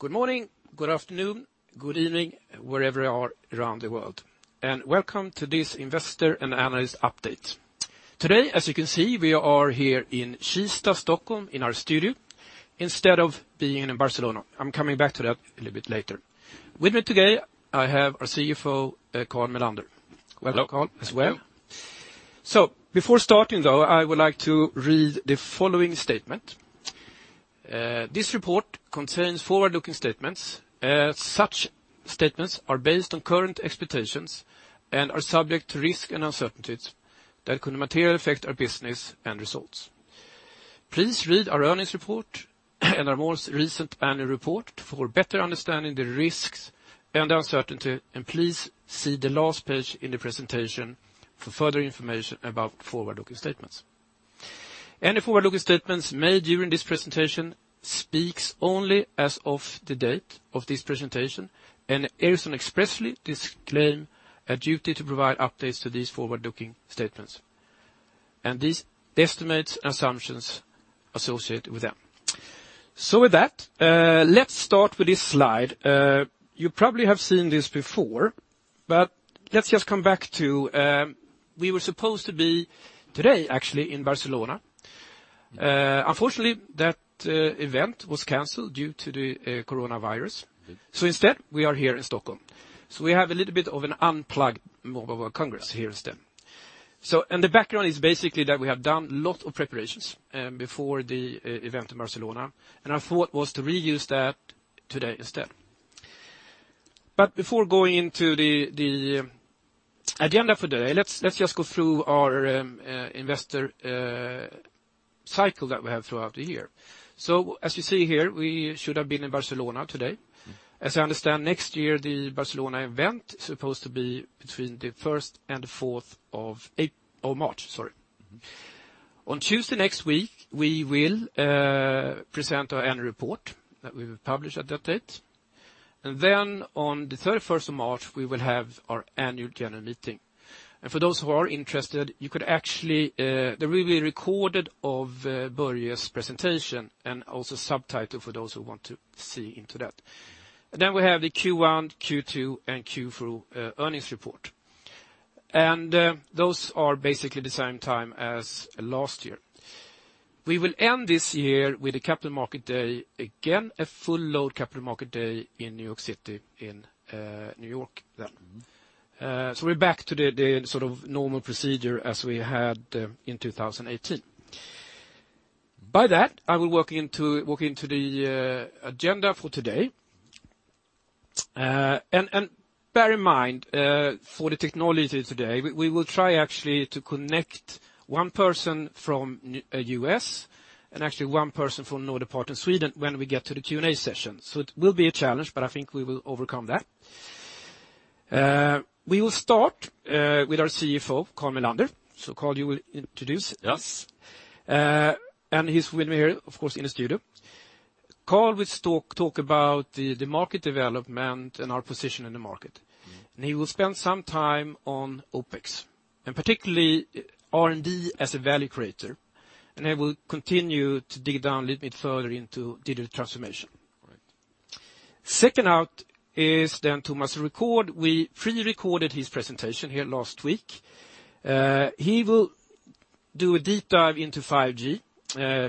Good morning, good afternoon, good evening, wherever you are around the world. Welcome to this investor and analyst update. Today, as you can see, we are here in Kista, Stockholm, in our studio, instead of being in Barcelona. I'm coming back to that a little bit later. With me today, I have our CFO, Carl Mellander. Welcome, Carl, as well. Before starting, though, I would like to read the following statement. This report contains forward-looking statements. Such statements are based on current expectations and are subject to risk and uncertainties that could materially affect our business and results. Please read our earnings report and our most recent annual report for better understanding the risks and the uncertainty, and please see the last page in the presentation for further information about forward-looking statements. Any forward-looking statements made during this presentation speaks only as of the date of this presentation, and Ericsson expressly disclaim a duty to provide updates to these forward-looking statements and these estimates and assumptions associated with them. With that, let's start with this slide. You probably have seen this before, but let's just come back to, we were supposed to be, today actually, in Barcelona. Unfortunately, that event was canceled due to the coronavirus. Instead, we are here in Stockholm. We have a little bit of an unplugged mobile congress here instead. The background is basically that we have done lot of preparations before the event in Barcelona, and our thought was to reuse that today instead. Before going into the agenda for today, let's just go through our investor cycle that we have throughout the year. As you see here, we should have been in Barcelona today. As I understand, next year, the Barcelona event is supposed to be between the 1st and 4th of March, sorry. On Tuesday next week, we will present our annual report that we will publish at that date. On the 31st of March, we will have our annual general meeting. For those who are interested, there will be a recording of Börje's presentation and also subtitle for those who want to see into that. Then we have the Q1, Q2, and Q4 earnings report. Those are basically the same time as last year. We will end this year with a Capital Market Day, again, a full load Capital Market Day in New York City, in New York then. We're back to the normal procedure as we had in 2018. By that, I will walk into the agenda for today. Bear in mind, for the technology today, we will try actually to connect one person from U.S. and actually one person from northern part of Sweden when we get to the Q&A session. It will be a challenge, but I think we will overcome that. We will start with our CFO, Carl Mellander. Carl, you will introduce us. He's with me here, of course, in the studio. Carl will talk about the market development and our position in the market. He will spend some time on OpEx, and particularly R&D as a value creator, and he will continue to dig down a little bit further into digital transformation. All right. Second out is Thomas' record. We pre-recorded his presentation here last week. He will do a deep dive into 5G,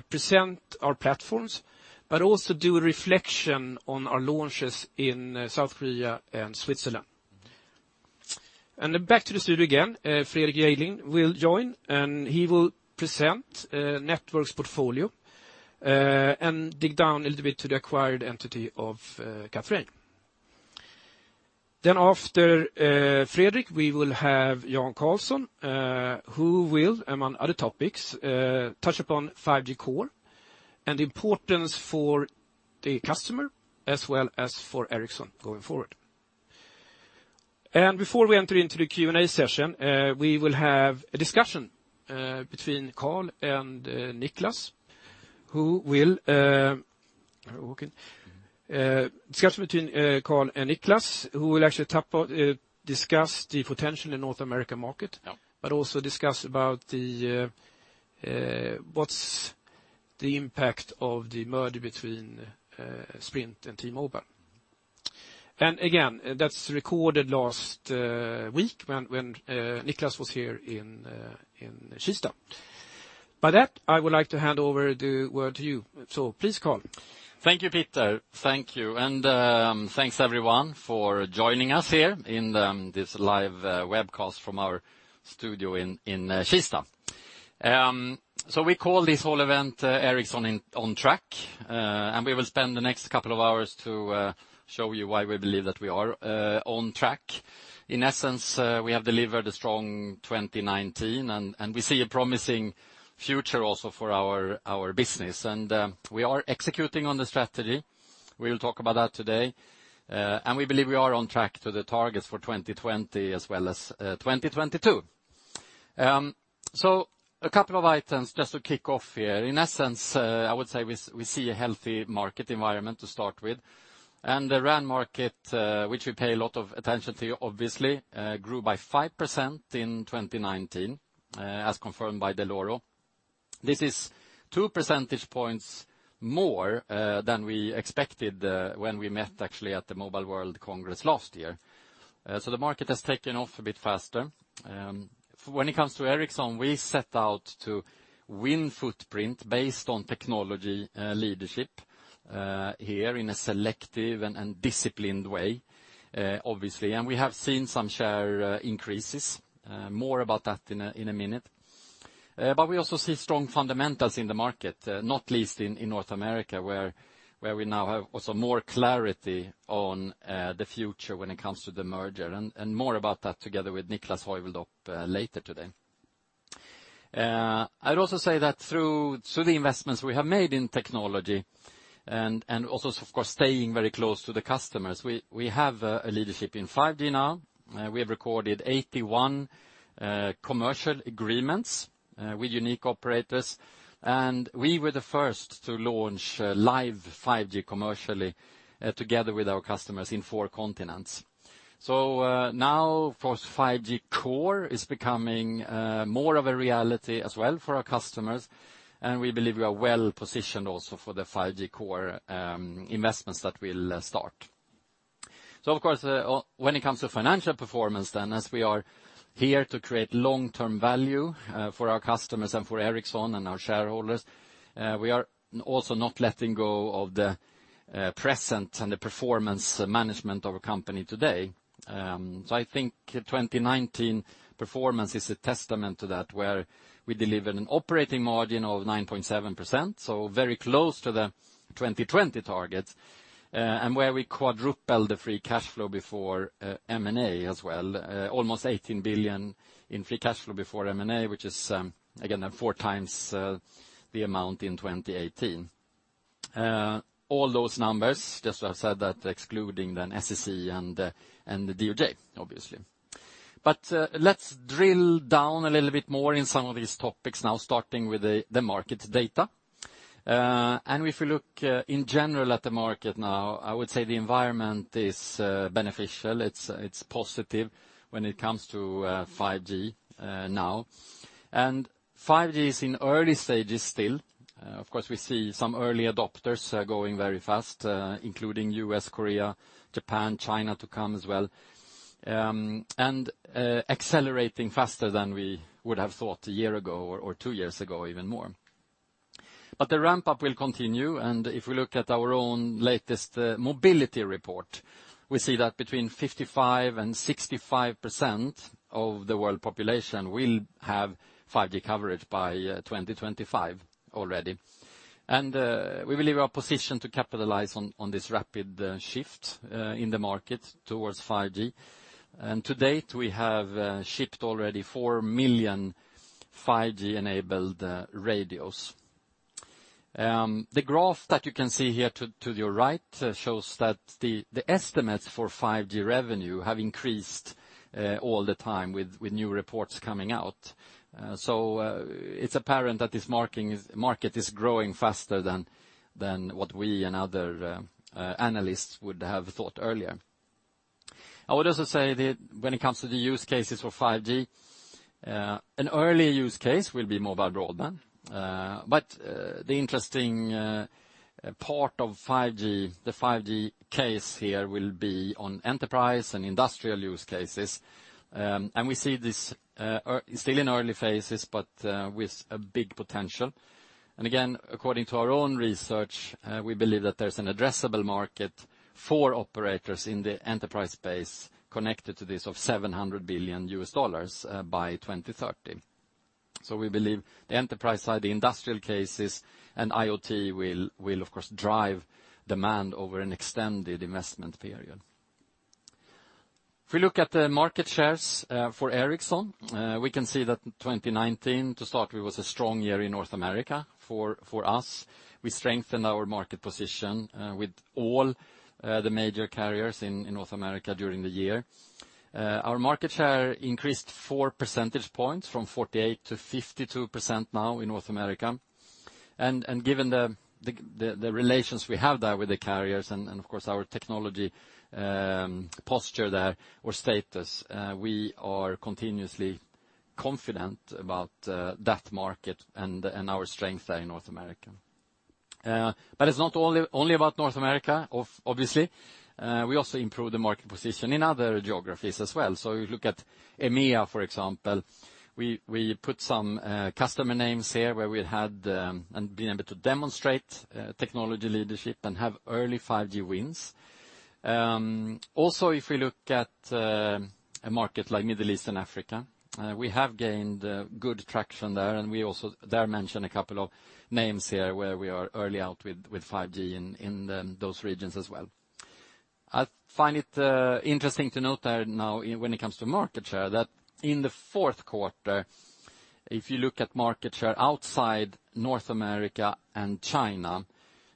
present our platforms, but also do a reflection on our launches in South Korea and Switzerland. Back to the studio again, Fredrik Jejdling will join, and he will present Networks portfolio, and dig down a little bit to the acquired entity of Kathrein. After Fredrik, we will have Jan Karlsson, who will, among other topics, touch upon 5G Core and importance for the customer as well as for Ericsson going forward. Before we enter into the Q&A session, we will have a discussion between Carl and Niklas. Are you walking? Discussion between Carl and Niklas, who will actually discuss the potential in North American market. Yeah.Also discuss about what's the impact of the merger between Sprint and T-Mobile. Again, that's recorded last week when Niklas was here in Kista. By that, I would like to hand over the word to you. Please, Carl. Thank you, Peter. Thank you. Thanks, everyone, for joining us here in this live webcast from our studio in Kista. We call this whole event Ericsson On Track, and we will spend the next couple of hours to show you why we believe that we are on track. In essence, we have delivered a strong 2019, and we see a promising future also for our business. We are executing on the strategy. We will talk about that today. We believe we are on track to the targets for 2020 as well as 2022. A couple of items just to kick off here. In essence, I would say we see a healthy market environment to start with. The RAN market, which we pay a lot of attention to, obviously, grew by 5% in 2019, as confirmed by Dell'Oro. This is two percentage points more than we expected when we met actually at the Mobile World Congress last year. The market has taken off a bit faster. When it comes to Ericsson, we set out to win footprint based on technology leadership here in a selective and disciplined way, obviously. We have seen some share increases. More about that in a minute. We also see strong fundamentals in the market, not least in North America, where we now have also more clarity on the future when it comes to the merger, and more about that together with Niklas Heuveldop when we talk later today. I'd also say that through the investments we have made in technology and also of course staying very close to the customers, we have a leadership in 5G now. We have recorded 81 commercial agreements with unique operators, and we were the first to launch live 5G commercially together with our customers in four continents. Now, of course, 5G Core is becoming more of a reality as well for our customers, and we believe we are well-positioned also for the 5G Core investments that will start. Of course, when it comes to financial performance then, as we are here to create long-term value for our customers and for Ericsson and our shareholders, we are also not letting go of the present and the performance management of our company today. I think 2019 performance is a testament to that, where we delivered an operating margin of 9.7%, very close to the 2020 target, and where we quadrupled the free cash flow before M&A as well, almost 18 billion in free cash flow before M&A, which is, again, four times the amount in 2018. All those numbers, just as I said, that excluding then SEC and the DOJ, obviously. Let's drill down a little bit more in some of these topics now, starting with the market data. If we look in general at the market now, I would say the environment is beneficial. It's positive when it comes to 5G now. 5G is in early stages still. Of course, we see some early adopters going very fast, including U.S., Korea, Japan, China to come as well, and accelerating faster than we would have thought a year ago or two years ago, even more. The ramp-up will continue, and if we look at our own latest mobility report, we see that between 55%-65% of the world population will have 5G coverage by 2025 already. We believe our position to capitalize on this rapid shift in the market towards 5G. To date, we have shipped already 4 million 5G-enabled radios. The graph that you can see here to your right shows that the estimates for 5G revenue have increased all the time with new reports coming out. It's apparent that this market is growing faster than what we and other analysts would have thought earlier. I would also say that when it comes to the use cases for 5G, an early use case will be mobile broadband. The interesting part of the 5G case here will be on enterprise and industrial use cases. We see this still in early phases, but with a big potential. Again, according to our own research, we believe that there's an addressable market for operators in the enterprise space connected to this of $700 billion by 2030. We believe the enterprise side, the industrial cases, and IoT will of course drive demand over an extended investment period. If we look at the market shares for Ericsson, we can see that 2019, to start with, was a strong year in North America for us. We strengthened our market position with all the major carriers in North America during the year. Our market share increased four percentage points from 48% to 52% now in North America. Given the relations we have there with the carriers and of course our technology posture there or status, we are continuously confident about that market and our strength there in North America. It's not only about North America, obviously. We also improved the market position in other geographies as well. If you look at EMEA, for example, we put some customer names here where we had and been able to demonstrate technology leadership and have early 5G wins. Also, if we look at a market like Middle East and Africa, we have gained good traction there, and we also there mention a couple of names here where we are early out with 5G in those regions as well. I find it interesting to note there now when it comes to market share that in the fourth quarter, if you look at market share outside North America and China,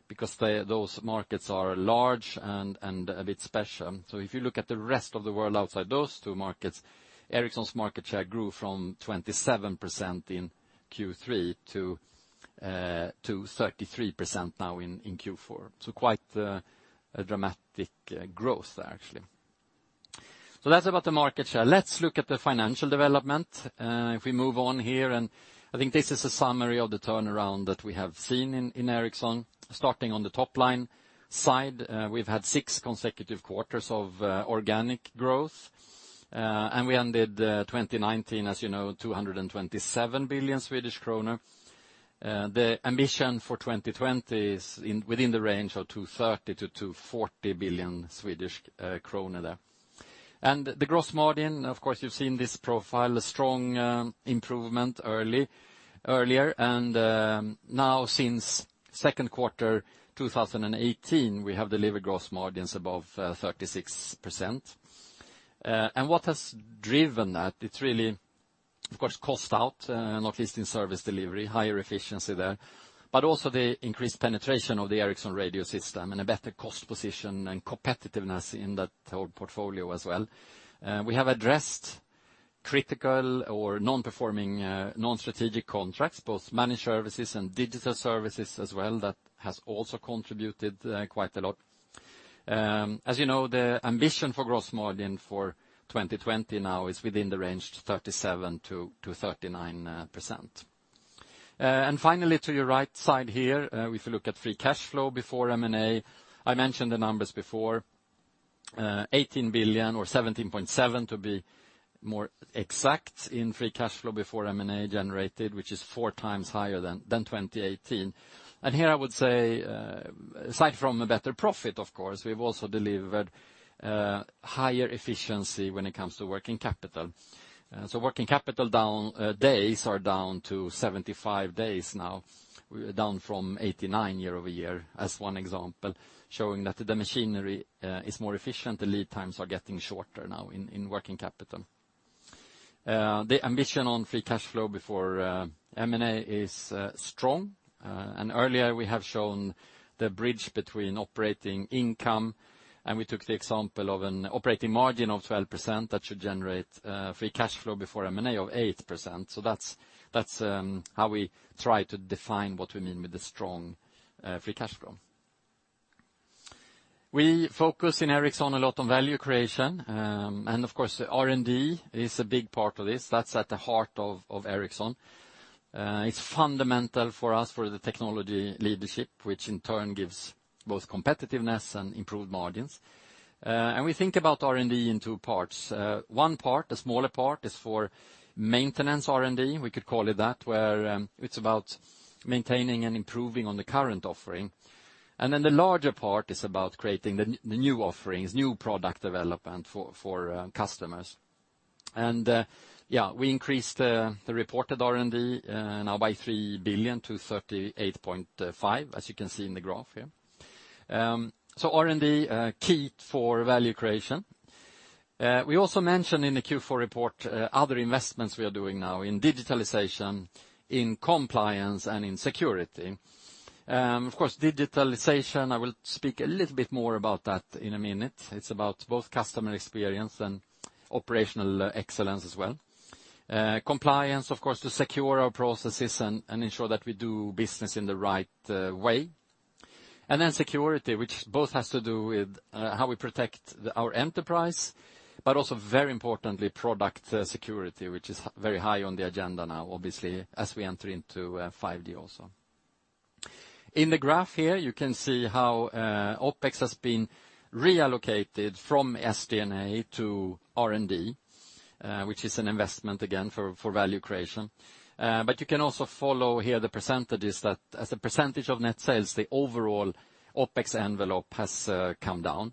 because those markets are large and a bit special. If you look at the rest of the world outside those two markets, Ericsson's market share grew from 27% in Q3 to 33% now in Q4. Quite a dramatic growth there, actually. That's about the market share. Let's look at the financial development. If we move on here, I think this is a summary of the turnaround that we have seen in Ericsson. Starting on the top line side, we've had six consecutive quarters of organic growth, and we ended 2019, as you know, 227 billion Swedish kronor. The ambition for 2020 is within the range of 230 billion-240 billion Swedish kronor there. The gross margin, of course, you've seen this profile, a strong improvement earlier. Now since second quarter 2018, we have delivered gross margins above 36%. What has driven that? It's really, of course, cost out, not least in service delivery, higher efficiency there, but also the increased penetration of the Ericsson Radio System and a better cost position and competitiveness in that whole portfolio as well. We have addressed critical or non-performing, non-strategic contracts, both Managed Services and Digital Services as well, that has also contributed quite a lot. As you know, the ambition for gross margin for 2020 now is within the range 37%-39%. Finally, to your right side here, if you look at free cash flow before M&A, I mentioned the numbers before, 18 billion or 17.7 billion to be more exact in free cash flow before M&A generated, which is four times higher than 2018. Here I would say, aside from a better profit, of course, we've also delivered higher efficiency when it comes to working capital. Working capital days are down to 75 days now, down from 89 year-over-year as one example, showing that the machinery is more efficient. The lead times are getting shorter now in working capital. The ambition on free cash flow before M&A is strong. Earlier we have shown the bridge between operating income, and we took the example of an operating margin of 12%. That should generate free cash flow before M&A of 8%. That's how we try to define what we mean with the strong free cash flow. We focus in Ericsson a lot on value creation. Of course, the R&D is a big part of this. That's at the heart of Ericsson. It's fundamental for us for the technology leadership, which in turn gives both competitiveness and improved margins. We think about R&D in two parts. One part, the smaller part, is for maintenance R&D, we could call it that, where it's about maintaining and improving on the current offering. The larger part is about creating the new offerings, new product development for customers. We increased the reported R&D now by 3 billion to 38.5 billion, as you can see in the graph here. R&D, key for value creation. We also mentioned in the Q4 report other investments we are doing now in digitalization, in compliance and in security. Of course, digitalization, I will speak a little bit more about that in a minute. It's about both customer experience and operational excellence as well. Compliance, of course, to secure our processes and ensure that we do business in the right way. Security, which both has to do with how we protect our enterprise, but also very importantly, product security, which is very high on the agenda now, obviously, as we enter into 5G also. In the graph here, you can see how OpEx has been reallocated from SG&A to R&D, which is an investment again for value creation. You can also follow here the percentages that as a percentage of net sales, the overall OpEx envelope has come down.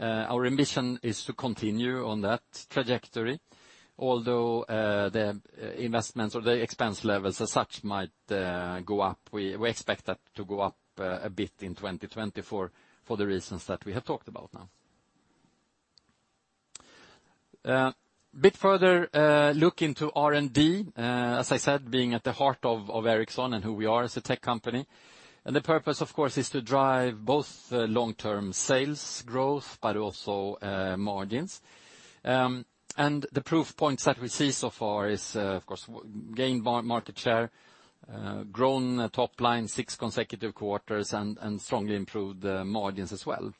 Our ambition is to continue on that trajectory, although the investments or the expense levels as such might go up. We expect that to go up a bit in 2020 for the reasons that we have talked about now. A bit further look into R&D, as I said, being at the heart of Ericsson and who we are as a tech company. The purpose, of course, is to drive both long-term sales growth, but also margins. The proof points that we see so far is, of course, gain market share, grown top line six consecutive quarters, and strongly improved margins as well.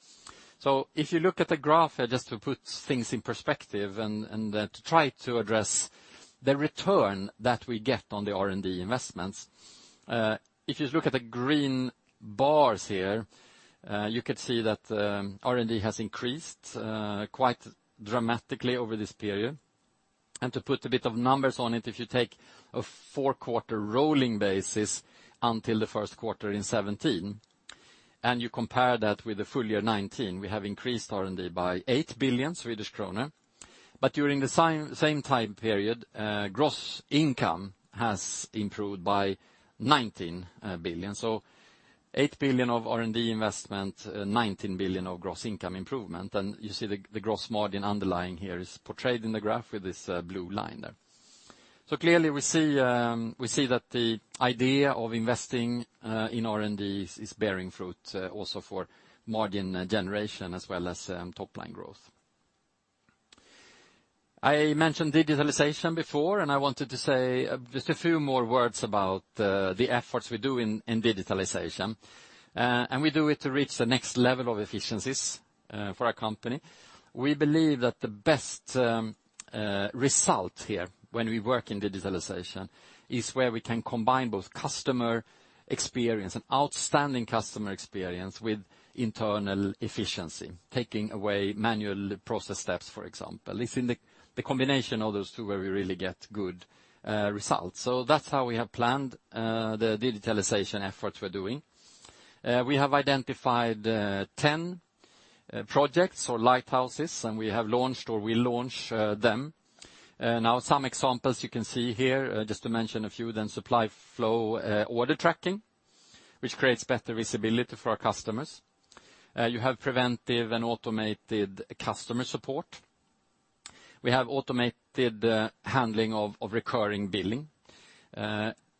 If you look at the graph here, just to put things in perspective and to try to address the return that we get on the R&D investments. If you look at the green bars here, you could see that R&D has increased quite dramatically over this period. To put a bit of numbers on it, if you take a four-quarter rolling basis until the first quarter in 2017, and you compare that with the full year 2019, we have increased R&D by 8 billion Swedish kronor. During the same time period, gross income has improved by 19 billion. 8 billion of R&D investment, 19 billion of gross income improvement. You see the gross margin underlying here is portrayed in the graph with this blue line there. Clearly, we see that the idea of investing in R&D is bearing fruit also for margin generation as well as top line growth. I mentioned digitalization before, and I wanted to say just a few more words about the efforts we do in digitalization. We do it to reach the next level of efficiencies for our company. We believe that the best result here, when we work in digitalization, is where we can combine both customer experience and outstanding customer experience with internal efficiency, taking away manual process steps, for example. It's in the combination of those two where we really get good results. That's how we have planned the digitalization efforts we're doing. We have identified 10 projects or lighthouses, and we have launched, or we launch them. Some examples you can see here, just to mention a few, then supply flow order tracking, which creates better visibility for our customers. You have preventive and automated customer support. We have automated handling of recurring billing.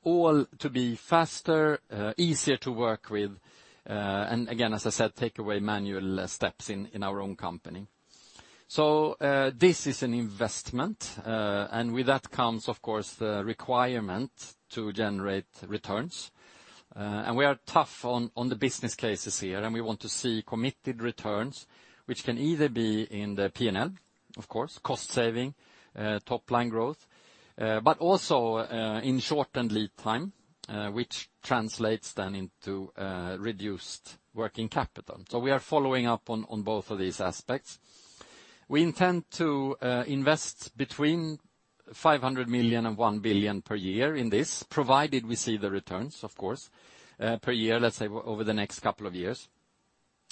All to be faster, easier to work with, and again, as I said, take away manual steps in our own company. This is an investment. With that comes, of course, the requirement to generate returns. We are tough on the business cases here, and we want to see committed returns, which can either be in the P&L, of course, cost saving, top-line growth. Also in shortened lead time, which translates then into reduced working capital. We are following up on both of these aspects. We intend to invest between 500 million and 1 billion per year in this, provided we see the returns, of course, per year, let's say over the next couple of years.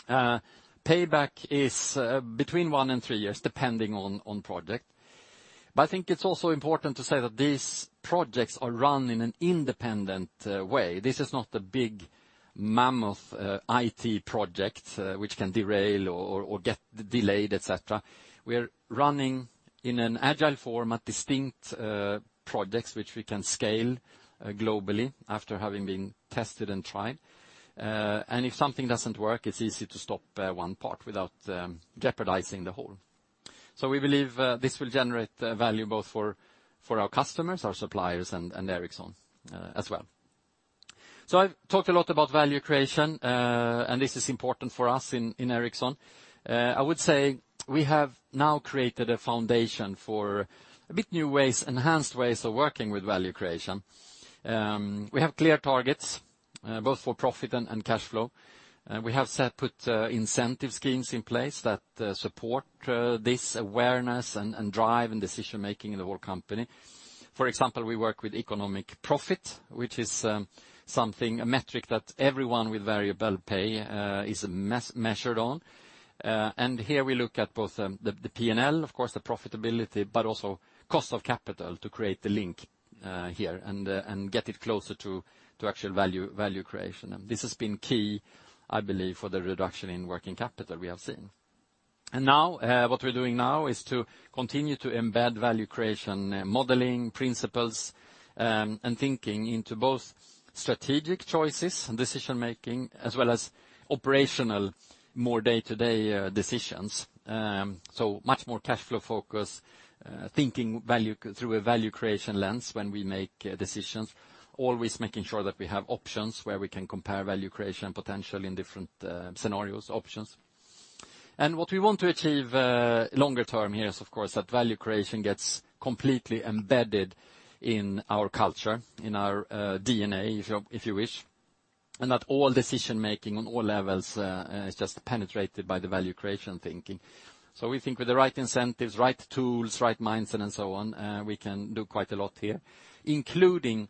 Payback is between one and three years, depending on project. I think it's also important to say that these projects are run in an independent way. This is not a big mammoth IT project, which can derail or get delayed, et cetera. We're running in an agile format, distinct projects which we can scale globally after having been tested and tried. If something doesn't work, it's easy to stop one part without jeopardizing the whole. We believe this will generate value both for our customers, our suppliers, and Ericsson as well. I've talked a lot about value creation, and this is important for us in Ericsson. I would say we have now created a foundation for a bit new ways, enhanced ways of working with value creation. We have clear targets, both for profit and cash flow. We have put incentive schemes in place that support this awareness and drive and decision-making in the whole company. For example, we work with economic profit, which is a metric that everyone with variable pay is measured on. Here we look at both the P&L, of course, the profitability, but also cost of capital to create the link here and get it closer to actual value creation. This has been key, I believe, for the reduction in working capital we have seen. What we're doing now is to continue to embed value creation modeling principles, and thinking into both strategic choices and decision-making, as well as operational, more day-to-day decisions. Much more cash flow focus, thinking through a value creation lens when we make decisions, always making sure that we have options where we can compare value creation potential in different scenarios, options. What we want to achieve longer term here is, of course, that value creation gets completely embedded in our culture, in our DNA, if you wish, and that all decision-making on all levels is just penetrated by the value creation thinking. We think with the right incentives, right tools, right mindset, and so on, we can do quite a lot here, including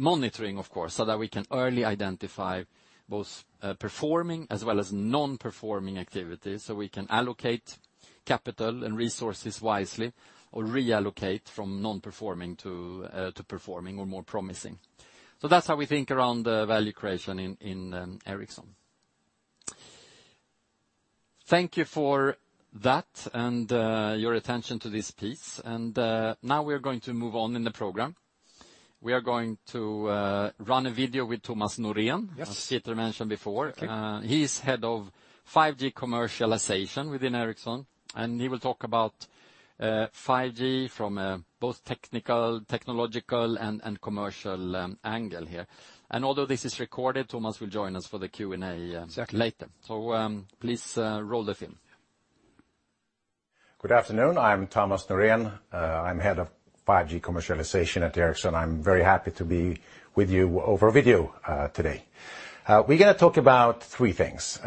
monitoring, of course, so that we can early identify both performing as well as non-performing activities, so we can allocate capital and resources wisely or reallocate from non-performing to performing or more promising. That's how we think around value creation in Ericsson. Thank you for that and your attention to this piece. Now we're going to move on in the program. We are going to run a video with Thomas Norén. Yes. As Peter mentioned before. Okay. He's Head of 5G Commercialization within Ericsson, and he will talk about 5G from both technological and commercial angle here. Although this is recorded, Thomas will join us for the Q&A later. Exactly. Please roll the film. Good afternoon. I'm Thomas Norén. I'm Head of 5G Commercialisation at Ericsson. I'm very happy to be with you over video today. We're going to talk about three things.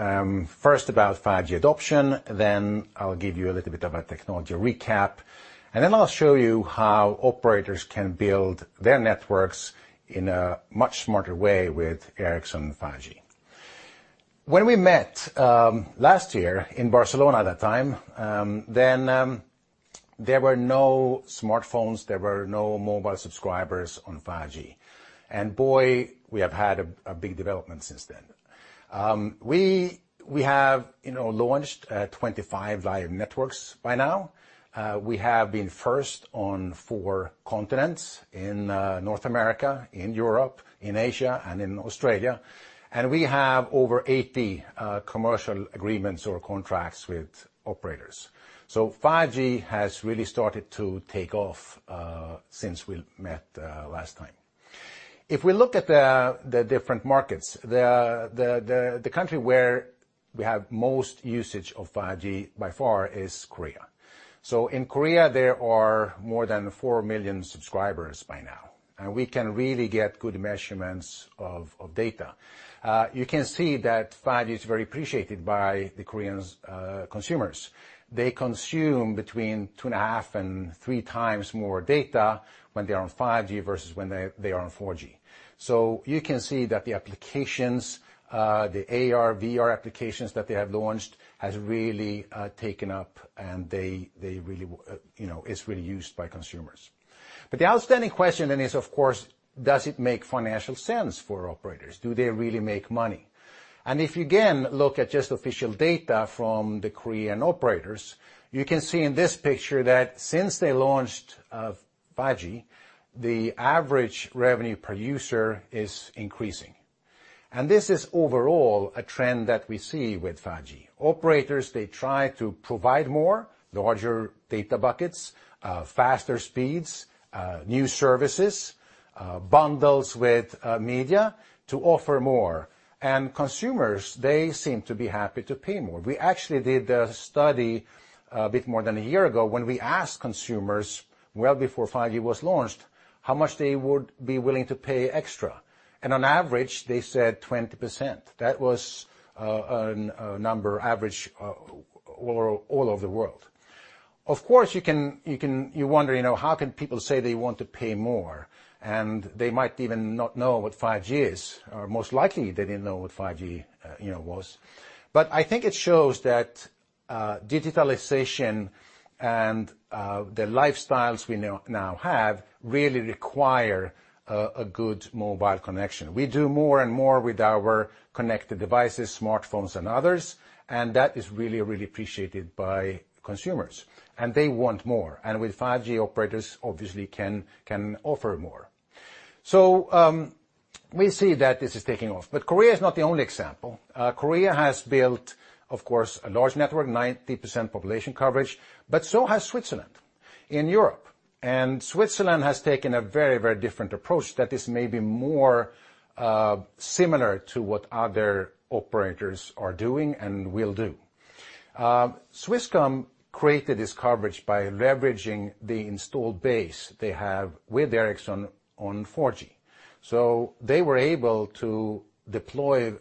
First about 5G adoption. I'll give you a little bit of a technology recap. I'll show you how operators can build their networks in a much smarter way with Ericsson 5G. When we met last year in Barcelona at that time, there were no smartphones, there were no mobile subscribers on 5G. Boy, we have had a big development since then. We have launched 25 live networks by now. We have been first on four continents, in North America, in Europe, in Asia, and in Australia. We have over 80 commercial agreements or contracts with operators. 5G has really started to take off since we met last time. If we look at the different markets, the country where we have most usage of 5G by far is Korea. In Korea, there are more than four million subscribers by now, and we can really get good measurements of data. You can see that 5G is very appreciated by the Korean consumers. They consume between two and a half and three times more data when they are on 5G versus when they are on 4G. You can see that the applications, the AR/VR applications that they have launched, has really taken up and it's really used by consumers. The outstanding question then is, of course, does it make financial sense for operators? Do they really make money? If you again look at just official data from the Korean operators, you can see in this picture that since they launched 5G, the average revenue per user is increasing. This is overall a trend that we see with 5G. Operators, they try to provide more, larger data buckets, faster speeds, new services, bundles with media to offer more. Consumers, they seem to be happy to pay more. We actually did a study a bit more than a year ago when we asked consumers, well before 5G was launched, how much they would be willing to pay extra. On average, they said 20%. That was a number average all over the world. Of course, you wonder, how can people say they want to pay more, and they might even not know what 5G is? Most likely, they didn't know what 5G was. I think it shows that digitalization and the lifestyles we now have really require a good mobile connection. We do more and more with our connected devices, smartphones, and others, and that is really appreciated by consumers. They want more. With 5G, operators obviously can offer more. We see that this is taking off. Korea is not the only example. Korea has built, of course, a large network, 90% population coverage, but so has Switzerland in Europe. Switzerland has taken a very different approach that is maybe more similar to what other operators are doing and will do. Swisscom created this coverage by leveraging the installed base they have with Ericsson on 4G. They were able to deploy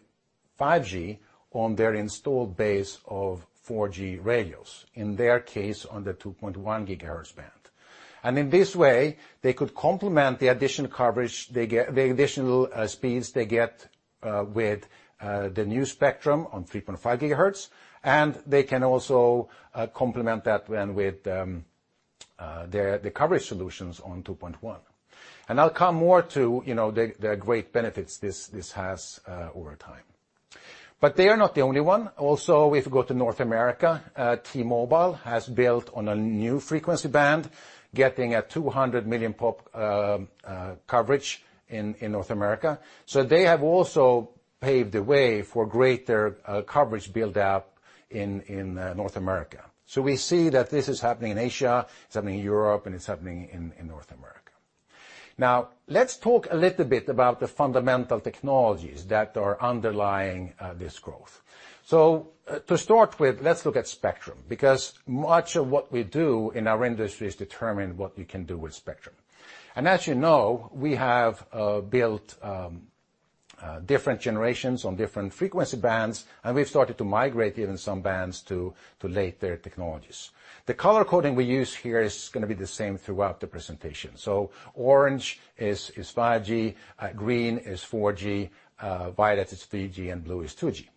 5G on their installed base of 4G radios, in their case, on the 2.1 GHz band. In this way, they could complement the additional speeds they get with the new spectrum on 3.5 GHz, and they can also complement that with the coverage solutions on 2.1 GHz. I'll come more to the great benefits this has over time. They are not the only one. If you go to North America, T-Mobile has built on a new frequency band, getting a 200 million pop coverage in North America. They have also paved the way for greater coverage buildup in North America. We see that this is happening in Asia, it's happening in Europe, and it's happening in North America. Let's talk a little bit about the fundamental technologies that are underlying this growth. To start with, let's look at spectrum, because much of what we do in our industry is determine what you can do with spectrum. As you know, we have built different generations on different frequency bands, and we've started to migrate even some bands to later technologies. The color coding we use here is gonna be the same throughout the presentation. Orange is 5G, green is 4G, violet is 3G, and blue is 2G.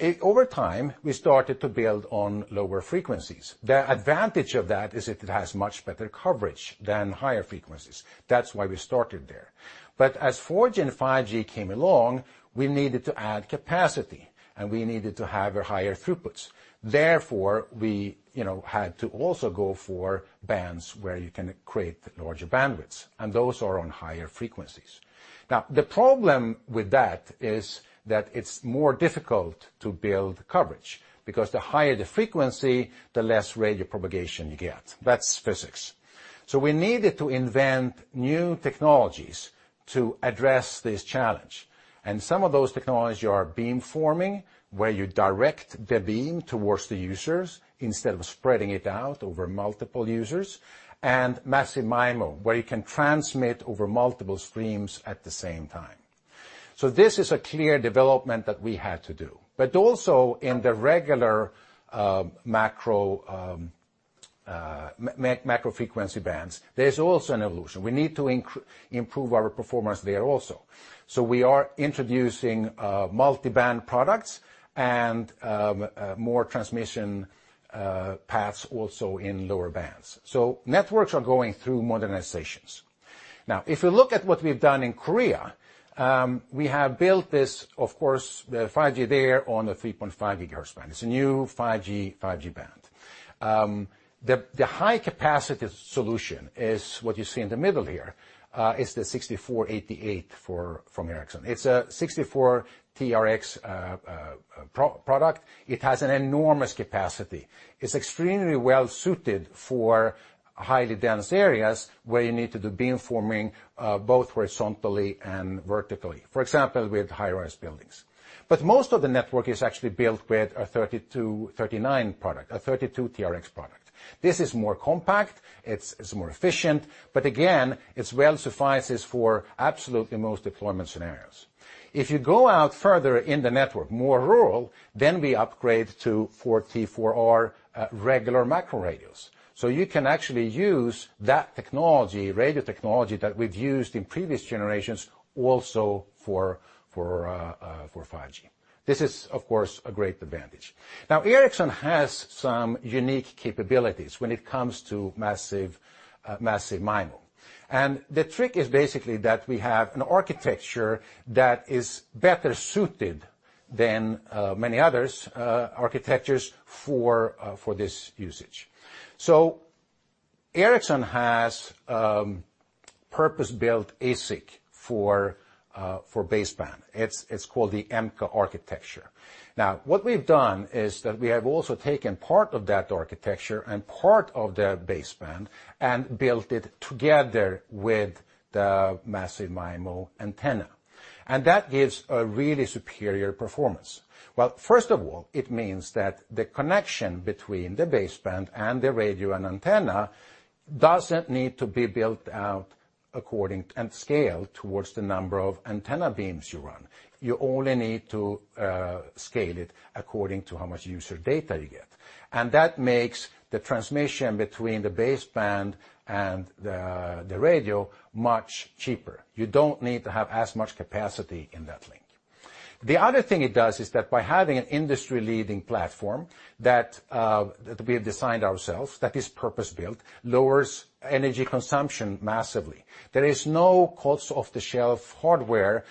Over time, we started to build on lower frequencies. The advantage of that is it has much better coverage than higher frequencies. That's why we started there. As 4G and 5G came along, we needed to add capacity, and we needed to have higher throughputs. Therefore, we had to also go for bands where you can create larger bandwidths, and those are on higher frequencies. The problem with that is that it's more difficult to build coverage, because the higher the frequency, the less radio propagation you get. That's physics. We needed to invent new technologies to address this challenge. Some of those technologies are beamforming, where you direct the beam towards the users instead of spreading it out over multiple users, and massive MIMO, where you can transmit over multiple streams at the same time. This is a clear development that we had to do. Also in the regular macro frequency bands, there's also an evolution. We need to improve our performance there also. We are introducing multi-band products and more transmission paths also in lower bands. Networks are going through modernizations. If you look at what we've done in Korea, we have built this, of course, the 5G there on the 3.5 GHz band. It's a new 5G band. The high-capacity solution is what you see in the middle here. It's the 6488 from Ericsson. It's a 64 TRX product. It has an enormous capacity. It's extremely well-suited for highly dense areas where you need to do beamforming, both horizontally and vertically. For example, with high-rise buildings. Most of the network is actually built with a 3239 product, a 32 TRX product. This is more compact, it's more efficient, but again, it well suffices for absolutely most deployment scenarios. If you go out further in the network, more rural, we upgrade to 4T4R regular macro radios. You can actually use that radio technology that we've used in previous generations, also for 5G. This is, of course, a great advantage. Ericsson has some unique capabilities when it comes to massive MIMO. The trick is basically that we have an architecture that is better suited than many others' architectures for this usage. Ericsson has purpose-built ASIC for baseband. It's called the EMCA architecture. What we've done is that we have also taken part of that architecture and part of the baseband and built it together with the massive MIMO antenna, that gives a really superior performance. Well, first of all, it means that the connection between the baseband and the radio and antenna doesn't need to be built out according and scaled towards the number of antenna beams you run. You only need to scale it according to how much user data you get. That makes the transmission between the baseband and the radio much cheaper. You don't need to have as much capacity in that link. The other thing it does is that by having an industry-leading platform that we have designed ourselves, that is purpose-built, lowers energy consumption massively. There is no off-the-shelf hardware,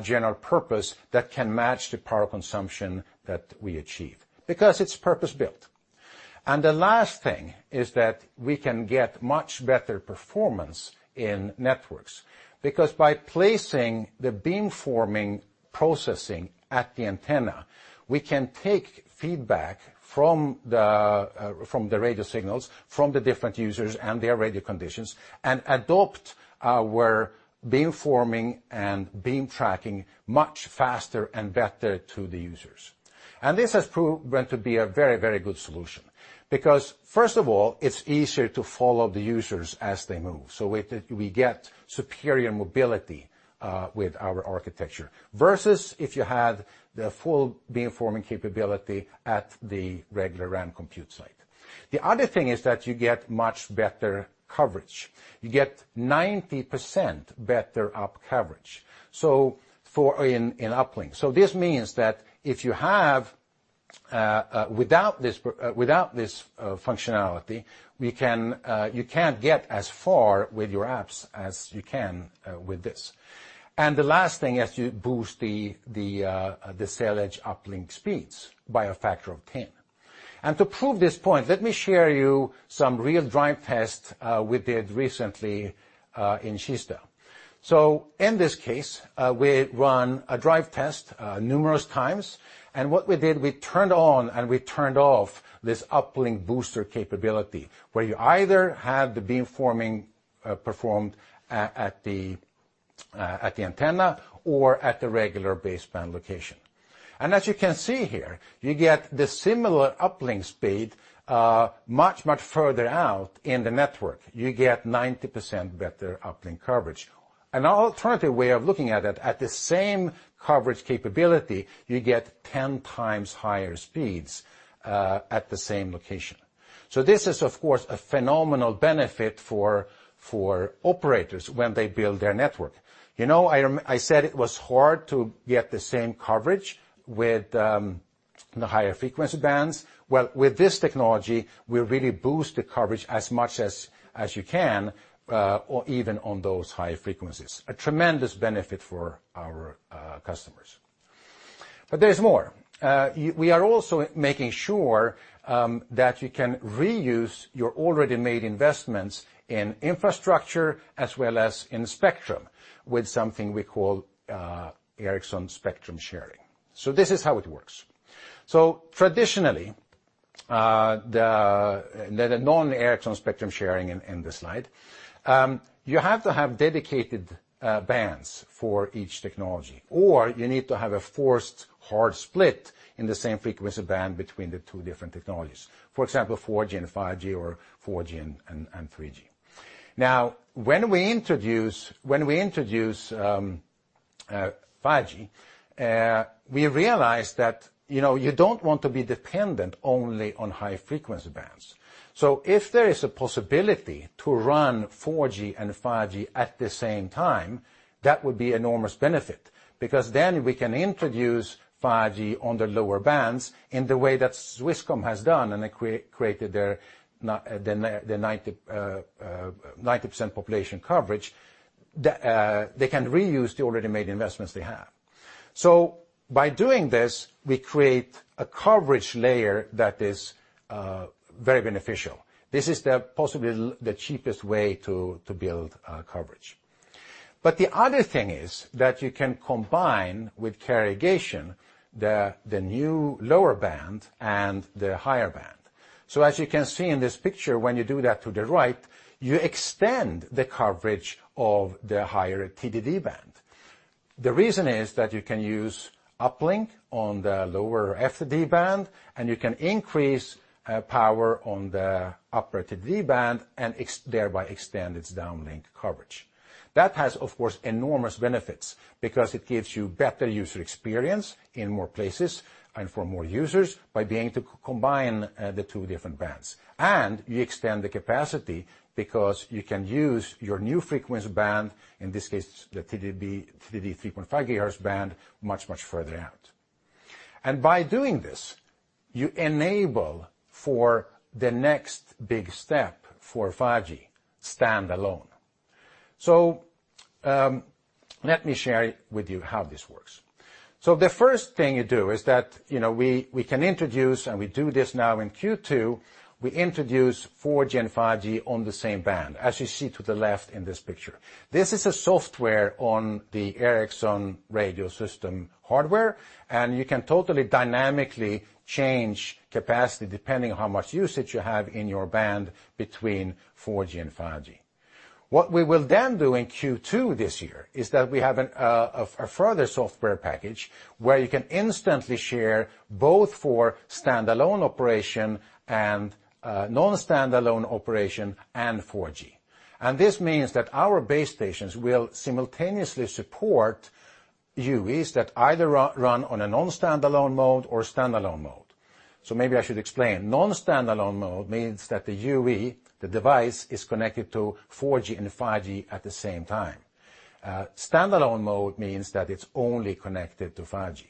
general purpose, that can match the power consumption that we achieve, because it's purpose-built. The last thing is that we can get much better performance in networks, because by placing the beamforming processing at the antenna, we can take feedback from the radio signals, from the different users and their radio conditions, and adopt our beamforming and beam tracking much faster and better to the users. This has proven to be a very good solution. First of all, it's easier to follow the users as they move. We get superior mobility with our architecture, versus if you had the full beamforming capability at the regular RAN compute site. The other thing is that you get much better coverage. You get 90% better app coverage in uplink. This means that without this functionality, you can't get as far with your apps as you can with this. The last thing is you boost the cell edge uplink speeds by a factor of 10. To prove this point, let me share you some real drive tests we did recently in Kista. In this case, we run a drive test numerous times. What we did, we turned on and we turned off this Uplink Booster capability, where you either have the beamforming performed at the antenna or at the regular baseband location. As you can see here, you get the similar uplink speed, much further out in the network. You get 90% better uplink coverage. An alternative way of looking at it, at the same coverage capability, you get 10 times higher speeds at the same location. This is, of course, a phenomenal benefit for operators when they build their network. I said it was hard to get the same coverage with the higher frequency bands. With this technology, we really boost the coverage as much as you can, even on those high frequencies. A tremendous benefit for our customers. There's more. We are also making sure that you can reuse your already-made investments in infrastructure as well as in spectrum with something we call Ericsson Spectrum Sharing. This is how it works. Traditionally, the non-Ericsson Spectrum Sharing in this slide, you have to have dedicated bands for each technology, or you need to have a forced hard split in the same frequency band between the two different technologies. For example, 4G and 5G or 4G and 3G. When we introduce 5G, we realize that you don't want to be dependent only on high-frequency bands. If there is a possibility to run 4G and 5G at the same time, that would be enormous benefit, because then we can introduce 5G on the lower bands in the way that Swisscom has done, and they created their 90% population coverage. They can reuse the already-made investments they have. By doing this, we create a coverage layer that is very beneficial. This is possibly the cheapest way to build coverage. The other thing is that you can combine with carrier aggregation the new lower band and the higher band. As you can see in this picture, when you do that to the right, you extend the coverage of the higher TDD band. The reason is that you can use uplink on the lower FDD band, and you can increase power on the upper TDD band and thereby extend its downlink coverage. That has, of course, enormous benefits because it gives you better user experience in more places and for more users by being able to combine the two different bands. You extend the capacity because you can use your new frequency band, in this case, the TDD 3.5 GHz band, much, much further out. By doing this, you enable for the next big step for 5G Standalone. Let me share with you how this works. The first thing you do is that we can introduce, and we do this now in Q2, we introduce 4G and 5G on the same band, as you see to the left in this picture. This is a software on the Ericsson Radio System hardware, and you can totally dynamically change capacity depending on how much usage you have in your band between 4G and 5G. What we will do in Q2 this year is that we have a further software package where you can instantly share both for standalone operation and non-standalone operation and 4G. This means that our base stations will simultaneously support UEs that either run on a non-standalone mode or standalone mode. Maybe I should explain. Non-standalone mode means that the UE, the device, is connected to 4G and 5G at the same time. Standalone mode means that it's only connected to 5G.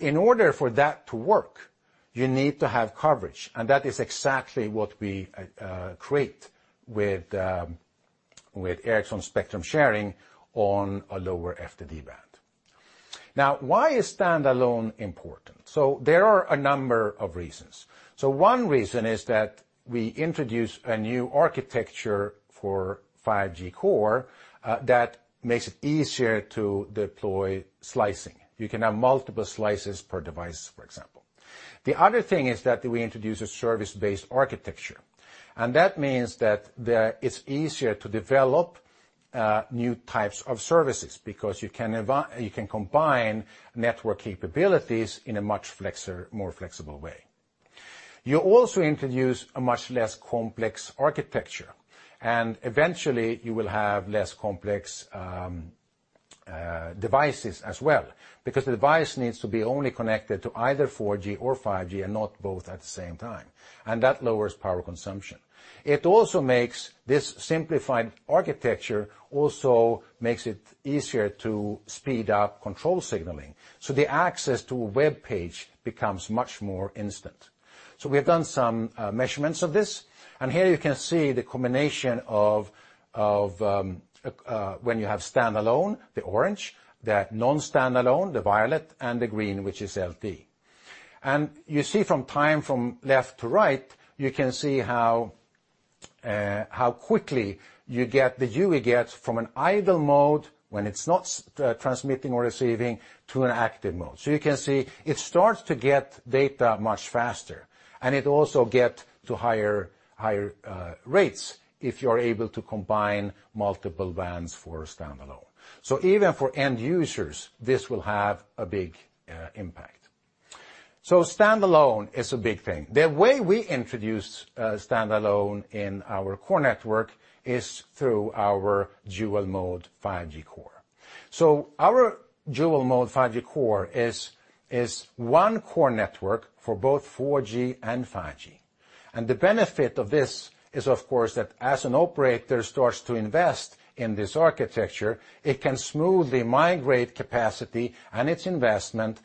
In order for that to work, you need to have coverage. That is exactly what we create with Ericsson Spectrum Sharing on a lower FDD band. Now, why is standalone important? There are a number of reasons. One reason is that we introduce a new architecture for 5G Core that makes it easier to deploy slicing. You can have multiple slices per device, for example. The other thing is that we introduce a service-based architecture. That means that it's easier to develop new types of services because you can combine network capabilities in a much more flexible way. You also introduce a much less complex architecture. Eventually you will have less complex devices as well, because the device needs to be only connected to either 4G or 5G and not both at the same time. That lowers power consumption. This simplified architecture also makes it easier to speed up control signaling. The access to a web page becomes much more instant. We have done some measurements of this, and here you can see the combination of when you have standalone, the orange, the non-standalone, the violet, and the green, which is LTE. You see from time from left to right, you can see how quickly the UE gets from an idle mode when it's not transmitting or receiving to an active mode. You can see it starts to get data much faster, and it also get to higher rates if you're able to combine multiple bands for standalone. Even for end users, this will have a big impact. Standalone is a big thing. The way we introduced standalone in our core network is through our dual-mode 5G Core. Our Dual-Mode 5G Core is one core network for both 4G and 5G. The benefit of this is, of course, that as an operator starts to invest in this architecture, it can smoothly migrate capacity and its investment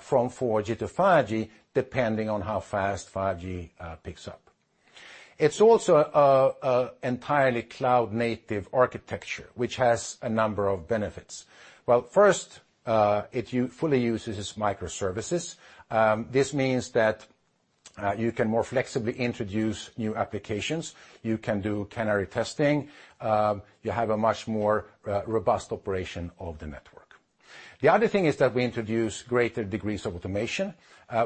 from 4G to 5G, depending on how fast 5G picks up. It's also an entirely cloud-native architecture, which has a number of benefits. First, it fully uses microservices. This means that you can more flexibly introduce new applications. You can do canary testing. You have a much more robust operation of the network. The other thing is that we introduce greater degrees of automation,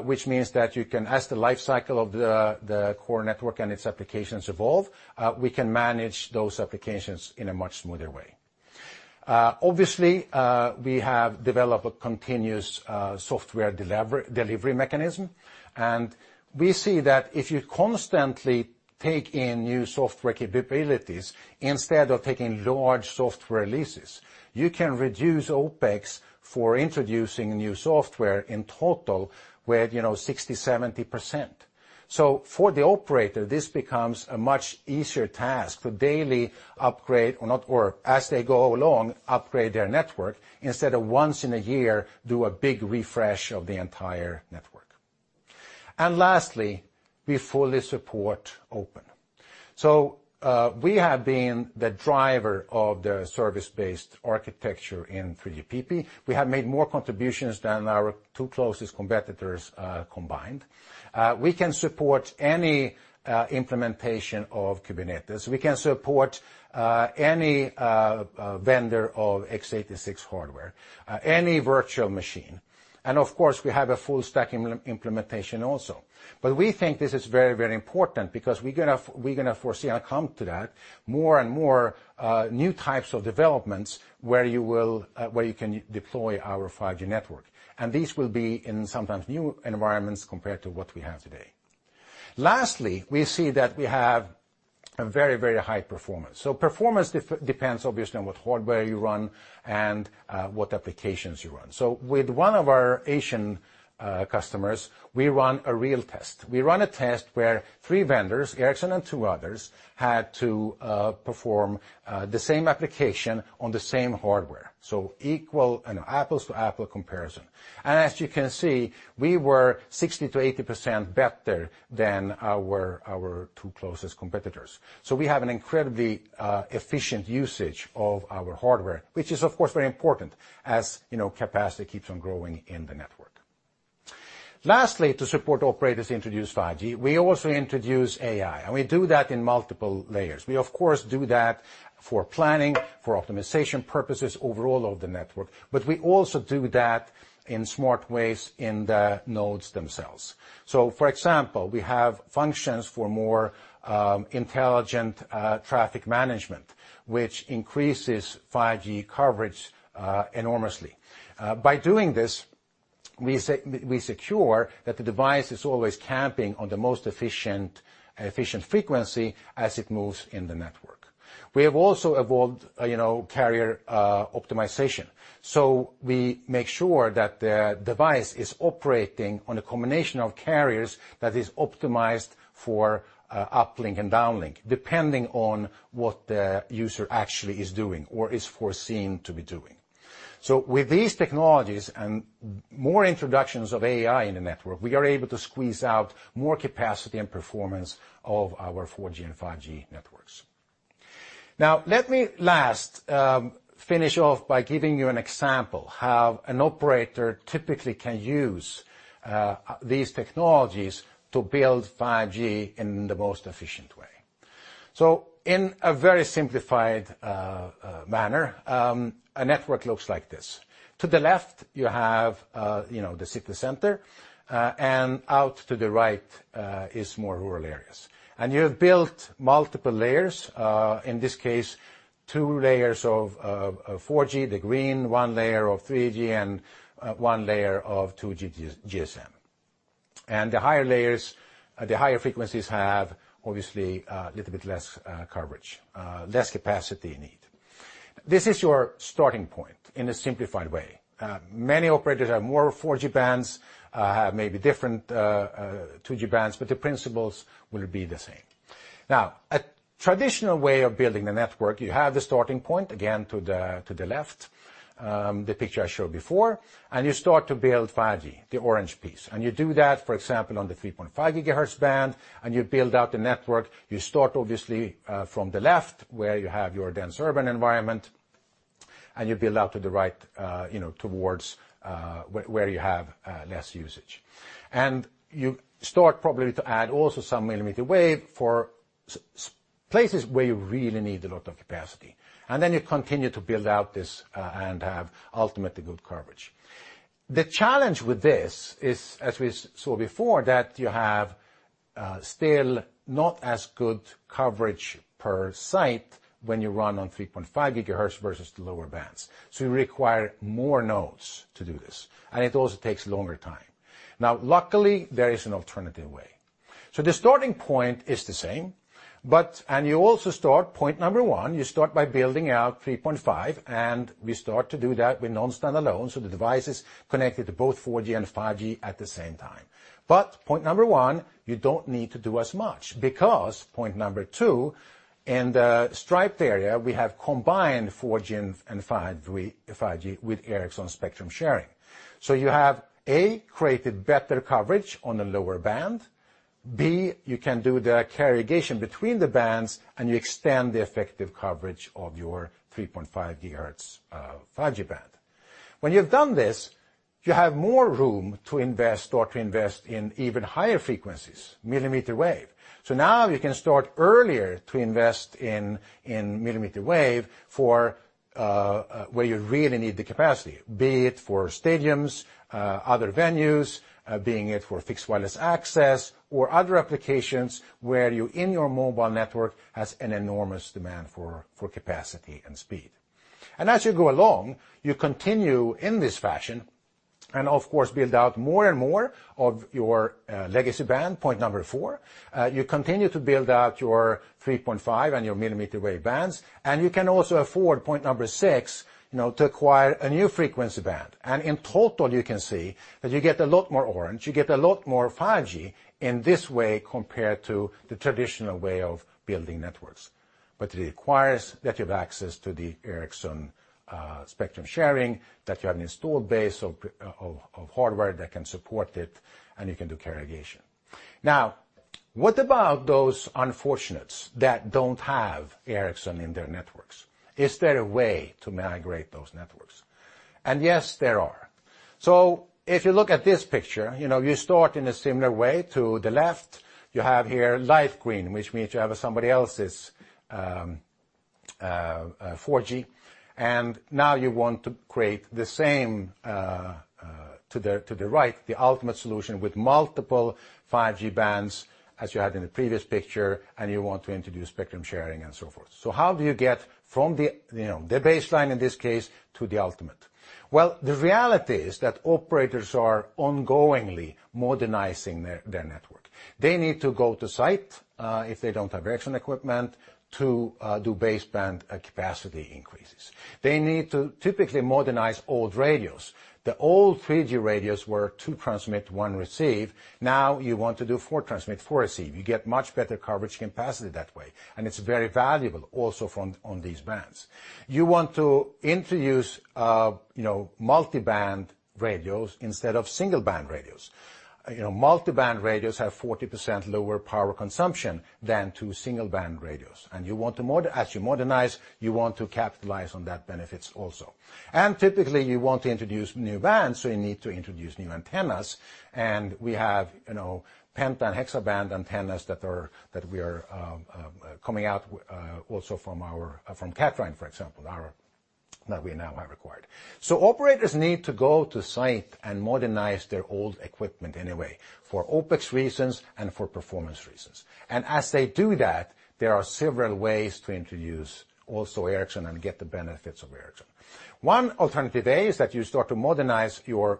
which means that as the life cycle of the core network and its applications evolve, we can manage those applications in a much smoother way. We have developed a continuous software delivery mechanism, and we see that if you constantly take in new software capabilities instead of taking large software releases, you can reduce OpEx for introducing new software in total with 60%, 70%. For the operator, this becomes a much easier task to daily upgrade or as they go along, upgrade their network instead of once in a year, do a big refresh of the entire network. Lastly, we fully support Open. We have been the driver of the service-based architecture in 3GPP. We have made more contributions than our two closest competitors combined. We can support any implementation of Kubernetes. We can support any vendor of x86 hardware, any virtual machine. Of course, we have a full stack implementation also. We think this is very, very important because we're going to foresee, I'll come to that, more and more new types of developments where you can deploy our 5G network. These will be in sometimes new environments compared to what we have today. Lastly, we see that we have a very, very high performance. Performance depends obviously on what hardware you run and what applications you run. With one of our Asian customers, we ran a real test. We ran a test where three vendors, Ericsson and two others, had to perform the same application on the same hardware. An apples-to-apple comparison. As you can see, we were 60%-80% better than our two closest competitors. We have an incredibly efficient usage of our hardware, which is of course, very important as capacity keeps on growing in the network. Lastly, to support operators introduce 5G, we also introduce AI, and we do that in multiple layers. We of course, do that for planning, for optimization purposes overall of the network. We also do that in smart ways in the nodes themselves. For example, we have functions for more intelligent traffic management, which increases 5G coverage enormously. By doing this, we secure that the device is always camping on the most efficient frequency as it moves in the network. We have also evolved carrier optimization. We make sure that the device is operating on a combination of carriers that is optimized for uplink and downlink, depending on what the user actually is doing or is foreseen to be doing. With these technologies and more introductions of AI in the network, we are able to squeeze out more capacity and performance of our 4G and 5G networks. Now, let me last finish off by giving you an example how an operator typically can use these technologies to build 5G in the most efficient way. In a very simplified manner, a network looks like this. To the left, you have the city center, and out to the right is more rural areas. You have built multiple layers, in this case, two layers of 4G, the green, one layer of 3G, and one layer of 2G GSM. The higher layers, the higher frequencies have obviously, a little bit less coverage, less capacity you need. This is your starting point in a simplified way. Many operators have more 4G bands, have maybe different 2G bands, but the principles will be the same. Now, a traditional way of building a network, you have the starting point, again, to the left, the picture I showed before, and you start to build 5G, the orange piece. You do that, for example, on the 3.5 GHz band, and you build out the network. You start obviously, from the left where you have your dense urban environment, and you build out to the right towards where you have less usage. You start probably to add also some millimeter wave for places where you really need a lot of capacity. Then you continue to build out this and have ultimately good coverage. The challenge with this is, as we saw before, that you have still not as good coverage per site when you run on 3.5 GHz versus the lower bands. You require more nodes to do this, and it also takes longer time. Luckily, there is an alternative way. The starting point is the same, and you also start point number 1, you start by building out 3.5 GHz, and we start to do that with non-standalone, so the device is connected to both 4G and 5G at the same time. Point 1, you don't need to do as much because point 2, in the striped area, we have combined 4G and 5G with Ericsson Spectrum Sharing. You have, A, created better coverage on the lower band. B, you can do the carrier aggregation between the bands, and you extend the effective coverage of your 3.5 GHz 5G band. When you've done this, you have more room to invest or to invest in even higher frequencies, millimeter wave. Now you can start earlier to invest in millimeter wave for where you really need the capacity, be it for stadiums, other venues, be it for Fixed Wireless Access or other applications where in your mobile network has an enormous demand for capacity and speed. As you go along, you continue in this fashion, and of course, build out more and more of your legacy band, point 4. You continue to build out your 3.5 GHz and your millimeter wave bands, and you can also afford point 6, to acquire a new frequency band. In total, you can see that you get a lot more orange, you get a lot more 5G in this way compared to the traditional way of building networks. It requires that you have access to the Ericsson Spectrum Sharing, that you have an installed base of hardware that can support it, and you can do carrier aggregation. Now, what about those unfortunates that don't have Ericsson in their networks? Is there a way to migrate those networks? Yes, there are. If you look at this picture, you start in a similar way. To the left, you have here light green, which means you have somebody else's 4G, and now you want to create the same to the right, the ultimate solution with multiple 5G bands as you had in the previous picture, and you want to introduce spectrum sharing and so forth. How do you get from the baseline in this case to the ultimate? The reality is that operators are ongoingly modernizing their network. They need to go to site, if they don't have Ericsson equipment, to do baseband capacity increases. They need to typically modernize old radios. The old 3G radios were two transmit, one receive. Now you want to do four transmit, four receive. You get much better coverage capacity that way, and it's very valuable also on these bands. You want to introduce multiband radios instead of single-band radios. Multiband radios have 40% lower power consumption than two single-band radios. As you modernize, you want to capitalize on that benefits also. Typically, you want to introduce new bands, so you need to introduce new antennas, and we have penta- and hexaband antennas that we are coming out also from Kathrein, for example, that we now have acquired. Operators need to go to site and modernize their old equipment anyway, for OpEx reasons and for performance reasons. As they do that, there are several ways to introduce also Ericsson and get the benefits of Ericsson. One alternative A is that you start to modernize your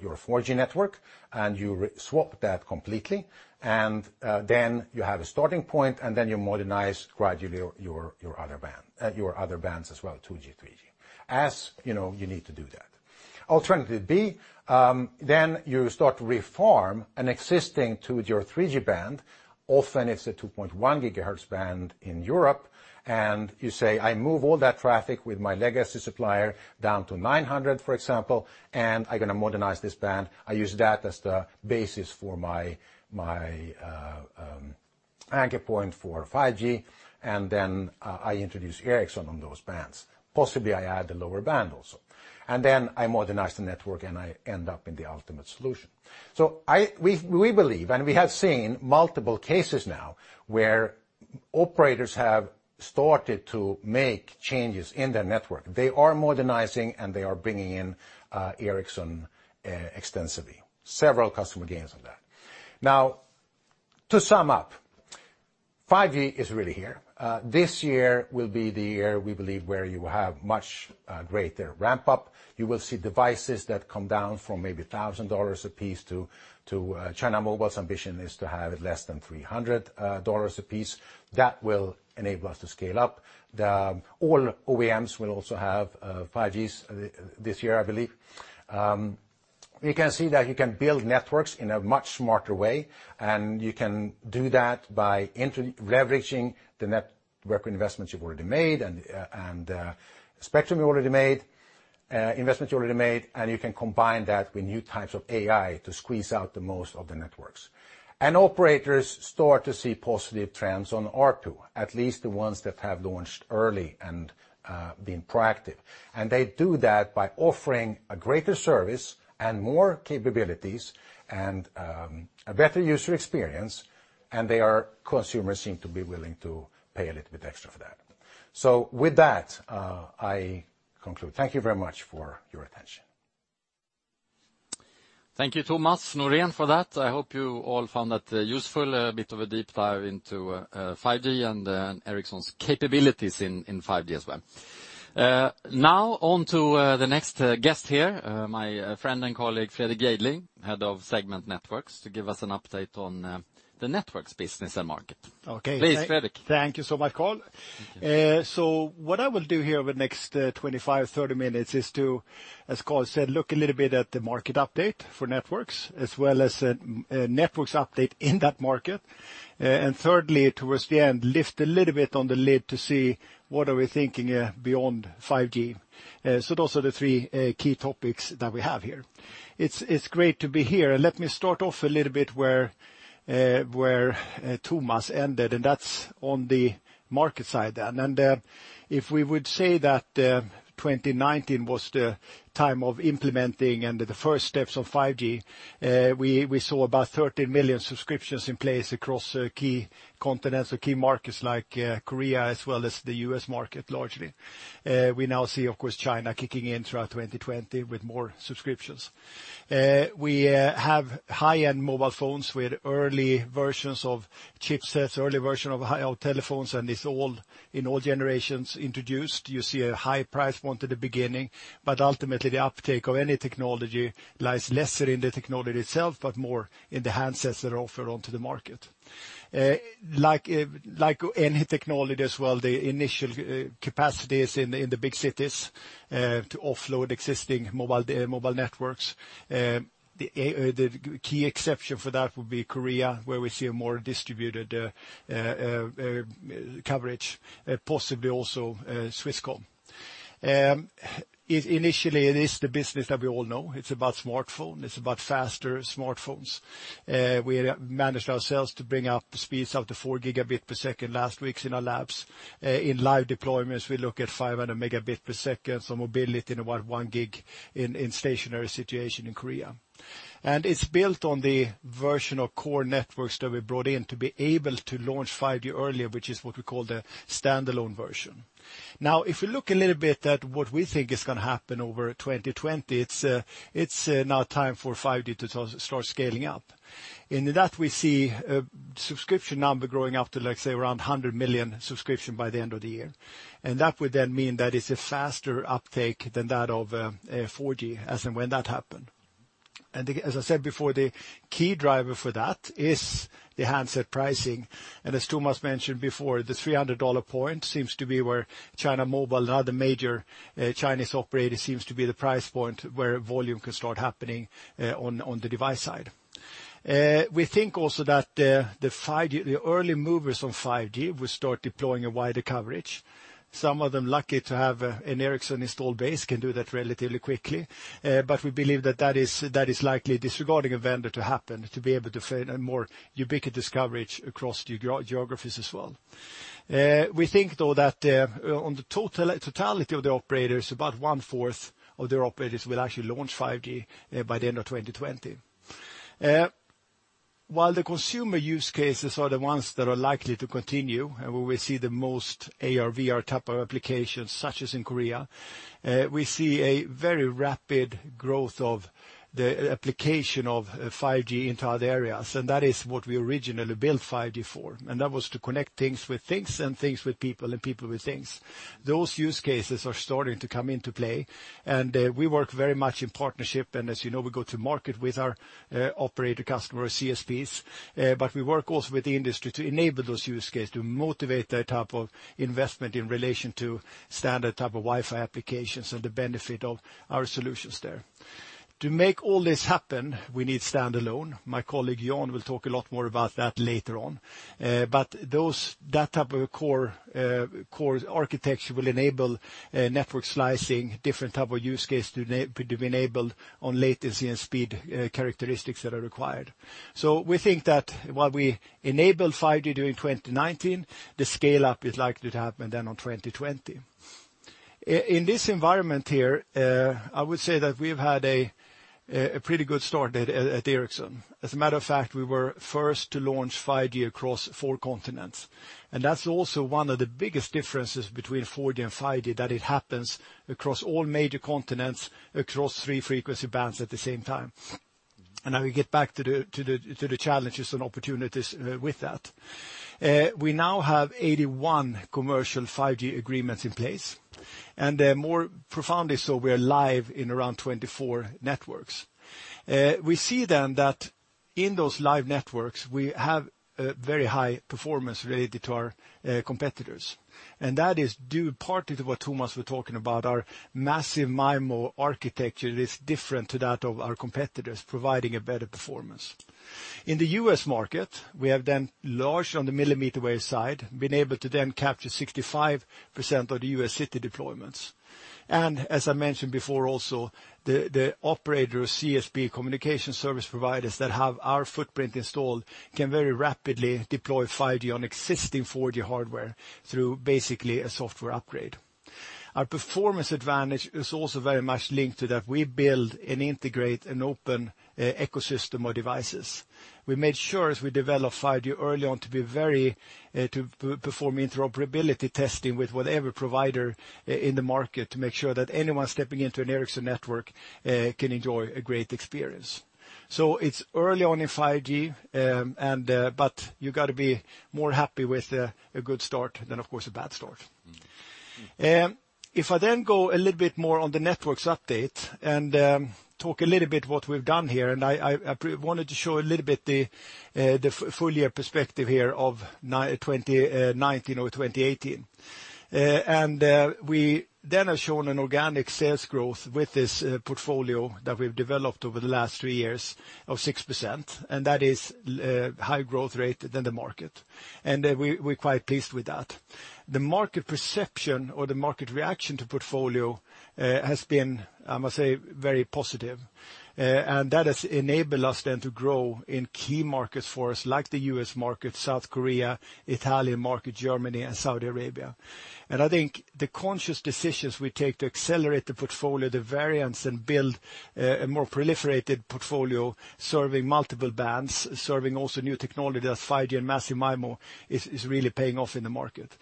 4G network and you swap that completely, and then you have a starting point, and then you modernize gradually your other bands as well, 2G, 3G, as you need to do that. Alternative B, you start to refarm an existing 2G or 3G band. Often, it's a 2.1 GHz band in Europe, you say, I move all that traffic with my legacy supplier down to 900, for example, I'm going to modernize this band. I use that as the basis for my anchor point for 5G, I introduce Ericsson on those bands. Possibly, I add the lower band also. I modernize the network, I end up in the ultimate solution. We believe, we have seen multiple cases now, where operators have started to make changes in their network. They are modernizing, they are bringing in Ericsson extensively. Several customer gains on that. To sum up, 5G is really here. This year will be the year we believe where you will have much greater ramp-up. You will see devices that come down from maybe $1,000 a piece to China Mobile's ambition is to have it less than $300 a piece. That will enable us to scale up. All OEMs will also have 5Gs this year, I believe. You can see that you can build networks in a much smarter way. You can do that by leveraging the network investments you've already made and the spectrum you already made, investments you already made. You can combine that with new types of AI to squeeze out the most of the networks. Operators start to see positive trends on ARPU, at least the ones that have launched early and been proactive. They do that by offering a greater service and more capabilities and a better user experience. Consumers seem to be willing to pay a little bit extra for that. With that, I conclude. Thank you very much for your attention. Thank you, Thomas Norén, for that. I hope you all found that useful. A bit of a deep dive into 5G and Ericsson's capabilities in 5G as well. On to the next guest here, my friend and colleague, Fredrik Jejdling, Head of Segment Networks, to give us an update on the networks business and market. Okay. Please, Fredrik. Thank you so much, Carl. Thank you. What I will do here over the next 25, 30 minutes is to, as Carl said, look a little bit at the market update for networks, as well as a networks update in that market. Thirdly, towards the end, lift a little bit on the lid to see what are we thinking beyond 5G. Those are the three key topics that we have here. It's great to be here. Let me start off a little bit where Thomas ended, that's on the market side then. If we would say that 2019 was the time of implementing and the first steps of 5G, we saw about 30 million subscriptions in place across key continents or key markets like Korea as well as the U.S. market largely. We now see, of course, China kicking in throughout 2020 with more subscriptions. We have high-end mobile phones with early versions of chipsets, early version of telephones, and it's all in all generations introduced. You see a high price point at the beginning, but ultimately the uptake of any technology lies lesser in the technology itself, but more in the handsets that are offered onto the market. Like any technology as well, the initial capacity is in the big cities to offload existing mobile networks. The key exception for that would be Korea, where we see a more distributed coverage, possibly also Swisscom. Initially, it is the business that we all know. It's about smartphone. It's about faster smartphones. We managed ourselves to bring up speeds up to 4 Gbps last weeks in our labs. In live deployments, we look at 500 Mbps, so mobility in about 1 gig in stationary situation in Korea. It's built on the version of core networks that we brought in to be able to launch 5G earlier, which is what we call the standalone version. If we look a little bit at what we think is going to happen over 2020, it's now time for 5G to start scaling up. In that we see subscription number growing up to, let's say, around 100 million subscription by the end of the year. That would then mean that it's a faster uptake than that of 4G, as and when that happened. As I said before, the key driver for that is the handset pricing. As Thomas mentioned before, the $300 point seems to be where China Mobile and other major Chinese operators seems to be the price point where volume can start happening on the device side. We think also that the early movers on 5G will start deploying a wider coverage. Some of them lucky to have an Ericsson installed base can do that relatively quickly. We believe that is likely, disregarding a vendor, to happen, to be able to find a more ubiquitous coverage across geographies as well. We think, though, that on the totality of the operators, about one-fourth of the operators will actually launch 5G by the end of 2020. While the consumer use cases are the ones that are likely to continue, and we will see the most AR/VR type of applications, such as in Korea, we see a very rapid growth of the application of 5G into other areas. That is what we originally built 5G for. That was to connect things with things, and things with people, and people with things. Those use cases are starting to come into play, we work very much in partnership. As you know, we go to market with our operator customers, CSPs, but we work also with the industry to enable those use cases, to motivate that type of investment in relation to standard type of Wi-Fi applications and the benefit of our solutions there. To make all this happen, we need standalone. My colleague, Jan, will talk a lot more about that later on. That type of core architecture will enable network slicing, different type of use case to be enabled on latency and speed characteristics that are required. We think that while we enabled 5G during 2019, the scale-up is likely to happen then on 2020. In this environment here, I would say that we've had a pretty good start at Ericsson. As a matter of fact, we were first to launch 5G across four continents. That's also one of the biggest differences between 4G and 5G, that it happens across all major continents, across three frequency bands at the same time. I will get back to the challenges and opportunities with that. We now have 81 commercial 5G agreements in place, and more profoundly so, we are live in around 24 networks. We see then that in those live networks, we have a very high performance related to our competitors. That is due partly to what Thomas were talking about, our massive MIMO architecture is different to that of our competitors, providing a better performance. In the U.S. market, we have then launched on the millimeter wave side, been able to then capture 65% of the U.S. city deployments. As I mentioned before also, the operator CSP, communication service providers, that have our footprint installed can very rapidly deploy 5G on existing 4G hardware through basically a software upgrade. Our performance advantage is also very much linked to that. We build and integrate an open ecosystem of devices. We made sure as we developed 5G early on to perform interoperability testing with whatever provider in the market to make sure that anyone stepping into an Ericsson network can enjoy a great experience. It's early on in 5G, but you got to be more happy with a good start than, of course, a bad start. If I then go a little bit more on the networks update Talk a little bit what we've done here, and I wanted to show a little bit the full year perspective here of 2019 over 2018. We then have shown an organic sales growth with this portfolio that we've developed over the last three years of 6%, and that is high growth rate than the market. We're quite pleased with that. The market perception or the market reaction to portfolio has been, I must say, very positive. That has enabled us then to grow in key markets for us, like the U.S. market, South Korea, Italian market, Germany, and Saudi Arabia. I think the conscious decisions we take to accelerate the portfolio, the variants, and build a more proliferated portfolio, serving multiple bands, serving also new technology that's 5G and massive MIMO, is really paying off in the market.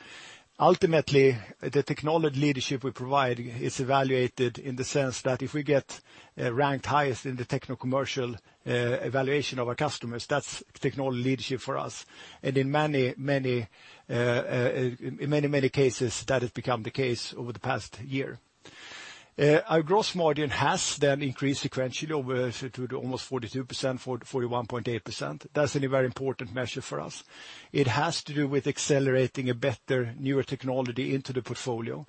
Ultimately, the technology leadership we provide is evaluated in the sense that if we get ranked highest in the techno-commercial evaluation of our customers, that's technology leadership for us. In many, many cases, that has become the case over the past year. Our gross margin has increased sequentially over to almost 42%, 41.8%. That's a very important measure for us. It has to do with accelerating a better, newer technology into the portfolio.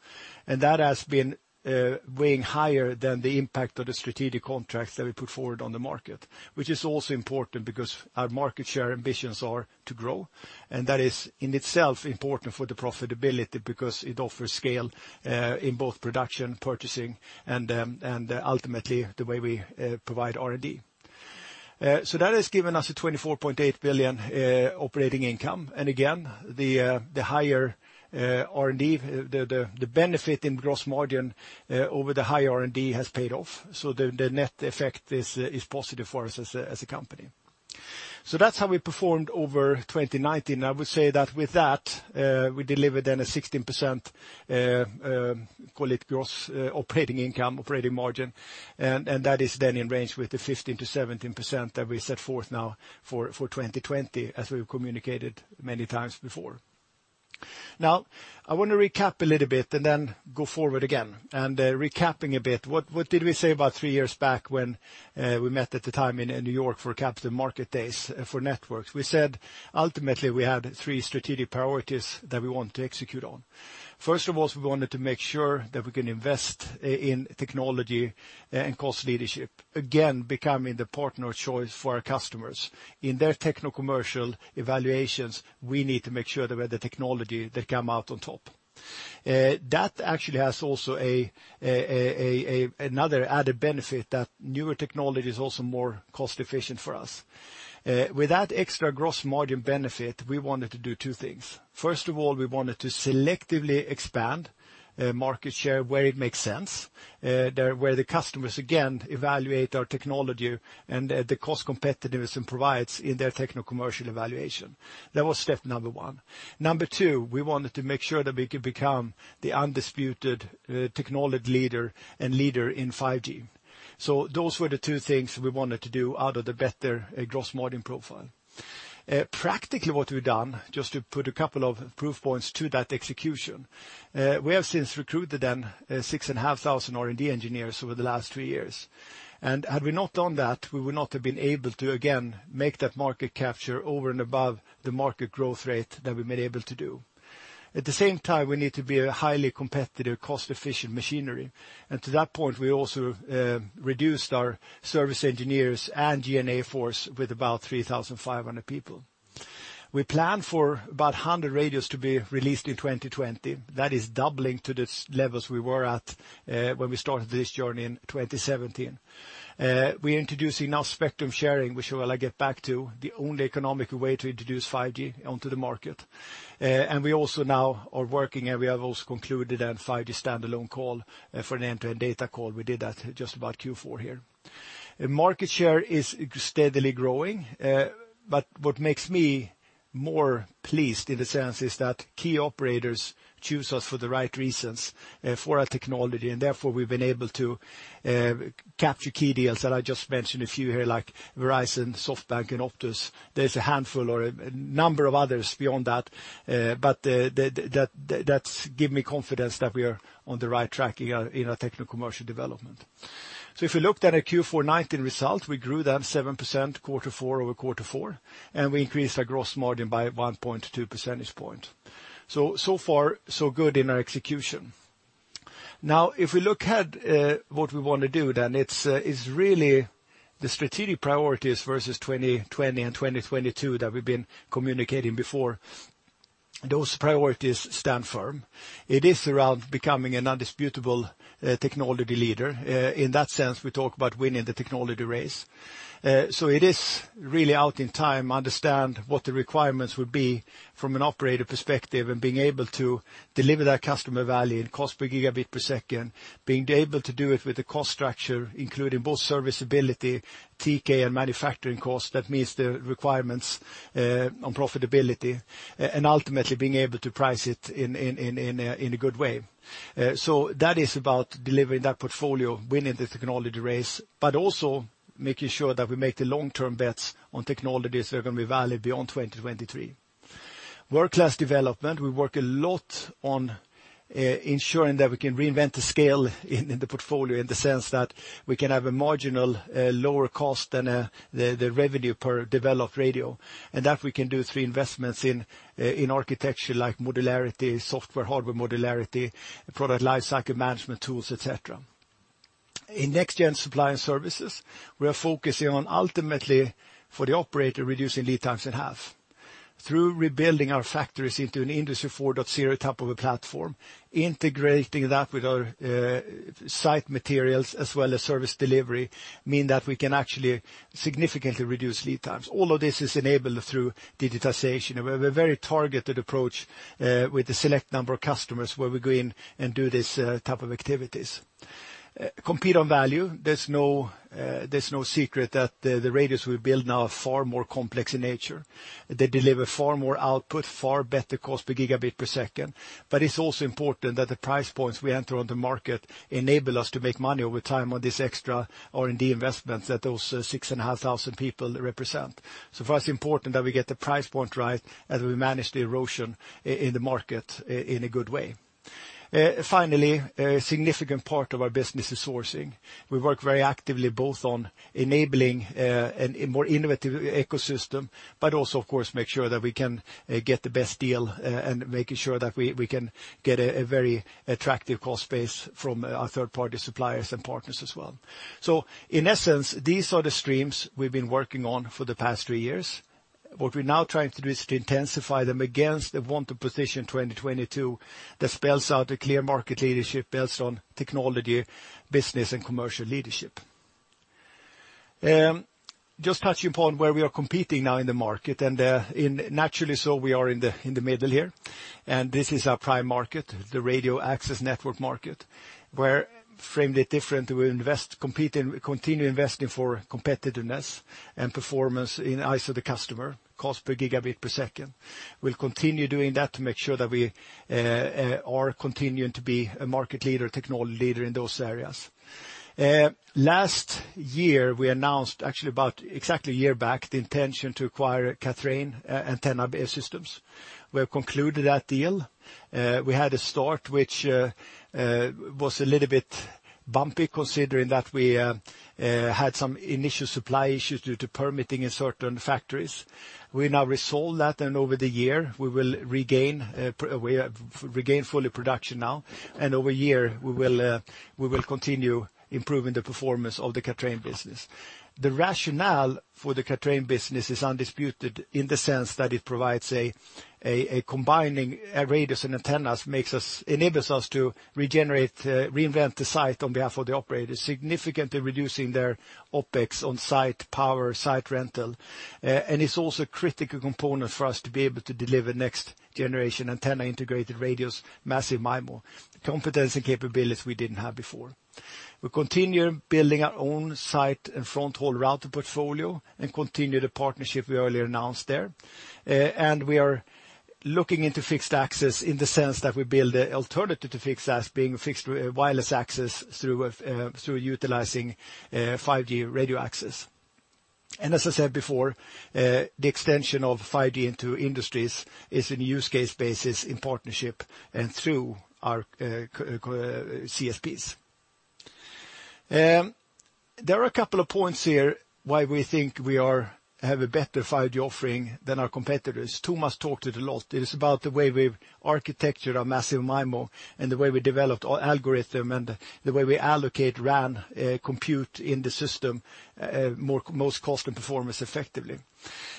That has been weighing higher than the impact of the strategic contracts that we put forward on the market, which is also important because our market share ambitions are to grow, and that is in itself important for the profitability because it offers scale, in both production, purchasing, and ultimately, the way we provide R&D. That has given us a 24.8 billion operating income. Again, the higher R&D, the benefit in gross margin over the high R&D has paid off. The net effect is positive for us as a company. That's how we performed over 2019. I would say that with that, we delivered then a 16%, call it gross operating income, operating margin, and that is then in range with the 15%-17% that we set forth now for 2020, as we've communicated many times before. I want to recap a little bit and then go forward again. Recapping a bit, what did we say about three years back when we met at the time in New York for Capital Market Days for Networks? We said ultimately we have three strategic priorities that we want to execute on. First of all, we wanted to make sure that we can invest in technology and cost leadership, again, becoming the partner of choice for our customers. In their techno-commercial evaluations, we need to make sure that we're the technology that come out on top. That actually has also another added benefit that newer technology is also more cost efficient for us. With that extra gross margin benefit, we wanted to do two things. First of all, we wanted to selectively expand market share where it makes sense, where the customers, again, evaluate our technology and the [Caas] competitiveness it provides in their techno-commercial evaluation. That was step number one. Number two, we wanted to make sure that we could become the undisputed technology leader and leader in 5G. Those were the two things we wanted to do out of the better gross margin profile. Practically what we've done, just to put a couple of proof points to that execution, we have since recruited then 6,500 R&D engineers over the last three years. Had we not done that, we would not have been able to, again, make that market capture over and above the market growth rate that we've been able to do. At the same time, we need to be a highly competitive, cost-efficient machinery. To that point, we also reduced our service engineers and G&A force with about 3,500 people. We plan for about 100 radios to be released in 2020. That is doubling to the levels we were at when we started this journey in 2017. We're introducing now Spectrum Sharing, which I will get back to, the only economical way to introduce 5G onto the market. We also now are working, and we have also concluded a 5G Standalone call for an end-to-end data call. We did that just about Q4 here. Market share is steadily growing. What makes me more pleased in a sense is that key operators choose us for the right reasons for our technology, and therefore, we've been able to capture key deals that I just mentioned a few here, like Verizon, SoftBank, and Optus. There's a handful or a number of others beyond that. That give me confidence that we are on the right track in our techno-commercial development. If we looked at our Q4 2019 results, we grew that 7% quarter-over-quarter, and we increased our gross margin by 1.2 percentage point. So far, so good in our execution. If we look at what we want to do, it's really the strategic priorities versus 2020 and 2022 that we've been communicating before. Those priorities stand firm. It is around becoming an indisputable technology leader. In that sense, we talk about winning the technology race. It is really out in time, understand what the requirements would be from an operator perspective and being able to deliver that customer value in cost per gigabit per second, being able to do it with the cost structure, including both serviceability, TCO, and manufacturing cost that meets the requirements on profitability, and ultimately being able to price it in a good way. That is about delivering that portfolio, winning the technology race, but also making sure that we make the long-term bets on technologies that are going to be valid beyond 2023. World-class development, we work a lot on ensuring that we can reinvent the scale in the portfolio in the sense that we can have a marginal lower cost than the revenue per developed radio, and that we can do through investments in architecture like modularity, software, hardware modularity, product life cycle management tools, et cetera. In next-gen supply and services, we are focusing on, ultimately, for the operator, reducing lead times in half. Through rebuilding our factories into an Industry 4.0 type of a platform, integrating that with our site materials as well as service delivery, mean that we can actually significantly reduce lead times. All of this is enabled through digitization. We have a very targeted approach with a select number of customers, where we go in and do these type of activities. Compete on value. There's no secret that the radios we build now are far more complex in nature. They deliver far more output, far better cost per gigabit per second. It's also important that the price points we enter on the market enable us to make money over time on these extra R&D investments that those 6,500 people represent. For us, it's important that we get the price point right as we manage the erosion in the market in a good way. Finally, a significant part of our business is sourcing. We work very actively, both on enabling a more innovative ecosystem, but also, of course, make sure that we can get the best deal and making sure that we can get a very attractive cost base from our third-party suppliers and partners as well. In essence, these are the streams we've been working on for the past three years. What we're now trying to do is to intensify them against the Wanted Position 2022 that spells out a clear market leadership built on technology, business, and commercial leadership. Just touching upon where we are competing now in the market, and naturally so, we are in the middle here. This is our prime market, the Radio Access Network market, where, framed a different, we'll continue investing for competitiveness and performance in the eyes of the customer, cost per gigabit per second. We'll continue doing that to make sure that we are continuing to be a market leader, technology leader in those areas. Last year, we announced, actually about exactly a year back, the intention to acquire Kathrein antenna systems. We have concluded that deal. We had a start which was a little bit bumpy, considering that we had some initial supply issues due to permitting in certain factories. We now resolved that, and over the year, we will regain fully production now, and over a year, we will continue improving the performance of the Kathrein business. The rationale for the Kathrein business is undisputed in the sense that it provides a combining radios and antennas, enables us to regenerate, reinvent the site on behalf of the operators, significantly reducing their OpEx on site power, site rental. It's also a critical component for us to be able to deliver next-generation antenna-integrated radios, massive MIMO. Competence and capabilities we didn't have before. We continue building our own site and fronthaul router portfolio and continue the partnership we earlier announced there. We are looking into fixed access in the sense that we build an alternative to fixed access being Fixed Wireless Access through utilizing 5G radio access. As I said before, the extension of 5G into industries is in use case basis in partnership and through our CSPs. There are a couple of points here why we think we have a better 5G offering than our competitors. Thomas talked it a lot. It is about the way we've architectured our massive MIMO and the way we developed our algorithm and the way we allocate RAN compute in the system most cost and performance effectively.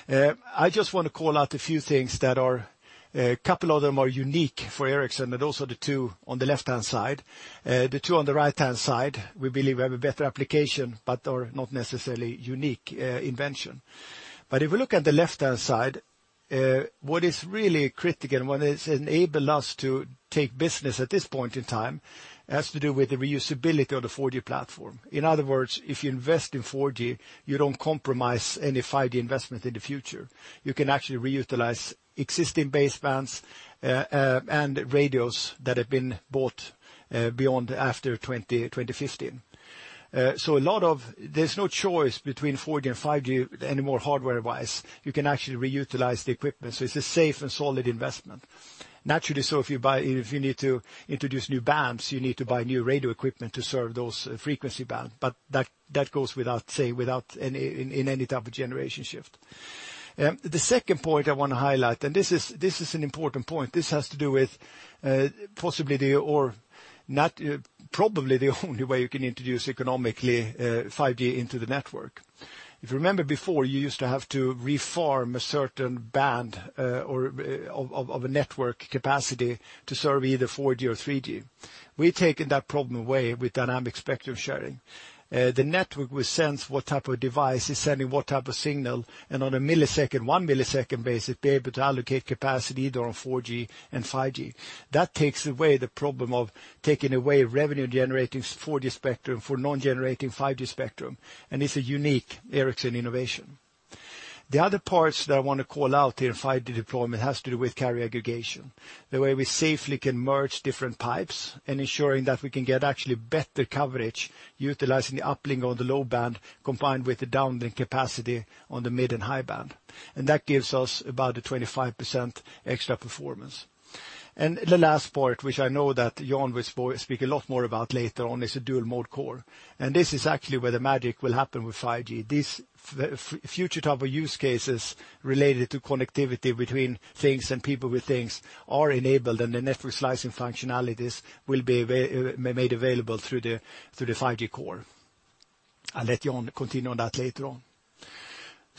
I just want to call out a few things that are, a couple of them are unique for Ericsson, and those are the two on the left-hand side. The two on the right-hand side, we believe we have a better application, but are not necessarily unique invention. If we look at the left-hand side, what is really critical and what has enabled us to take business at this point in time has to do with the reusability of the 4G platform. In other words, if you invest in 4G, you don't compromise any 5G investment in the future. You can actually reutilize existing basebands and radios that have been bought beyond after 2015. There's no choice between 4G and 5G anymore, hardware-wise. You can actually reutilize the equipment, so it's a safe and solid investment. Naturally so, if you need to introduce new bands, you need to buy New Radio equipment to serve those frequency band. That goes without saying in any type of generation shift. The second point I want to highlight. This is an important point. This has to do with possibly the, or probably the only way you can introduce economically 5G into the network. If you remember before, you used to have to refarm a certain band of a network capacity to serve either 4G or 3G. We've taken that problem away with Dynamic Spectrum Sharing. The network will sense what type of device is sending what type of signal, and on a one-millisecond basis, be able to allocate capacity either on 4G and 5G. That takes away the problem of taking away revenue-generating 4G spectrum for non-generating 5G spectrum. It's a unique Ericsson innovation. The other parts that I want to call out here in 5G deployment has to do with carrier aggregation, the way we safely can merge different pipes and ensuring that we can get actually better coverage utilizing the uplink on the low band combined with the downlink capacity on the mid and high band. That gives us about a 25% extra performance. The last part, which I know that Jan will speak a lot more about later on, is the dual-mode Core. This is actually where the magic will happen with 5G. These future type of use cases related to connectivity between things and people with things are enabled, and the network slicing functionalities will be made available through the 5G Core. I'll let Jan continue on that later on.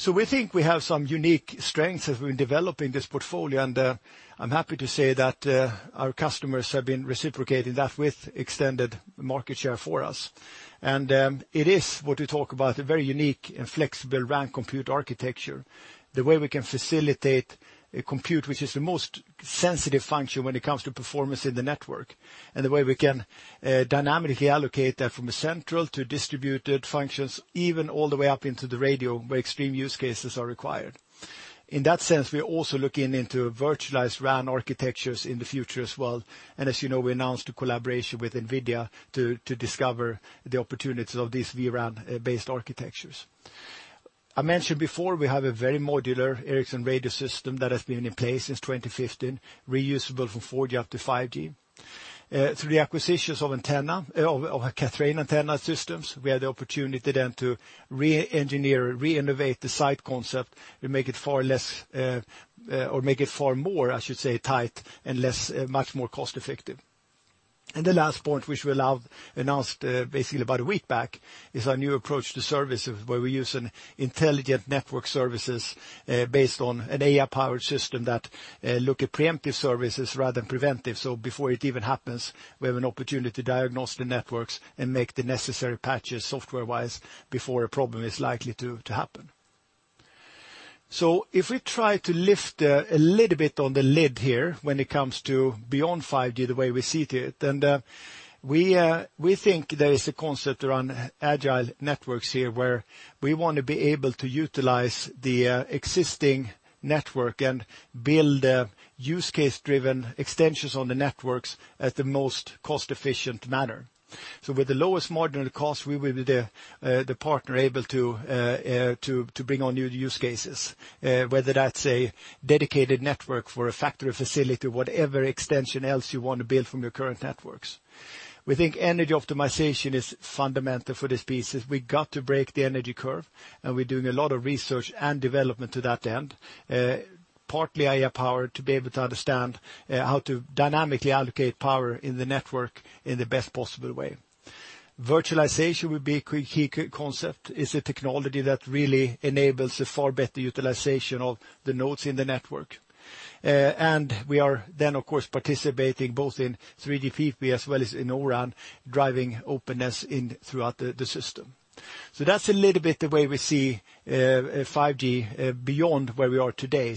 We think we have some unique strengths as we're developing this portfolio, and I'm happy to say that our customers have been reciprocating that with extended market share for us. It is what we talk about, a very unique and flexible RAN compute architecture. The way we can facilitate a compute, which is the most sensitive function when it comes to performance in the network, and the way we can dynamically allocate that from a central to distributed functions, even all the way up into the radio where extreme use cases are required. In that sense, we are also looking into virtualized RAN architectures in the future as well. As you know, we announced a collaboration with NVIDIA to discover the opportunities of these vRAN-based architectures. I mentioned before, we have a very modular Ericsson Radio System that has been in place since 2015, reusable from 4G up to 5G. Through the acquisitions of Kathrein antenna systems, we had the opportunity then to re-engineer, re-innovate the site concept and make it far more, I should say, tight and much more cost-effective. The last point, which we announced basically about one week back, is our new approach to services where we use an intelligent network services based on an AI-powered system that look at preemptive services rather than preventive. Before it even happens, we have an opportunity to diagnose the networks and make the necessary patches software-wise before a problem is likely to happen. If we try to lift a little bit on the lid here when it comes to beyond 5G the way we see to it, we think there is a concept around agile networks here, where we want to be able to utilize the existing network and build use case-driven extensions on the networks at the most cost-efficient manner. With the lowest modular cost, we will be the partner able to bring on new use cases, whether that's a dedicated network for a factory facility, whatever extension else you want to build from your current networks. We think energy optimization is fundamental for this piece, as we got to break the energy curve, and we're doing a lot of research and development to that end, partly AI power to be able to understand how to dynamically allocate power in the network in the best possible way. Virtualization will be a key concept, is a technology that really enables a far better utilization of the nodes in the network. We are then of course, participating both in 3GPP as well as in O-RAN, driving openness throughout the system. That's a little bit the way we see 5G beyond where we are today.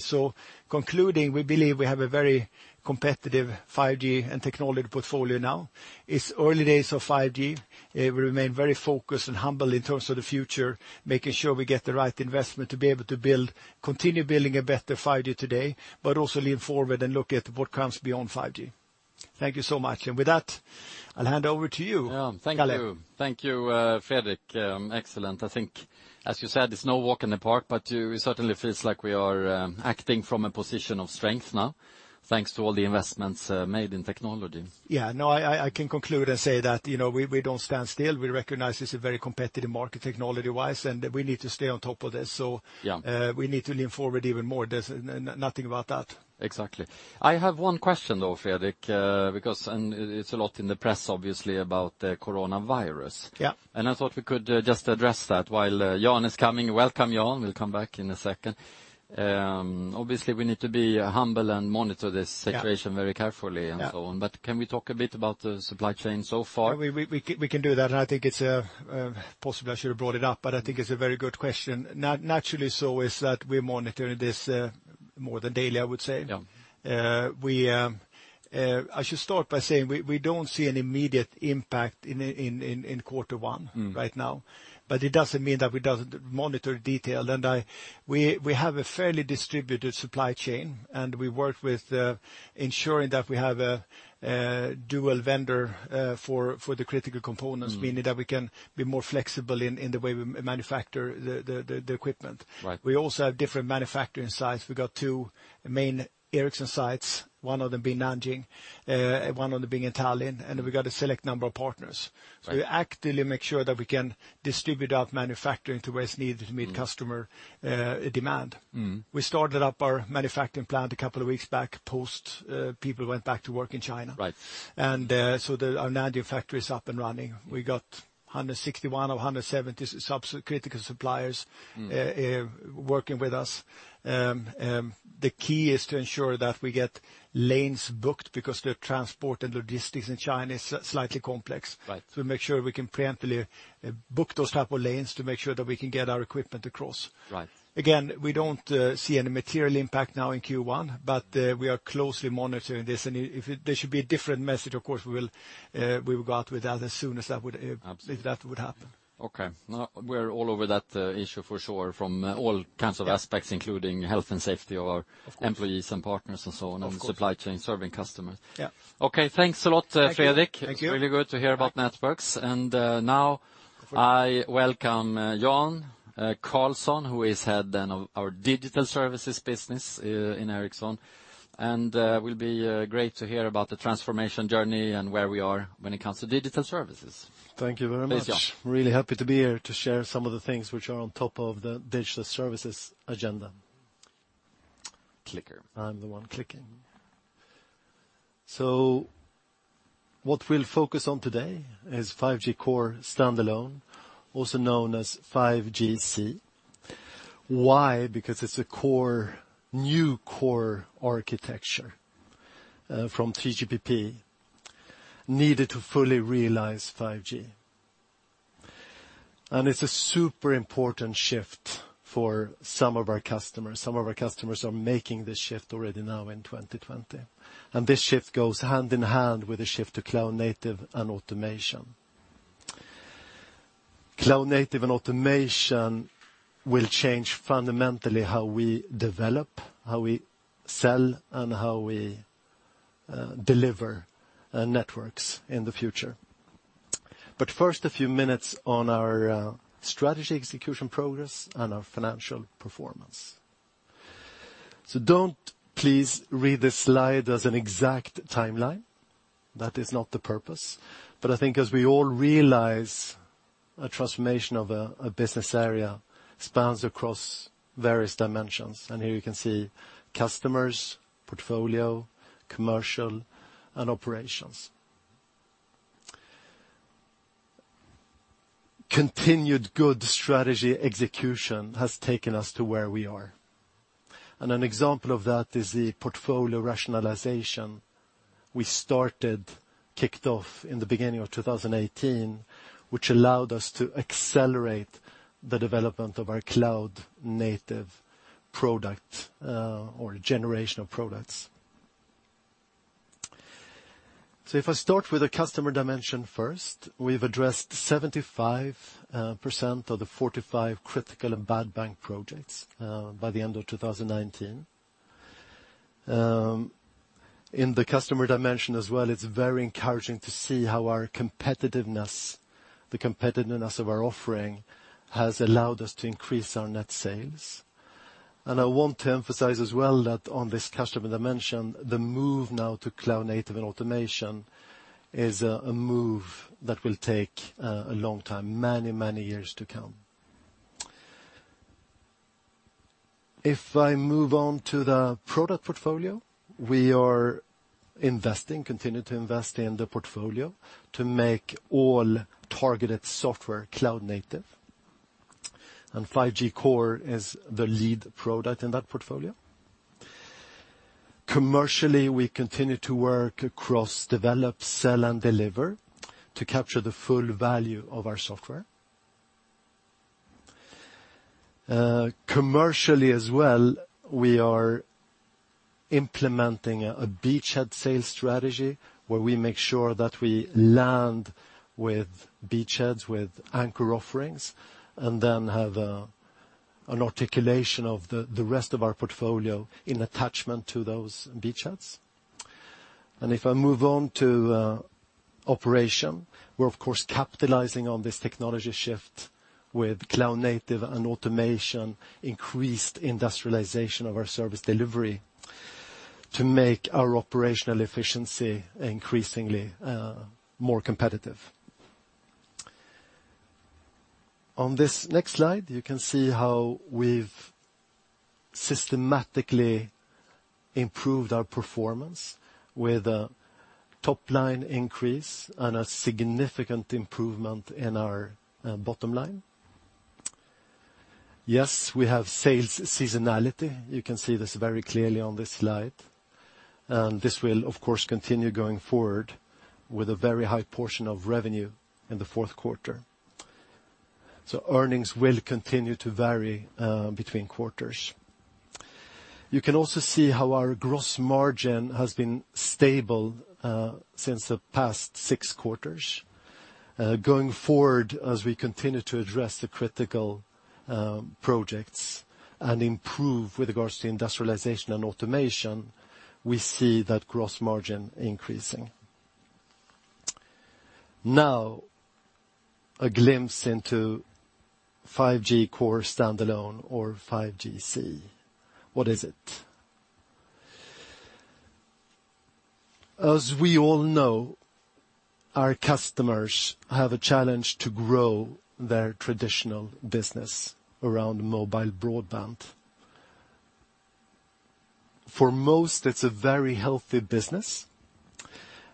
Concluding, we believe we have a very competitive 5G and technology portfolio now. It's early days of 5G. We remain very focused and humble in terms of the future, making sure we get the right investment to be able to continue building a better 5G today, but also lean forward and look at what comes beyond 5G. Thank you so much. With that, I'll hand over to you, Carl. Yeah. Thank you. Thank you, Fredrik. Excellent. I think as you said, it's no walk in the park, but it certainly feels like we are acting from a position of strength now, thanks to all the investments made in technology. Yeah. No, I can conclude and say that we don't stand still. We recognize it's a very competitive market technology-wise, and we need to stay on top of this. Yeah. We need to lean forward even more. There's nothing about that. Exactly. I have one question, though, Fredrik, because, and it's a lot in the press, obviously, about the coronavirus. Yeah. I thought we could just address that while Jan is coming. Welcome, Jan, he will come back in a second. Obviously, we need to be humble and monitor this situation. Yeah very carefully and so on. Yeah. Can we talk a bit about the supply chain so far? We can do that, and I think it's, possibly I should have brought it up, but I think it's a very good question. Naturally so is that we're monitoring this more than daily, I would say. Yeah. I should start by saying we don't see any immediate impact in quarter 1 right now. It doesn't mean that we don't monitor detail. We have a fairly distributed supply chain, and we work with ensuring that we have a dual vendor for the critical components. meaning that we can be more flexible in the way we manufacture the equipment. Right. We also have different manufacturing sites. We got two main Ericsson sites, one of them being Nanjing, one of them being in Tallinn. We got a select number of partners. Right. We actively make sure that we can distribute out manufacturing to where it's needed to meet customer demand. We started up our manufacturing plant a couple of weeks back, post people went back to work in China. Right. Our Nanjing factory is up and running. We got 161 of 170 sub-critical suppliers. working with us. The key is to ensure that we get lanes booked because the transport and logistics in China is slightly complex. Right. We make sure we can preemptively book those type of lanes to make sure that we can get our equipment across. Right. Again, we don't see any material impact now in Q1, but we are closely monitoring this, and if there should be a different message, of course, we will go out with that as soon as that. Absolutely if that would happen. Okay. No, we're all over that issue for sure from all kinds of aspects. Yeah including health and safety of our-. Of course. employees and partners and so on. Of course. supply chain serving customers. Yeah. Okay. Thanks a lot, Fredrik. Thank you. It's really good to hear about networks. Now I welcome Jan Karlsson, who is head then of our Digital Services business in Ericsson. Will be great to hear about the transformation journey and where we are when it comes to Digital Services. Thank you very much. Please, Jan. Really happy to be here to share some of the things which are on top of the Digital Services agenda. Clicker. I'm the one clicking. What we'll focus on today is 5G Core Standalone, also known as 5GC. Why? Because it's a new core architecture from 3GPP, needed to fully realize 5G. It's a super important shift for some of our customers. Some of our customers are making this shift already now in 2020. This shift goes hand in hand with the shift to cloud-native and automation. Cloud-native and automation will change fundamentally how we develop, how we sell, and how we deliver networks in the future. First, a few minutes on our strategy execution progress and our financial performance. Don't please read this slide as an exact timeline. That is not the purpose. I think as we all realize, a transformation of a business area spans across various dimensions, and here you can see customers, portfolio, commercial, and operations. Continued good strategy execution has taken us to where we are. An example of that is the portfolio rationalization we started, kicked off in the beginning of 2018, which allowed us to accelerate the development of our cloud-native product, or generation of products. If I start with the customer dimension first, we've addressed 75% of the 45 critical and bad bank projects by the end of 2019. In the customer dimension as well, it's very encouraging to see how our competitiveness, the competitiveness of our offering, has allowed us to increase our net sales. I want to emphasize as well that on this customer dimension, the move now to cloud-native and automation is a move that will take a long time, many, many years to come. If I move on to the product portfolio, we are investing, continue to invest in the portfolio to make all targeted software cloud-native. 5G Core is the lead product in that portfolio. Commercially, we continue to work across develop, sell, and deliver to capture the full value of our software. Commercially as well, we are implementing a beachhead sales strategy where we make sure that we land with beachheads, with anchor offerings, and then have an articulation of the rest of our portfolio in attachment to those beachheads. If I move on to operation, we're of course capitalizing on this technology shift with cloud-native and automation, increased industrialization of our service delivery to make our operational efficiency increasingly more competitive. On this next slide, you can see how we've systematically improved our performance with a top-line increase and a significant improvement in our bottom line. Yes, we have sales seasonality. You can see this very clearly on this slide. This will, of course, continue going forward with a very high portion of revenue in the fourth quarter. Earnings will continue to vary between quarters. You can also see how our gross margin has been stable since the past six quarters. Going forward, as we continue to address the critical projects and improve with regards to industrialization and automation, we see that gross margin increasing. Now, a glimpse into 5G Core Standalone or 5GC. What is it? As we all know, our customers have a challenge to grow their traditional business around mobile broadband. For most, it's a very healthy business,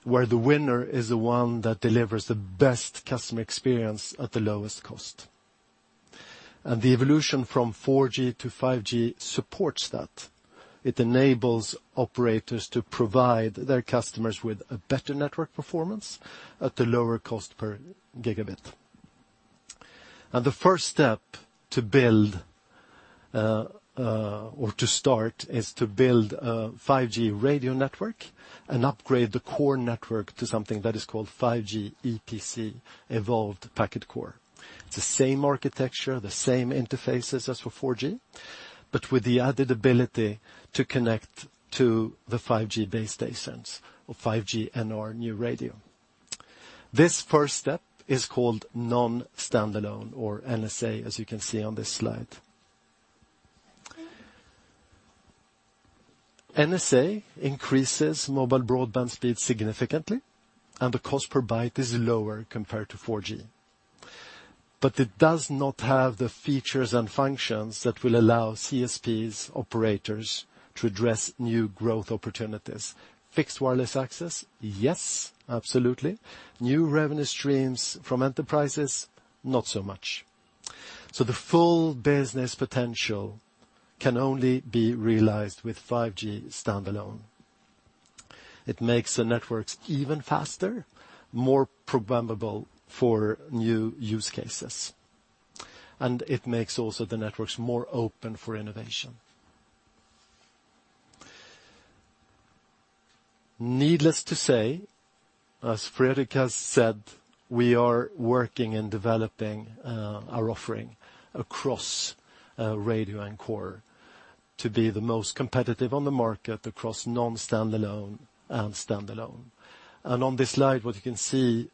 where the winner is the one that delivers the best customer experience at the lowest cost. The evolution from 4G to 5G supports that. It enables operators to provide their customers with a better network performance at a lower cost per gigabit. The first step to start is to build a 5G radio network and upgrade the core network to something that is called 5G EPC, Evolved Packet Core. It's the same architecture, the same interfaces as for 4G, but with the added ability to connect to the 5G base stations or 5G NR, New Radio. This first step is called Non-Standalone or NSA, as you can see on this slide. NSA increases mobile broadband speed significantly, and the cost per byte is lower compared to 4G. It does not have the features and functions that will allow CSPs operators to address new growth opportunities. Fixed Wireless Access? Yes, absolutely. New revenue streams from enterprises? Not so much. The full business potential can only be realized with 5G Standalone. It makes the networks even faster, more programmable for new use cases, it makes also the networks more open for innovation. Needless to say, as Fredrik has said, we are working and developing our offering across radio and core to be the most competitive on the market across Non-Standalone and Standalone. On this slide, what you can see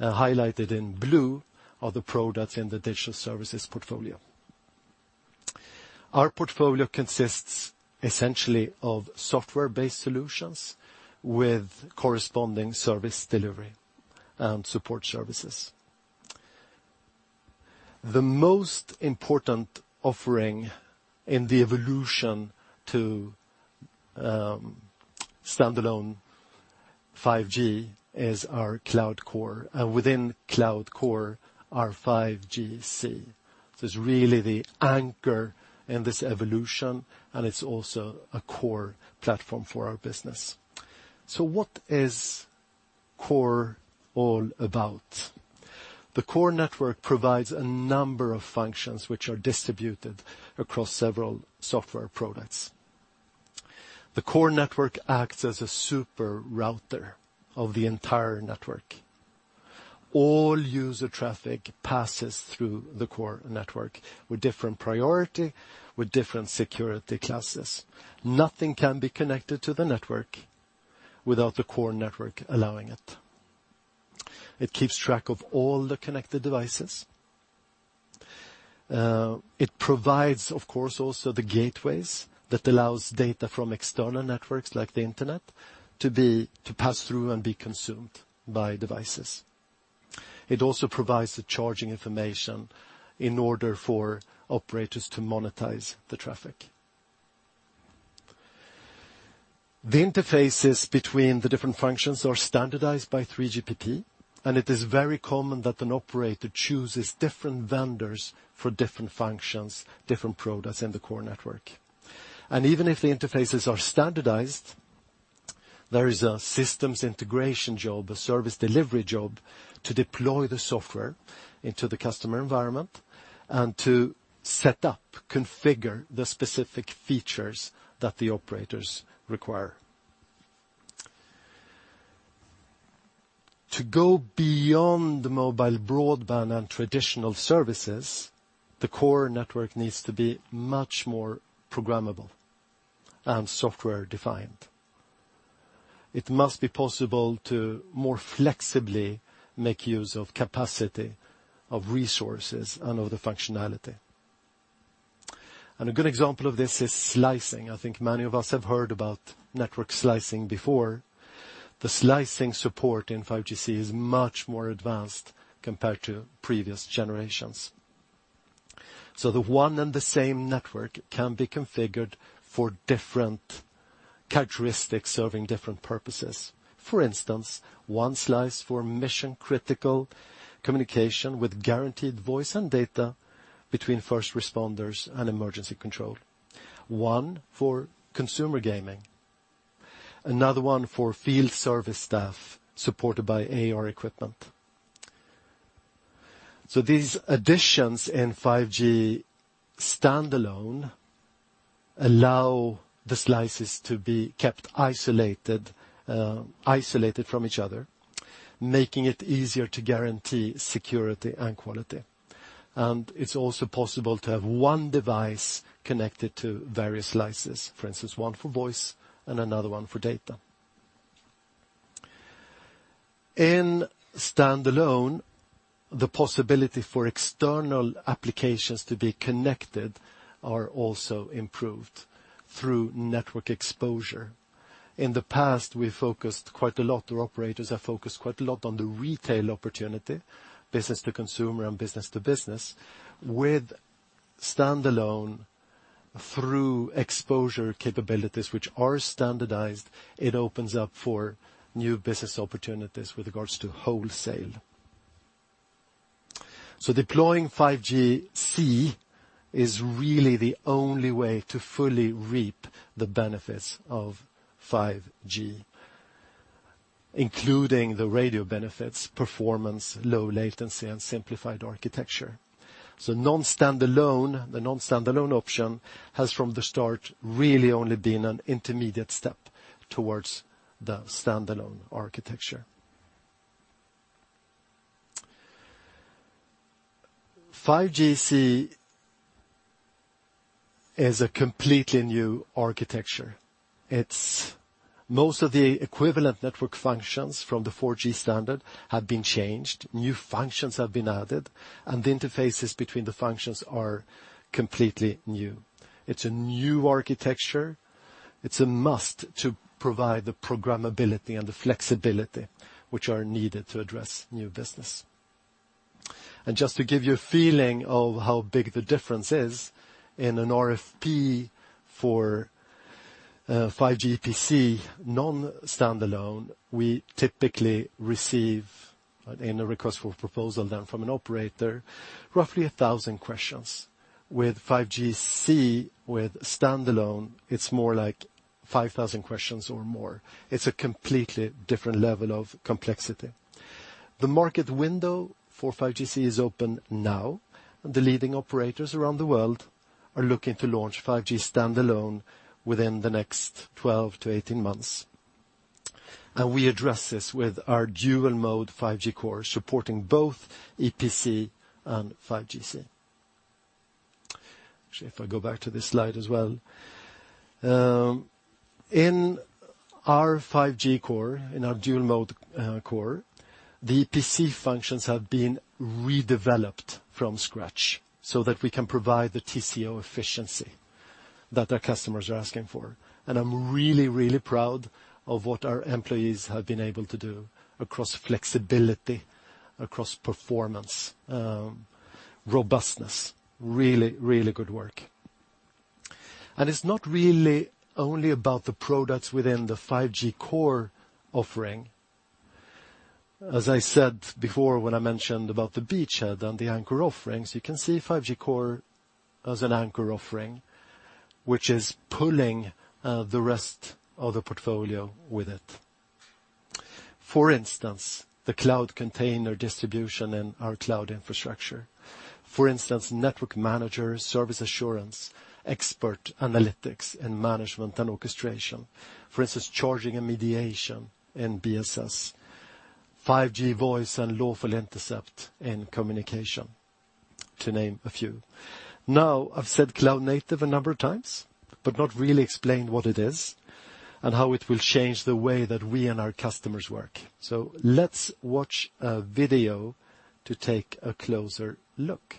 highlighted in blue are the products in the Digital Services portfolio. Our portfolio consists essentially of software-based solutions with corresponding service delivery and support services. The most important offering in the evolution to Standalone 5G is our Cloud Core, within Cloud Core, our 5GC. It's really the anchor in this evolution, it's also a Core platform for our business. What is Core all about? The core network provides a number of functions which are distributed across several software products. The core network acts as a super router of the entire network. All user traffic passes through the core network with different priority, with different security classes. Nothing can be connected to the network without the core network allowing it. It keeps track of all the connected devices. It provides, of course, also the gateways that allows data from external networks like the internet to pass through and be consumed by devices. It also provides the charging information in order for operators to monetize the traffic. The interfaces between the different functions are standardized by 3GPP. It is very common that an operator chooses different vendors for different functions, different products in the core network. Even if the interfaces are standardized, there is a systems integration job, a service delivery job to deploy the software into the customer environment and to set up, configure the specific features that the operators require. To go beyond the mobile broadband and traditional services, the core network needs to be much more programmable and software-defined. It must be possible to more flexibly make use of capacity, of resources, and of the functionality. A good example of this is slicing. I think many of us have heard about network slicing before. The slicing support in 5GC is much more advanced compared to previous generations. The one and the same network can be configured for different characteristics, serving different purposes. For instance, one slice for mission-critical communication with guaranteed voice and data between first responders and emergency control, one for consumer gaming, another one for field service staff supported by AR equipment. These additions in 5G Standalone allow the slices to be kept isolated from each other, making it easier to guarantee security and quality. It's also possible to have one device connected to various slices. For instance, one for voice and another one for data. In Standalone, the possibility for external applications to be connected are also improved through network exposure. In the past, we focused quite a lot, or operators have focused quite a lot on the retail opportunity, business to consumer and business to business. With Standalone, through exposure capabilities, which are standardized, it opens up for new business opportunities with regards to wholesale. Deploying 5GC is really the only way to fully reap the benefits of 5G, including the radio benefits, performance, low latency, and simplified architecture. The Non-Standalone option has, from the start, really only been an intermediate step towards the Standalone architecture. 5GC is a completely new architecture. Most of the equivalent network functions from the 4G standard have been changed. New functions have been added, the interfaces between the functions are completely new. It's a new architecture. It's a must to provide the programmability and the flexibility which are needed to address new business. Just to give you a feeling of how big the difference is, in an RFP for 5G EPC, Non-Standalone, we typically receive in a request for proposal then from an operator, roughly 1,000 questions. With 5GC, with Standalone, it's more like 5,000 questions or more. It's a completely different level of complexity. The market window for 5GC is open now, and the leading operators around the world are looking to launch 5G standalone within the next 12 to 18 months. We address this with our dual-mode 5G Core, supporting both EPC and 5GC. Actually, if I go back to this slide as well. In our 5G Core, in our dual-mode Core, the Packet Core functions have been redeveloped from scratch so that we can provide the TCO efficiency that our customers are asking for. I'm really, really proud of what our employees have been able to do across flexibility, across performance, robustness. Really, really good work. It's not really only about the products within the 5G Core offering. As I said before when I mentioned about the beachhead and the anchor offerings, you can see 5G Core as an anchor offering, which is pulling the rest of the portfolio with it. For instance, the cloud container distribution and our cloud infrastructure. For instance, network manager, service assurance, expert analytics and management and orchestration. For instance, charging and mediation and BSS, 5G voice, and lawful intercept and communication, to name a few. I've said cloud-native a number of times, but not really explained what it is and how it will change the way that we and our customers work. Let's watch a video to take a closer look.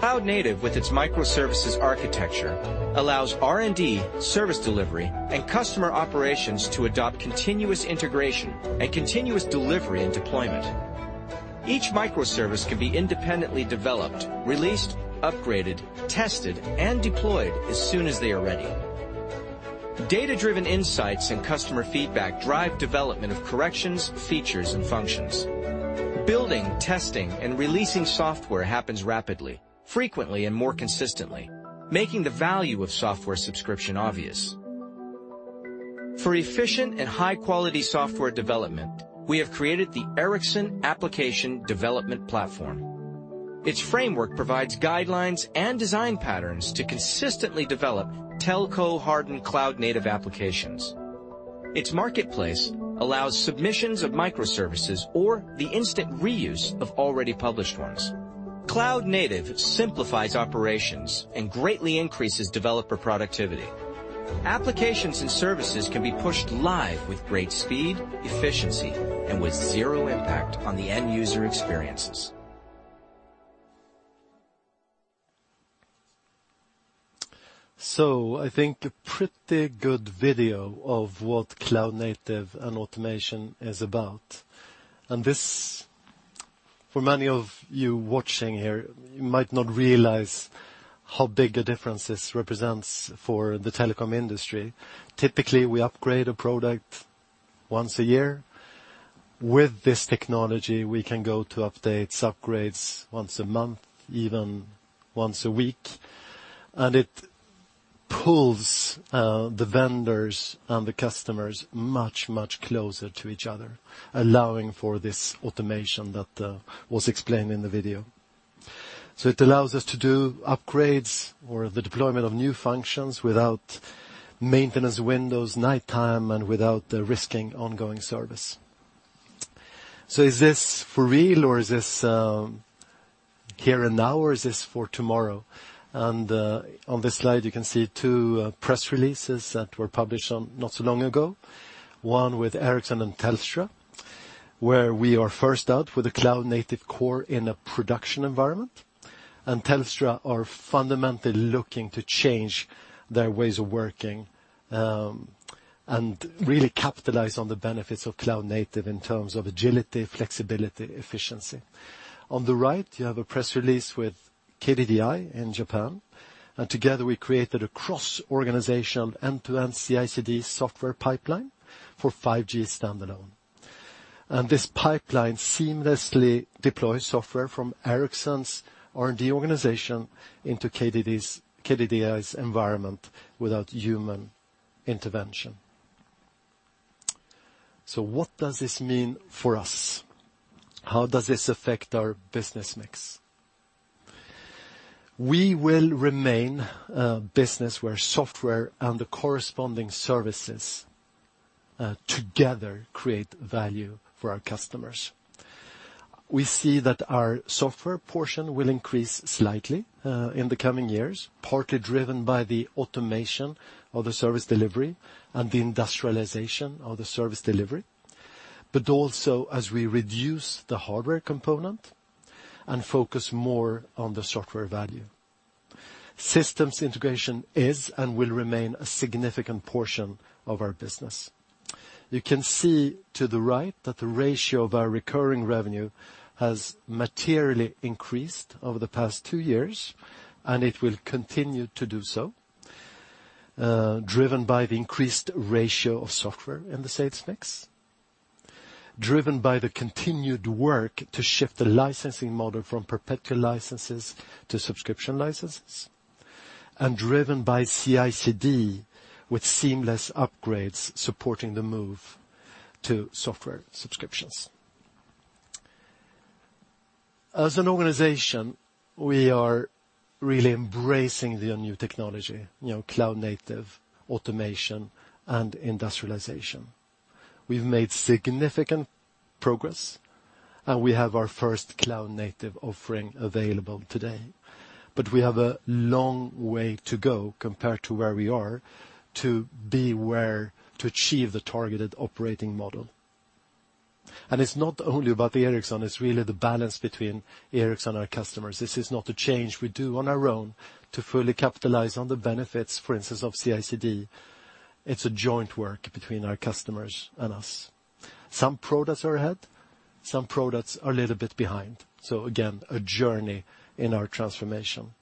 [Presentation. I think a pretty good video of what cloud-native and automation is about. This, for many of you watching here, you might not realize how big a difference this represents for the telecom industry. Typically, we upgrade a product once a year. With this technology, we can go to updates, upgrades once a month, even once a week, and it pulls the vendors and the customers much, much closer to each other, allowing for this automation that was explained in the video. It allows us to do upgrades or the deployment of new functions without maintenance windows, nighttime, and without risking ongoing service. Is this for real or is this here and now, or is this for tomorrow? On this slide, you can see two press releases that were published not so long ago, one with Ericsson and Telstra, where we are first out with a cloud-native core in a production environment. Telstra are fundamentally looking to change their ways of working, and really capitalize on the benefits of cloud-native in terms of agility, flexibility, efficiency. On the right, you have a press release with KDDI in Japan, together we created a cross-organization end-to-end CI/CD software pipeline for 5G standalone. This pipeline seamlessly deploys software from Ericsson's R&D organization into KDDI's environment without human intervention. What does this mean for us? How does this affect our business mix? We will remain a business where software and the corresponding services together create value for our customers. We see that our software portion will increase slightly in the coming years, partly driven by the automation of the service delivery and the industrialization of the service delivery, but also as we reduce the hardware component and focus more on the software value. Systems integration is and will remain a significant portion of our business. You can see to the right that the ratio of our recurring revenue has materially increased over the past two years, and it will continue to do so, driven by the increased ratio of software in the sales mix. Driven by the continued work to shift the licensing model from perpetual licenses to subscription licenses, and driven by CI/CD with seamless upgrades supporting the move to software subscriptions. As an organization, we are really embracing the new technology, cloud-native, automation, and industrialization. We've made significant progress, and we have our first cloud-native offering available today. We have a long way to go compared to where we are to achieve the targeted operating model. It's not only about Ericsson, it's really the balance between Ericsson and our customers. This is not a change we do on our own to fully capitalize on the benefits, for instance, of CI/CD. It's a joint work between our customers and us. Some products are ahead, some products are a little bit behind. Again, a journey in our transformation.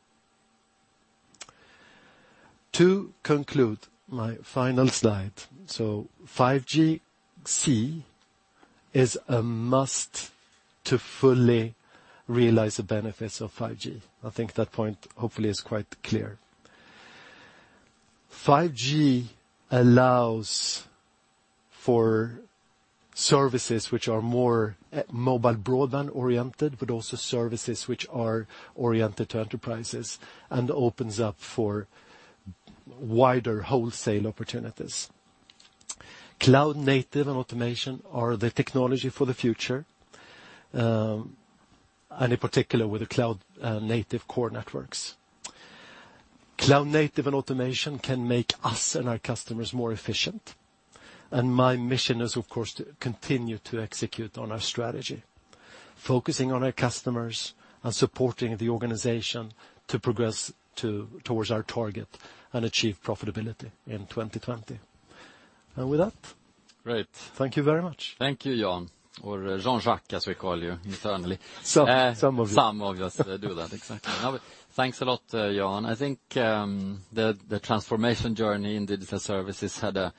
To conclude, my final slide. 5GC is a must to fully realize the benefits of 5G. I think that point hopefully is quite clear. 5G allows for services which are more mobile broadband-oriented, but also services which are oriented to enterprises and opens up for wider wholesale opportunities. Cloud-native and automation are the technology for the future, in particular with the cloud-native core networks. Cloud-native and automation can make us and our customers more efficient. My mission is, of course, to continue to execute on our strategy, focusing on our customers and supporting the organization to progress towards our target and achieve profitability in 2020. With that. Great Thank you very much. Thank you, Jan, or Jean-Jacques, as we call you internally. Some of you. Some of us do that. Exactly. Thanks a lot, Jan. I think the transformation journey in Digital Services had a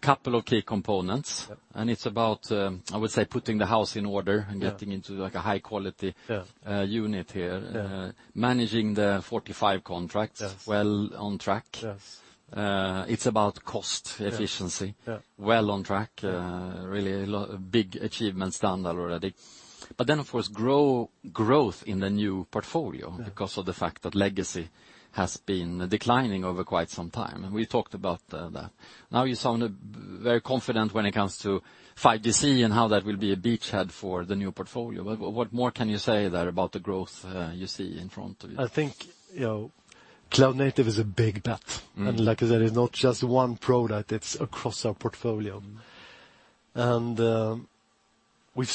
couple of key components. Yep. It's about, I would say, putting the house in order. Yeah getting into a high-quality. Yeah Unit here. Yeah. Managing the 45 contracts. Yeah Well on track. Yes. It's about cost efficiency. Yeah. Well on track. Yeah. Really a big achievement done already. Of course, growth in the new portfolio. Yeah because of the fact that legacy has been declining over quite some time. We talked about that. You sound very confident when it comes to 5GC and how that will be a beachhead for the new portfolio. What more can you say there about the growth you see in front of you? I think cloud-native is a big bet. Like I said, it's not just one product, it's across our portfolio. We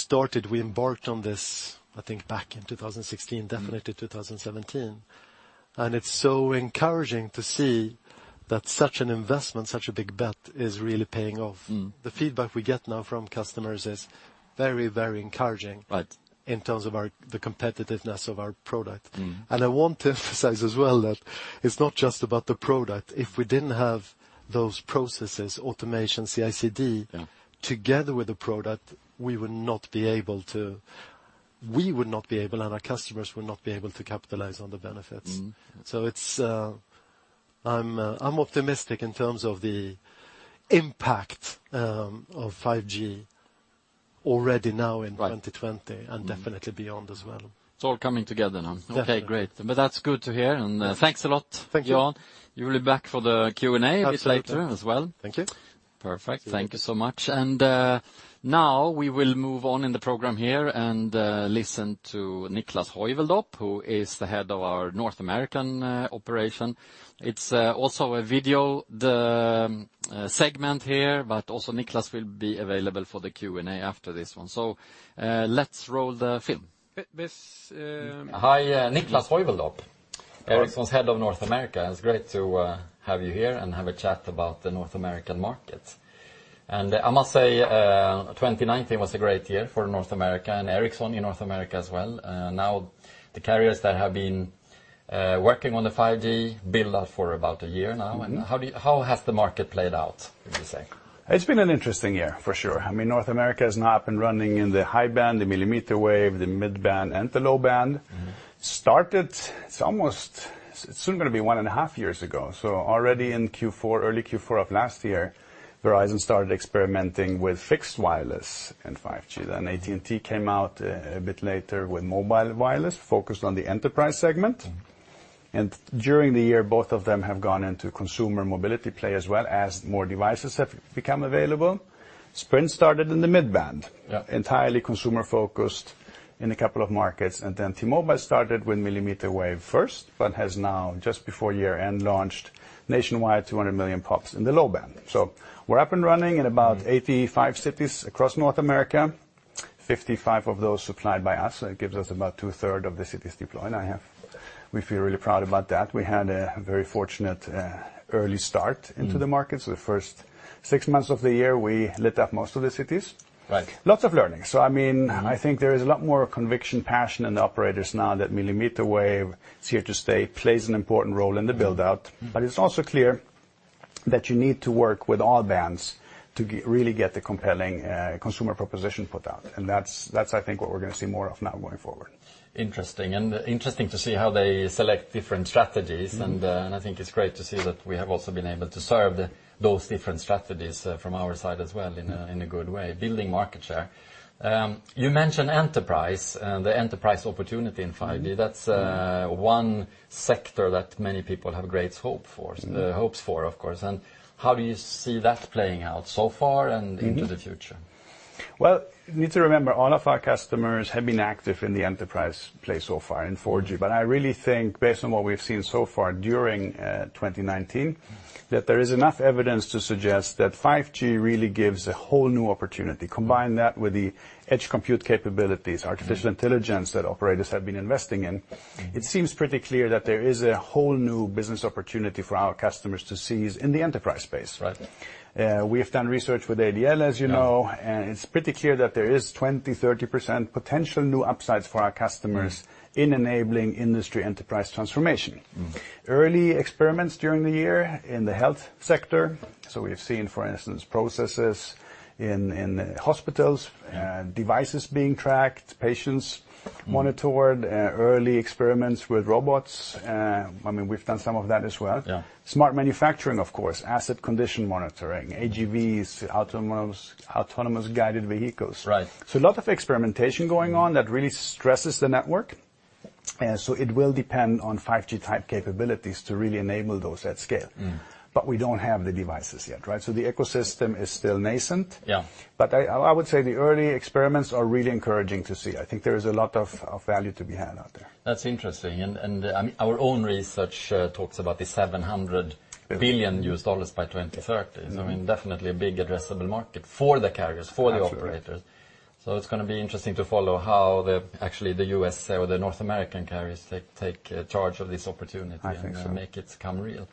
embarked on this, I think, back in 2016. definitely 2017. It's so encouraging to see that such an investment, such a big bet is really paying off. The feedback we get now from customers is very encouraging. Right In terms of the competitiveness of our product. I want to emphasize as well that it's not just about the product. If we didn't have those processes, automation, CI/CD Yeah together with the product, we would not be able, and our customers would not be able to capitalize on the benefits. I'm optimistic in terms of the impact of 5G already now in 2020. Right. Definitely beyond as well. It's all coming together now. Definitely. Okay, great. That's good to hear. Thanks a lot. Thank you. Jan, you'll be back for the Q&A a bit later as well. Thank you. Perfect. Thank you so much. Now we will move on in the program here and listen to Niklas Heuveldop, who is the Head of our North American operation. It's also a video, the segment here but also Niklas will be available for the Q&A after this one. Let's roll the film. Hi, Niklas Heuveldop, Ericsson's Head of North America. It's great to have you here and have a chat about the North American market. I must say, 2019 was a great year for North America and Ericsson in North America as well. The carriers that have been working on the 5G build up for about a year now. How has the market played out, would you say? It's been an interesting year, for sure. North America is now up and running in the high band, the millimeter wave, the mid band, and the low band. Started, it's soon going to be one and a half years ago. Already in early Q4 of last year, Verizon started experimenting with fixed wireless and 5G. AT&T came out a bit later with mobile wireless, focused on the enterprise segment. During the year, both of them have gone into consumer mobility play as well, as more devices have become available. Sprint started in the mid band. Yep. Entirely consumer-focused in a couple of markets. Then T-Mobile started with millimeter wave first, but has now, just before year-end, launched nationwide 200 million PoPs in the low band. We're up and running in about 85 cities across North America, 55 of those supplied by us. That gives us about 2/3 of the cities deployed. We feel really proud about that. We had a very fortunate early start into the markets. The first six months of the year, we lit up most of the cities. Right. Lots of learning. I think there is a lot more conviction, passion in the operators now that millimeter wave is here to stay, plays an important role in the build-out. It's also clear that you need to work with all bands to really get the compelling consumer proposition put out. That's, I think, what we're going to see more of now going forward. Interesting. Interesting to see how they select different strategies. I think it's great to see that we have also been able to serve those different strategies from our side as well in a good way, building market share. You mentioned enterprise, the enterprise opportunity in 5G. That's one sector that many people have great hopes for, of course. How do you see that playing out so far and into the future? Well, you need to remember, all of our customers have been active in the enterprise play so far in 4G. I really think, based on what we've seen so far during 2019, that there is enough evidence to suggest that 5G really gives a whole new opportunity. Combine that with the edge compute capabilities, artificial intelligence that operators have been investing in. It seems pretty clear that there is a whole new business opportunity for our customers to seize in the enterprise space. Right. We have done research with ADL, as you know. Yeah It's pretty clear that there is 20, 30% potential new upsides for our customers. in enabling industry enterprise transformation. Early experiments during the year in the health sector. We've seen, for instance, processes in hospitals. Yeah devices being tracked, patients monitored. early experiments with robots. We've done some of that as well. Yeah. Smart manufacturing, of course. Asset condition monitoring, AGVs, autonomous guided vehicles. Right. A lot of experimentation going on that really stresses the network. It will depend on 5G-type capabilities to really enable those at scale. We don't have the devices yet. The ecosystem is still nascent. Yeah. I would say the early experiments are really encouraging to see. I think there is a lot of value to be had out there. That's interesting. Our own research talks about the $700 billion by 2030. Definitely a big addressable market for the carriers, for the operators. Absolutely. It's going to be interesting to follow how the, actually the U.S. or the North American carriers take charge of this opportunity. I think so. Make it come real.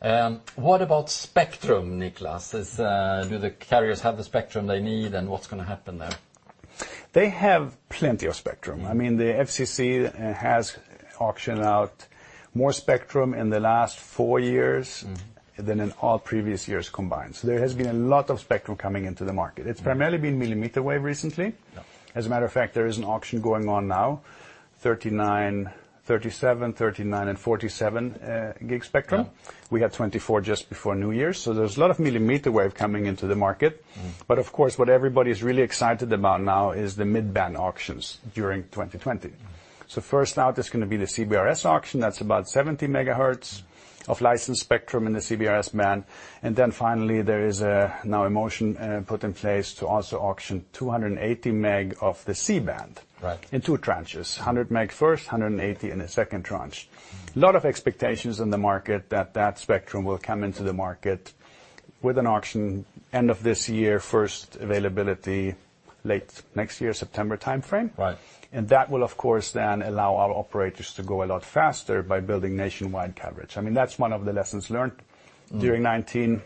What about spectrum, Niklas? Do the carriers have the spectrum they need, and what's going to happen there? They have plenty of spectrum. The FCC has auctioned out more spectrum in the last four years. than in all previous years combined. There has been a lot of spectrum coming into the market. It's primarily been millimeter wave recently. Yeah. As a matter of fact, there is an auction going on now, 37, 39, and 47 gig spectrum. Yeah. We have 24 gig just before New Year's. There's a lot of millimeter wave coming into the market. Of course, what everybody's really excited about now is the mid-band auctions during 2020. First out is going to be the CBRS auction. That's about 70 MHz of licensed spectrum in the CBRS band. Finally, there is now a motion put in place to also auction 280 MHz of the C-band. Right. In two tranches, 100 MHz first, 180 MHz in the second tranche. A lot of expectations in the market that that spectrum will come into the market with an auction end of this year, first availability late next year, September timeframe. Right. That will, of course then allow our operators to go a lot faster by building nationwide coverage. That's one of the lessons learned during 2019.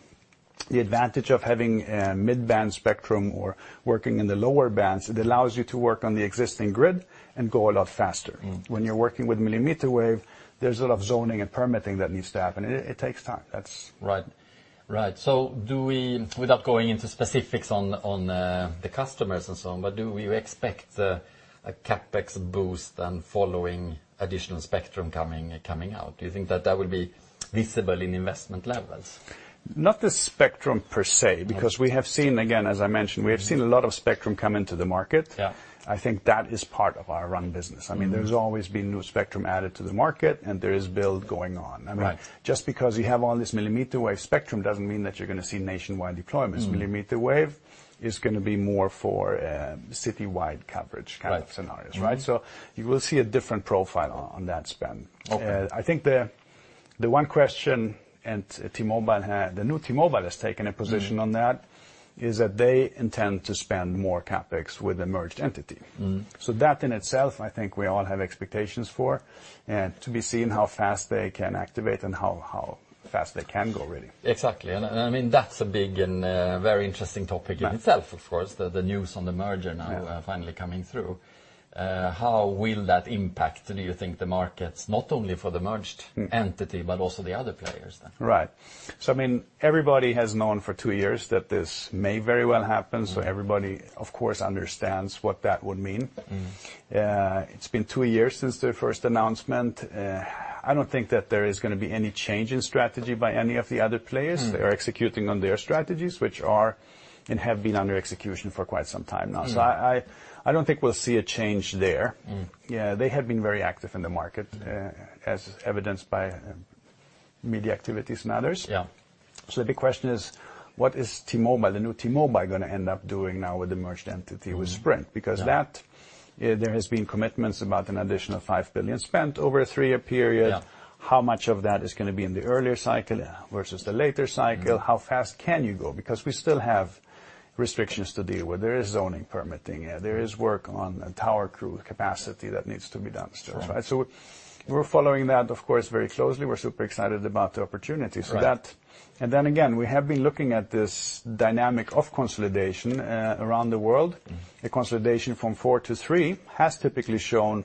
The advantage of having a mid-band spectrum or working in the lower bands, it allows you to work on the existing grid and go a lot faster. When you're working with millimeter wave, there's a lot of zoning and permitting that needs to happen. It takes time. Right. Without going into specifics on the customers and so on, but do you expect a CapEx boost then following additional spectrum coming out? Do you think that that will be visible in investment levels? Not the spectrum, per se. Right We have seen, again, as I mentioned, we have seen a lot of spectrum come into the market. Yeah. I think that is part of our RAN business. There's always been new spectrum added to the market, and there is build going on. Right. Just because you have all this millimeter wave spectrum doesn't mean that you're going to see nationwide deployments. Millimeter wave is going to be more for citywide coverage kind of scenarios. Right. You will see a different profile on that spend. Okay. I think the one question, and the new T-Mobile has taken a position on that, is that they intend to spend more CapEx with the merged entity. That in itself, I think we all have expectations for, and to be seen how fast they can activate and how fast they can go, really. Exactly. That's a big and very interesting topic in itself, of course, the news on the merger now finally coming through. How will that impact, do you think, the markets, not only for the merged entity, but also the other players then? Right. Everybody has known for two years that this may very well happen, so everybody, of course, understands what that would mean. It's been two years since the first announcement. I don't think that there is going to be any change in strategy by any of the other players. They are executing on their strategies, which are, and have been under execution for quite some time now. Yeah. I don't think we'll see a change there. They have been very active in the market, as evidenced by media activities and others. Yeah. The big question is, what is the new T-Mobile going to end up doing now with the merged entity with Sprint? There has been commitments about an additional 5 billion spent over a three-year period. Yeah. How much of that is going to be in the earlier cycle? Yeah versus the later cycle? How fast can you go? We still have restrictions to deal with. There is zoning permitting. There is work on tower crew capacity that needs to be done still. Sure. We're following that, of course, very closely. We're super excited about the opportunity. Right. Again, we have been looking at this dynamic of consolidation around the world. The consolidation from four to three has typically shown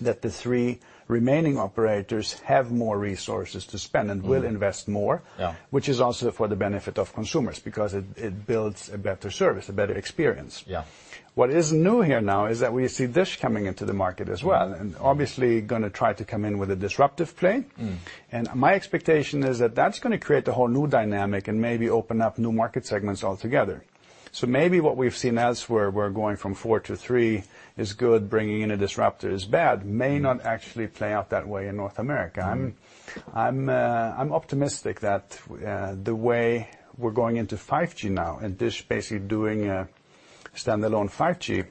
that the three remaining operators have more resources to spend and will invest more. Yeah which is also for the benefit of consumers because it builds a better service, a better experience. Yeah. What is new here now is that we see Dish coming into the market as well, and obviously going to try to come in with a disruptive play. My expectation is that that's going to create a whole new dynamic and maybe open up new market segments altogether. Maybe what we've seen as where we're going from four to three is good, bringing in a disruptor is bad, may not actually play out that way in North America. I'm optimistic that the way we're going into 5G now, and Dish basically doing a standalone 5G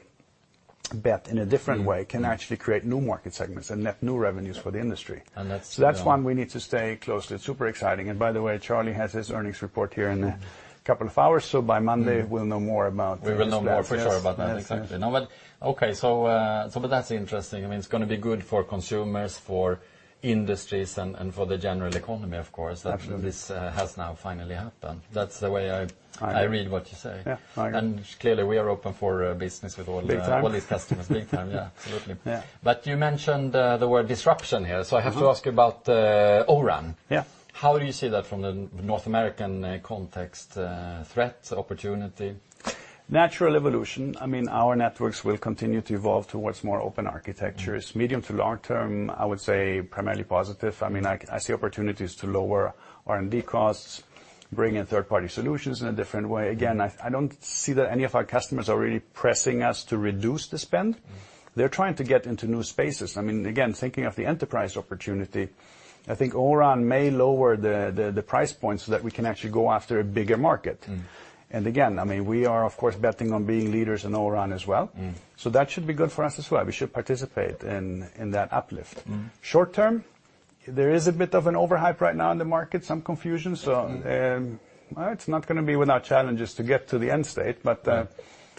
bet in a different way can actually create new market segments and net new revenues for the industry. That's? That's one we need to stay close to. It's super exciting. By the way, Charlie has his earnings report here in a couple of hours, so by Monday, we'll know more about. We will know more for sure about that. Exactly. Okay. That's interesting. It's going to be good for consumers, for industries, and for the general economy, of course Absolutely that this has now finally happened. That's the way I read what you say. Yeah. Clearly, we are open for business with all these customers big time. Big time. Yeah, absolutely. Yeah. You mentioned the word disruption here. I have to ask you about O-RAN? Yeah. How do you see that from the North American context? Threat? Opportunity? Natural evolution. Our networks will continue to evolve towards more open architectures. Medium to long term, I would say primarily positive. I see opportunities to lower R&D costs, bring in third-party solutions in a different way. Again, I don't see that any of our customers are really pressing us to reduce the spend. They're trying to get into new spaces. Again, thinking of the enterprise opportunity, I think O-RAN may lower the price point so that we can actually go after a bigger market. Again, we are, of course, betting on being leaders in O-RAN as well. That should be good for us as well. We should participate in that uplift. Short term, there is a bit of an overhype right now in the market, some confusion. It's not going to be without challenges to get to the end state.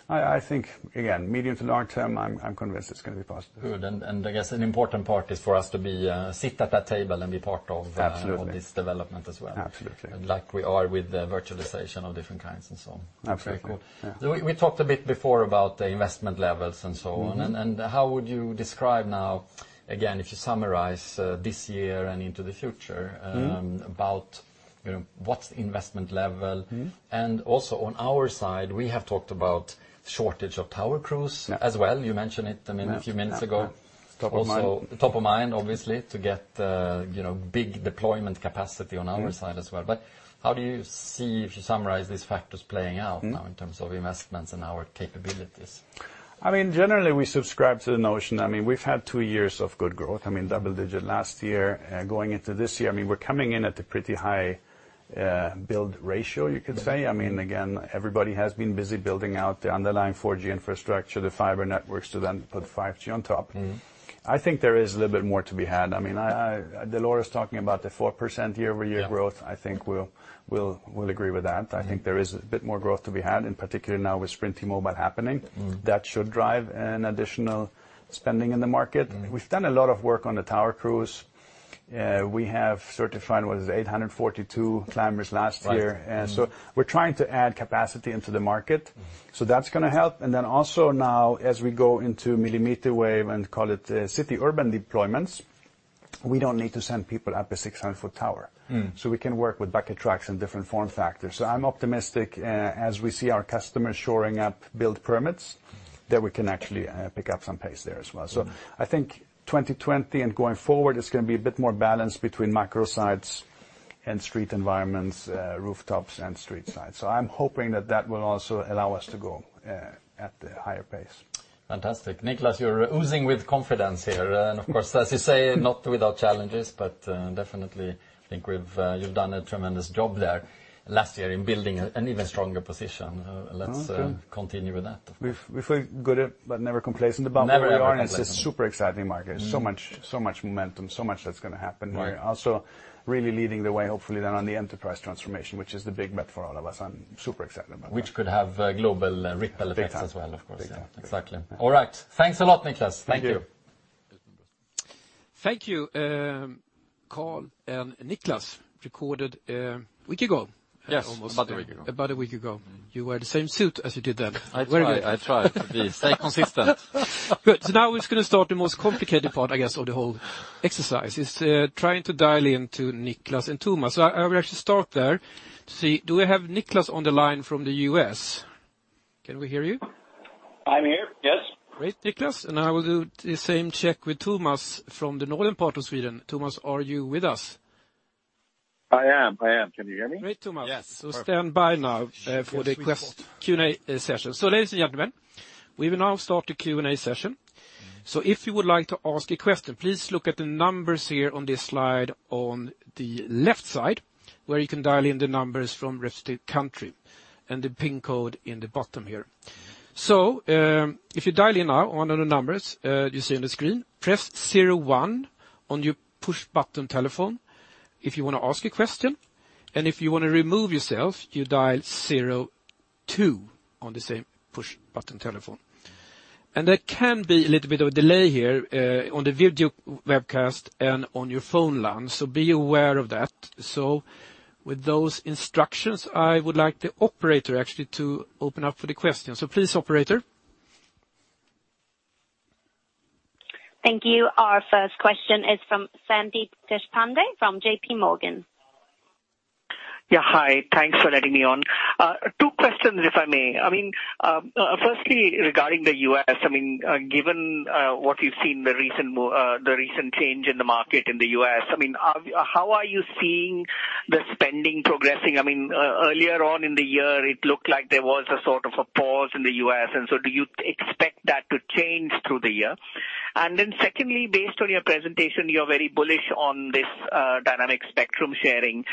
I think, again, medium to long term, I'm convinced it's going to be positive. Good. I guess an important part is for us to sit at that table and be part of. Absolutely this development as well. Absolutely. Like we are with virtualization of different kinds and so on. Absolutely. Very cool. We talked a bit before about the investment levels and so on. How would you describe now, again, if you summarize this year and into the future? About what's the investment level? Also on our side, we have talked about shortage of tower crews as well. You mentioned it a few minutes ago. Yeah. Top of mind. Top of mind, obviously, to get big deployment capacity on our side as well. How do you see, if you summarize these factors playing out now in terms of investments and our capabilities? Generally, we subscribe to the notion. We've had two years of good growth. Double digit last year. Going into this year, we're coming in at a pretty high build ratio, you could say. Again, everybody has been busy building out the underlying 4G infrastructure, the fiber networks, to then put 5G on top. I think there is a little bit more to be had. Dell'Oro's talking about the 4% year-over-year growth. Yeah. I think we'll agree with that. I think there is a bit more growth to be had, in particular now with Sprint T-Mobile happening. That should drive an additional spending in the market. We've done a lot of work on the tower crews. We have certified, what is it, 842 climbers last year. Right. We're trying to add capacity into the market. That's going to help. Also now as we go into millimeter wave and call it city urban deployments, we don't need to send people up a 600-foot tower. We can work with bucket trucks and different form factors. I'm optimistic as we see our customers shoring up build permits, that we can actually pick up some pace there as well. I think 2020 and going forward, it's going to be a bit more balanced between macro sites and street environments, rooftops, and street sides. I'm hoping that that will also allow us to go at a higher pace. Fantastic. Niklas, you're oozing with confidence here. Of course, as you say, not without challenges, but definitely think you've done a tremendous job there last year in building an even stronger position. Oh, good. Let's continue with that, of course. We feel good but never complacent about where we are. Never ever. It's a super exciting market. Much momentum, so much that's going to happen. Yeah. We're also really leading the way, hopefully, then on the enterprise transformation, which is the big bet for all of us. I'm super excited about that. Which could have global ripple effects as well, of course. Big time. Exactly. All right. Thanks a lot, Niklas. Thank you. Thank you, Carl and Niklas. Recorded a week ago. Yes. About a week ago. About a week ago. You wear the same suit as you did then. I try. Please, stay consistent. Good. Now we're just going to start the most complicated part, I guess, of the whole exercise, is trying to dial into Niklas and Thomas. I will actually start there to see, do we have Niklas on the line from the U.S.? Can we hear you? I'm here, yes. Great, Niklas. I will do the same check with Thomas from the northern part of Sweden. Thomas, are you with us? I am. Can you hear me? Great, Thomas. Yes, perfect. Stand by now for the Q&A session. Ladies and gentlemen, we will now start the Q&A session. If you would like to ask a question, please look at the numbers here on this slide on the left side, where you can dial in the numbers from ref to country, and the pin code in the bottom here. If you dial in now on the numbers you see on the screen, press 01 on your push button telephone if you want to ask a question. If you want to remove yourself, you dial 02 on the same push button telephone. There can be a little bit of a delay here on the video webcast and on your phone line, so be aware of that. With those instructions, I would like the operator actually to open up for the questions. Please, operator. Thank you. Our first question is from Sandeep Deshpande from JPMorgan Chase & Co. Yeah. Hi. Thanks for letting me on. Two questions, if I may. Regarding the U.S., given what you've seen, the recent change in the market in the U.S., how are you seeing the spending progressing? Earlier on in the year, it looked like there was a sort of a pause in the U.S., do you expect that to change through the year? Based on your presentation, you're very bullish on this Dynamic Spectrum Sharing.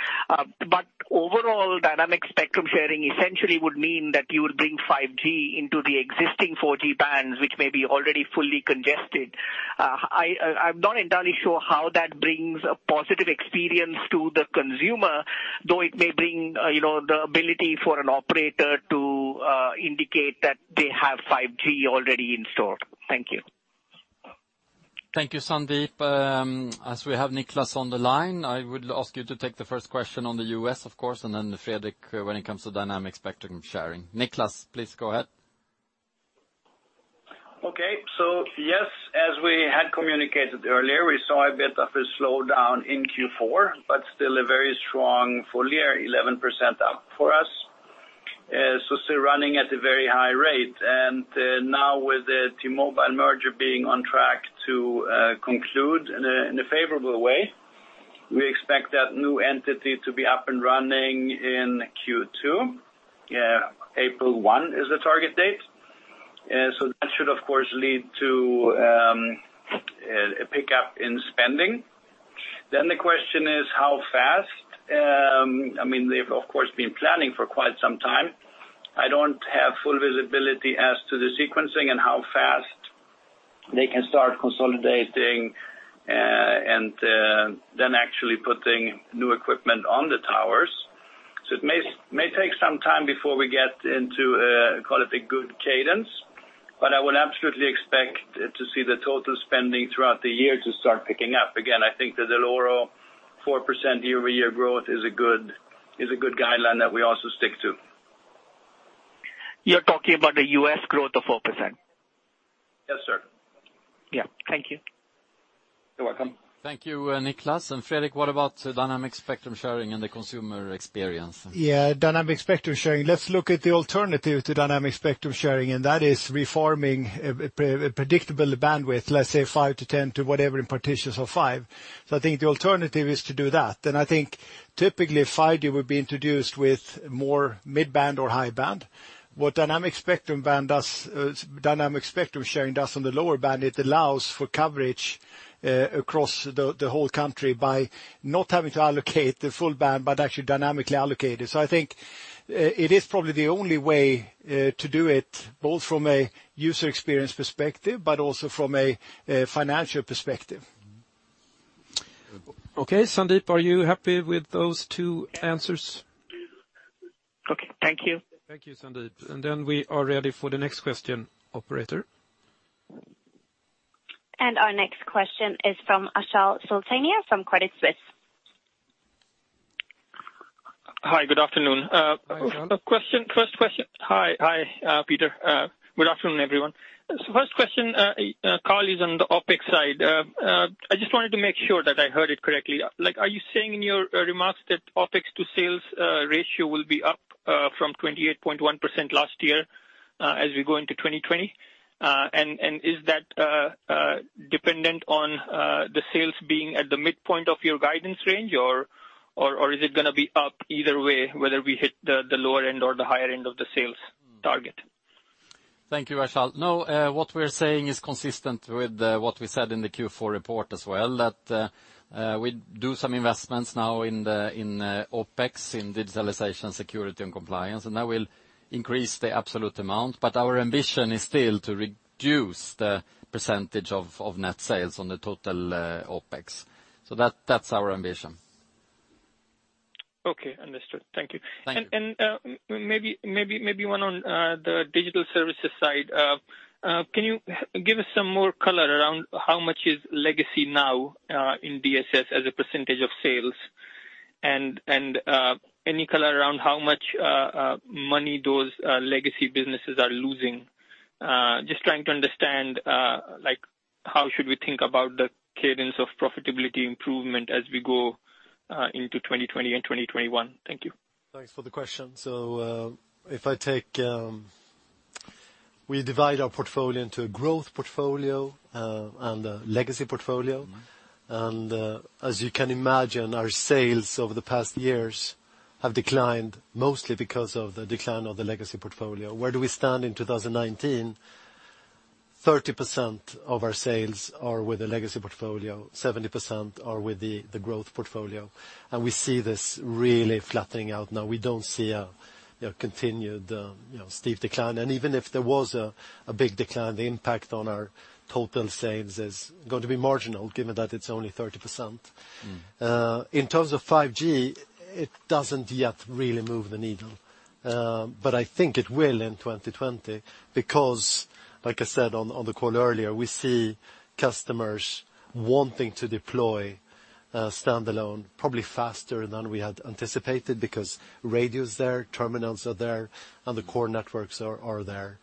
Overall, Dynamic Spectrum Sharing essentially would mean that you would bring 5G into the existing 4G bands, which may be already fully congested. I'm not entirely sure how that brings a positive experience to the consumer, though it may bring the ability for an operator to indicate that they have 5G already in store. Thank you. Thank you, Sandeep. As we have Niklas on the line, I would ask you to take the first question on the U.S., of course, and then Fredrik when it comes to Dynamic Spectrum Sharing. Niklas, please go ahead. Okay. Yes, as we had communicated earlier, we saw a bit of a slowdown in Q4, but still a very strong full year, 11% up for us. Still running at a very high rate. Now with the T-Mobile merger being on track to conclude in a favorable way, we expect that new entity to be up and running in Q2. April 1 is the target date. That should of course lead to a pickup in spending. The question is how fast. They've, of course, been planning for quite some time. I don't have full visibility as to the sequencing and how fast they can start consolidating, and then actually putting new equipment on the towers. It may take some time before we get into, call it a good cadence, but I would absolutely expect to see the total spending throughout the year to start picking up. I think that the Dell'Oro 4% year-over-year growth is a good guideline that we also stick to. You're talking about the U.S. growth of 4%? Yes, sir. Yeah. Thank you. You're welcome. Thank you, Niklas. Fredrik, what about dynamic spectrum sharing and the consumer experience? Yeah. Dynamic Spectrum Sharing. Let's look at the alternative to Dynamic Spectrum Sharing, and that is refarming a predictable bandwidth, let's say 5 MHz-10 MHz to whatever in partitions of 5. I think the alternative is to do that. I think typically 5G would be introduced with more mid-band or high band. What Dynamic Spectrum Sharing does on the lower band, it allows for coverage across the whole country by not having to allocate the full band, but actually dynamically allocate it. I think it is probably the only way to do it, both from a user experience perspective, but also from a financial perspective. Okay. Sandeep, are you happy with those two answers? Okay. Thank you. Thank you, Sandeep. We are ready for the next question, operator. Our next question is from Achal Sultania from Credit Suisse. Hi, good afternoon. Hi. Hi, Peter. Good afternoon, everyone. First question, Carl, is on the OpEx side. I just wanted to make sure that I heard it correctly. Are you saying in your remarks that OpEx to sales ratio will be up from 28.1% last year as we go into 2020? Is that dependent on the sales being at the midpoint of your guidance range, or is it going to be up either way, whether we hit the lower end or the higher end of the sales target? Thank you, Achal. What we're saying is consistent with what we said in the Q4 report as well, that we do some investments now in OpEx, in digitalization, security and compliance, and that will increase the absolute amount. Our ambition is still to reduce the % of net sales on the total OpEx. That's our ambition. Okay, understood. Thank you. Thank you. Maybe one on the Digital Services side. Can you give us some more color around how much is legacy now in DSS as a percentage of sales? Any color around how much money those legacy businesses are losing? Just trying to understand how should we think about the cadence of profitability improvement as we go into 2020 and 2021. Thank you. Thanks for the question. We divide our portfolio into a growth portfolio and a legacy portfolio. As you can imagine, our sales over the past years have declined mostly because of the decline of the legacy portfolio. Where do we stand in 2019? 30% of our sales are with the legacy portfolio, 70% are with the growth portfolio. We see this really flattening out now. We don't see a continued steep decline. Even if there was a big decline, the impact on our total sales is going to be marginal, given that it's only 30%. In terms of 5G, it doesn't yet really move the needle. I think it will in 2020 because, like I said on the call earlier, we see customers wanting to deploy standalone probably faster than we had anticipated because radio's there, terminals are there. The core networks are there.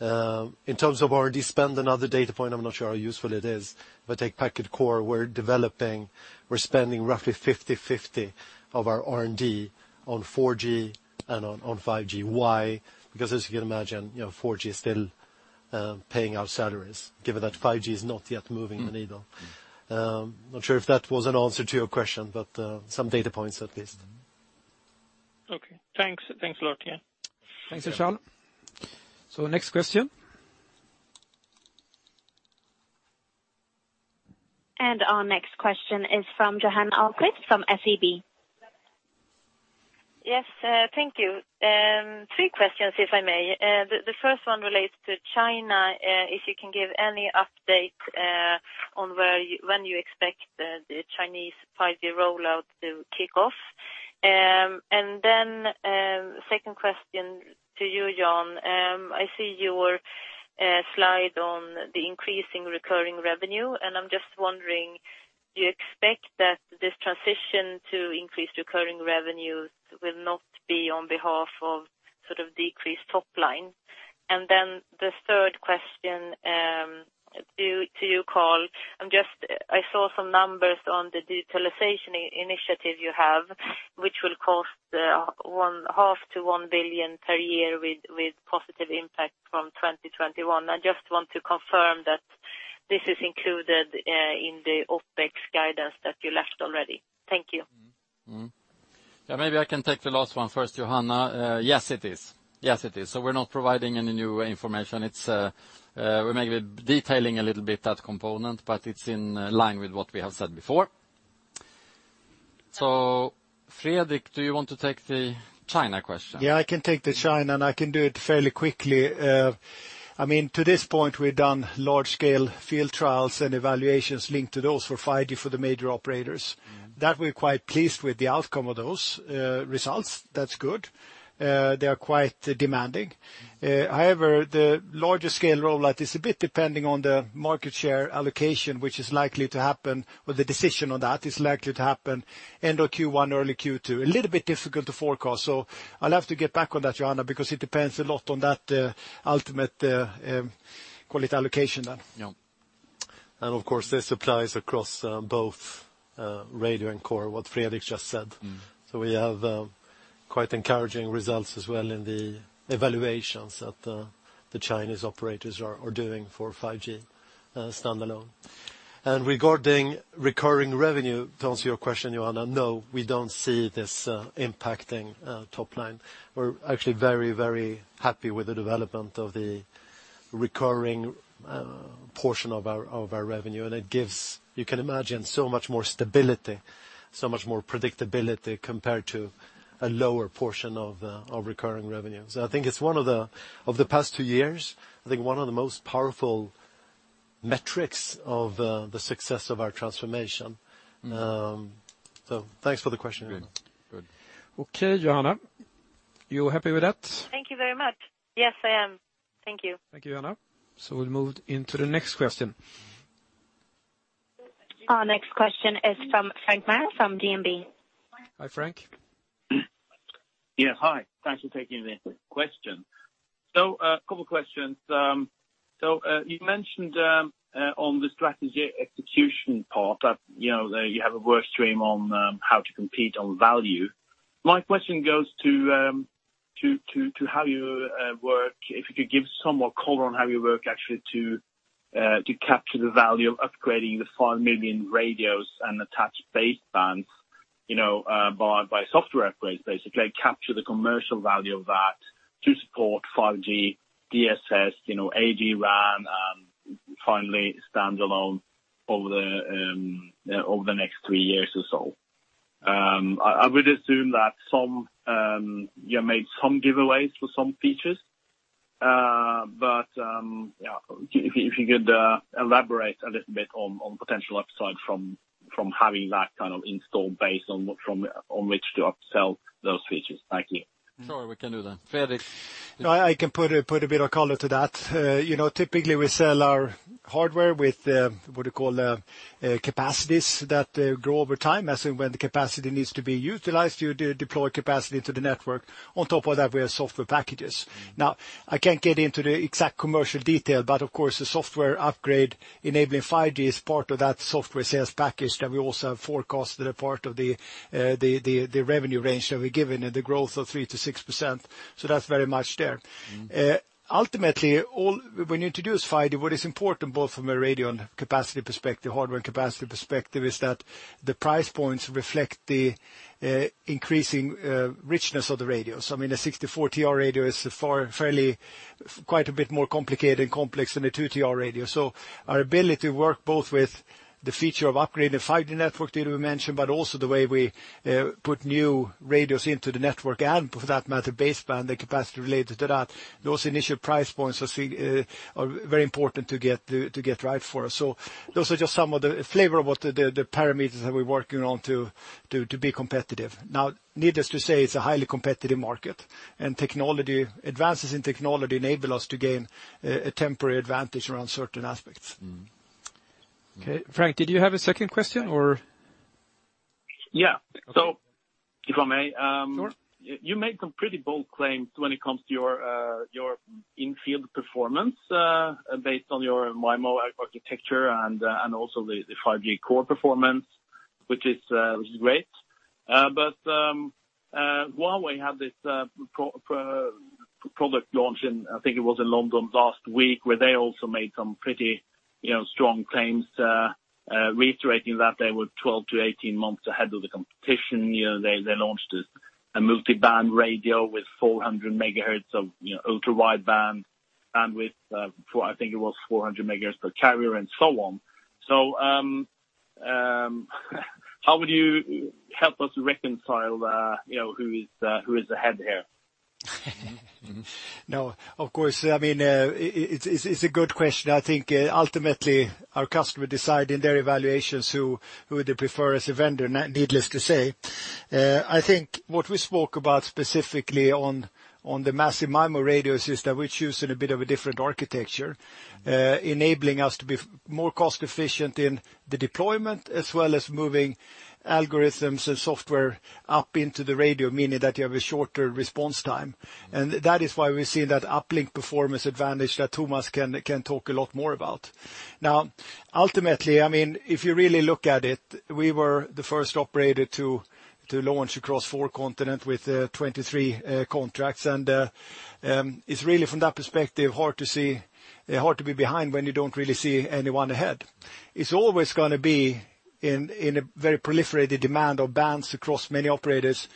In terms of R&D spend, another data point, I'm not sure how useful it is, but take Packet Core, we're developing, we're spending roughly 50/50 of our R&D on 4G and on 5G. Why? Because as you can imagine, 4G is still paying our salaries, given that 5G is not yet moving the needle. Not sure if that was an answer to your question, but some data points at least. Okay, thanks a lot. Yeah. Thanks, Achal. Next question. Our next question is from Johanna Ahlqvist from SEB. Yes, thank you. Three questions, if I may. The first one relates to China. If you can give any update on when you expect the Chinese 5G rollout to kick off. Second question to you, Jan. I see your slide on the increasing recurring revenue, and I'm just wondering, do you expect that this transition to increased recurring revenues will not be on behalf of decreased top line? The third question to you, Carl. I saw some numbers on the Digitalization initiative you have, which will cost 0.5 billion-1 billion per year with positive impact from 2021. I just want to confirm that this is included in the OpEx guidance that you left already. Thank you. Yeah, maybe I can take the last one first, Johanna. Yes, it is. We're not providing any new information. We're maybe detailing a little bit that component, but it's in line with what we have said before. Fredrik, do you want to take the China question? I can take the China, and I can do it fairly quickly. To this point, we've done large-scale field trials and evaluations linked to those for 5G for the major operators. That we're quite pleased with the outcome of those results. That's good. They are quite demanding. The larger scale rollout is a bit depending on the market share allocation, which is likely to happen, or the decision on that is likely to happen end of Q1, early Q2. A little bit difficult to forecast. I'll have to get back on that, Johanna, because it depends a lot on that ultimate quality allocation then. Of course, this applies across both radio and core, what Fredrik just said. We have quite encouraging results as well in the evaluations that the Chinese operators are doing for 5G standalone. Regarding recurring revenue, to answer your question, Johanna, no, we don't see this impacting top line. We're actually very happy with the development of the recurring portion of our revenue, and it gives, you can imagine, so much more stability, so much more predictability compared to a lower portion of recurring revenue. I think of the past two years, I think one of the most powerful metrics of the success of our transformation. Thanks for the question, Johanna. Good. Okay, Johanna, you're happy with that? Thank you very much. Yes, I am. Thank you. Thank you, Johanna. We'll move into the next question. Our next question is from Frank Maaø from DNB. Hi, Frank. Yeah, hi. Thanks for taking the question. A couple questions. You mentioned on the strategy execution part that you have a work stream on how to compete on value. My question goes to how you work, if you could give somewhat color on how you work actually to capture the value of upgrading the 5 million radios and attached basebands, by software upgrades, basically. Capture the commercial value of that to support 5G, DSS, AI RAN, and finally standalone over the next three years or so. I would assume that you made some giveaways for some features If you could elaborate a little bit on potential upside from having that kind of install base on which to upsell those features. Thank you. Sure, we can do that. Fredrik? No, I can put a bit of color to that. Typically, we sell our hardware with what you call capacities that grow over time, as in when the capacity needs to be utilized, you deploy capacity to the network. On top of that, we have software packages. Now, I can't get into the exact commercial detail, but of course, the software upgrade enabling 5G is part of that software sales package that we also have forecasted a part of the revenue range that we've given, the growth of 3% to 6%. That's very much there. Ultimately, when you introduce 5G, what is important both from a radio and capacity perspective, hardware and capacity perspective, is that the price points reflect the increasing richness of the radios. I mean, a 64 TR radio is quite a bit more complicated and complex than a two TR radio. Our ability to work both with the feature of upgrading the 5G network that we mentioned, but also the way we put new radios into the network, and for that matter, baseband, the capacity related to that, those initial price points are very important to get right for us. Those are just some of the flavor of what the parameters that we're working on to be competitive. Needless to say, it's a highly competitive market, and advances in technology enable us to gain a temporary advantage around certain aspects. Okay. Frank, did you have a second question? Yeah. If I may. Sure. You made some pretty bold claims when it comes to your infield performance based on your MIMO architecture and also the 5G Core performance, which is great. Huawei had this product launch in, I think it was in London last week, where they also made some pretty strong claims reiterating that they were 12 to 18 months ahead of the competition. They launched a multi-band radio with 400 MHz of ultra-wideband and with, I think it was 400 MHz per carrier and so on. How would you help us reconcile who is ahead here? No, of course. It's a good question. I think ultimately our customer decide in their evaluations who they prefer as a vendor, needless to say. I think what we spoke about specifically on the massive MIMO radio system, we're choosing a bit of a different architecture enabling us to be more cost-efficient in the deployment as well as moving algorithms and software up into the radio, meaning that you have a shorter response time. That is why we're seeing that uplink performance advantage that Thomas can talk a lot more about. Now, ultimately, if you really look at it, we were the first operator to launch across four continent with 23 contracts. It's really from that perspective, hard to be behind when you don't really see anyone ahead. It's always going to be in a very proliferated demand of bands across many operators.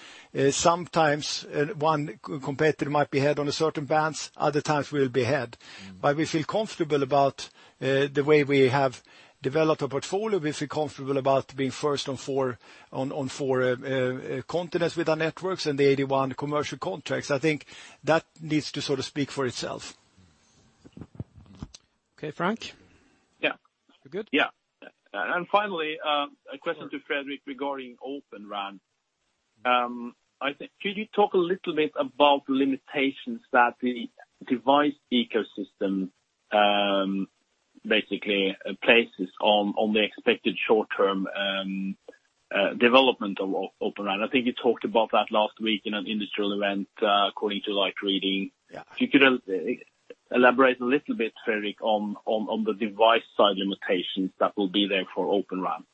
Sometimes one competitor might be ahead on a certain bands, other times we'll be ahead. We feel comfortable about the way we have developed a portfolio. We feel comfortable about being first on four continents with our networks and the 81 commercial contracts. I think that needs to sort of speak for itself. Okay, Frank? Yeah. We're good? Yeah. Finally, a question to Fredrik regarding Open RAN. Could you talk a little bit about the limitations that the device ecosystem basically places on the expected short-term development of Open RAN? I think you talked about that last week in an industrial event, according to Light Reading. Yeah. If you could elaborate a little bit, Fredrik, on the device side limitations that will be there for Open RAN?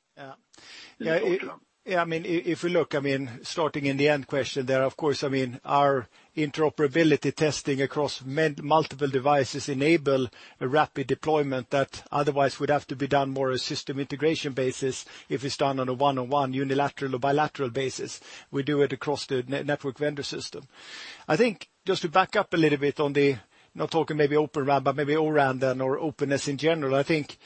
Yeah. If you look, starting in the end question there, of course, our interoperability testing across multiple devices enable a rapid deployment that otherwise would have to be done more a system integration basis if it's done on a one-on-one unilateral or bilateral basis. We do it across the network vendor system. I think just to back up a little bit on the, not talking maybe Open RAN, but maybe O-RAN then or openness in general, I think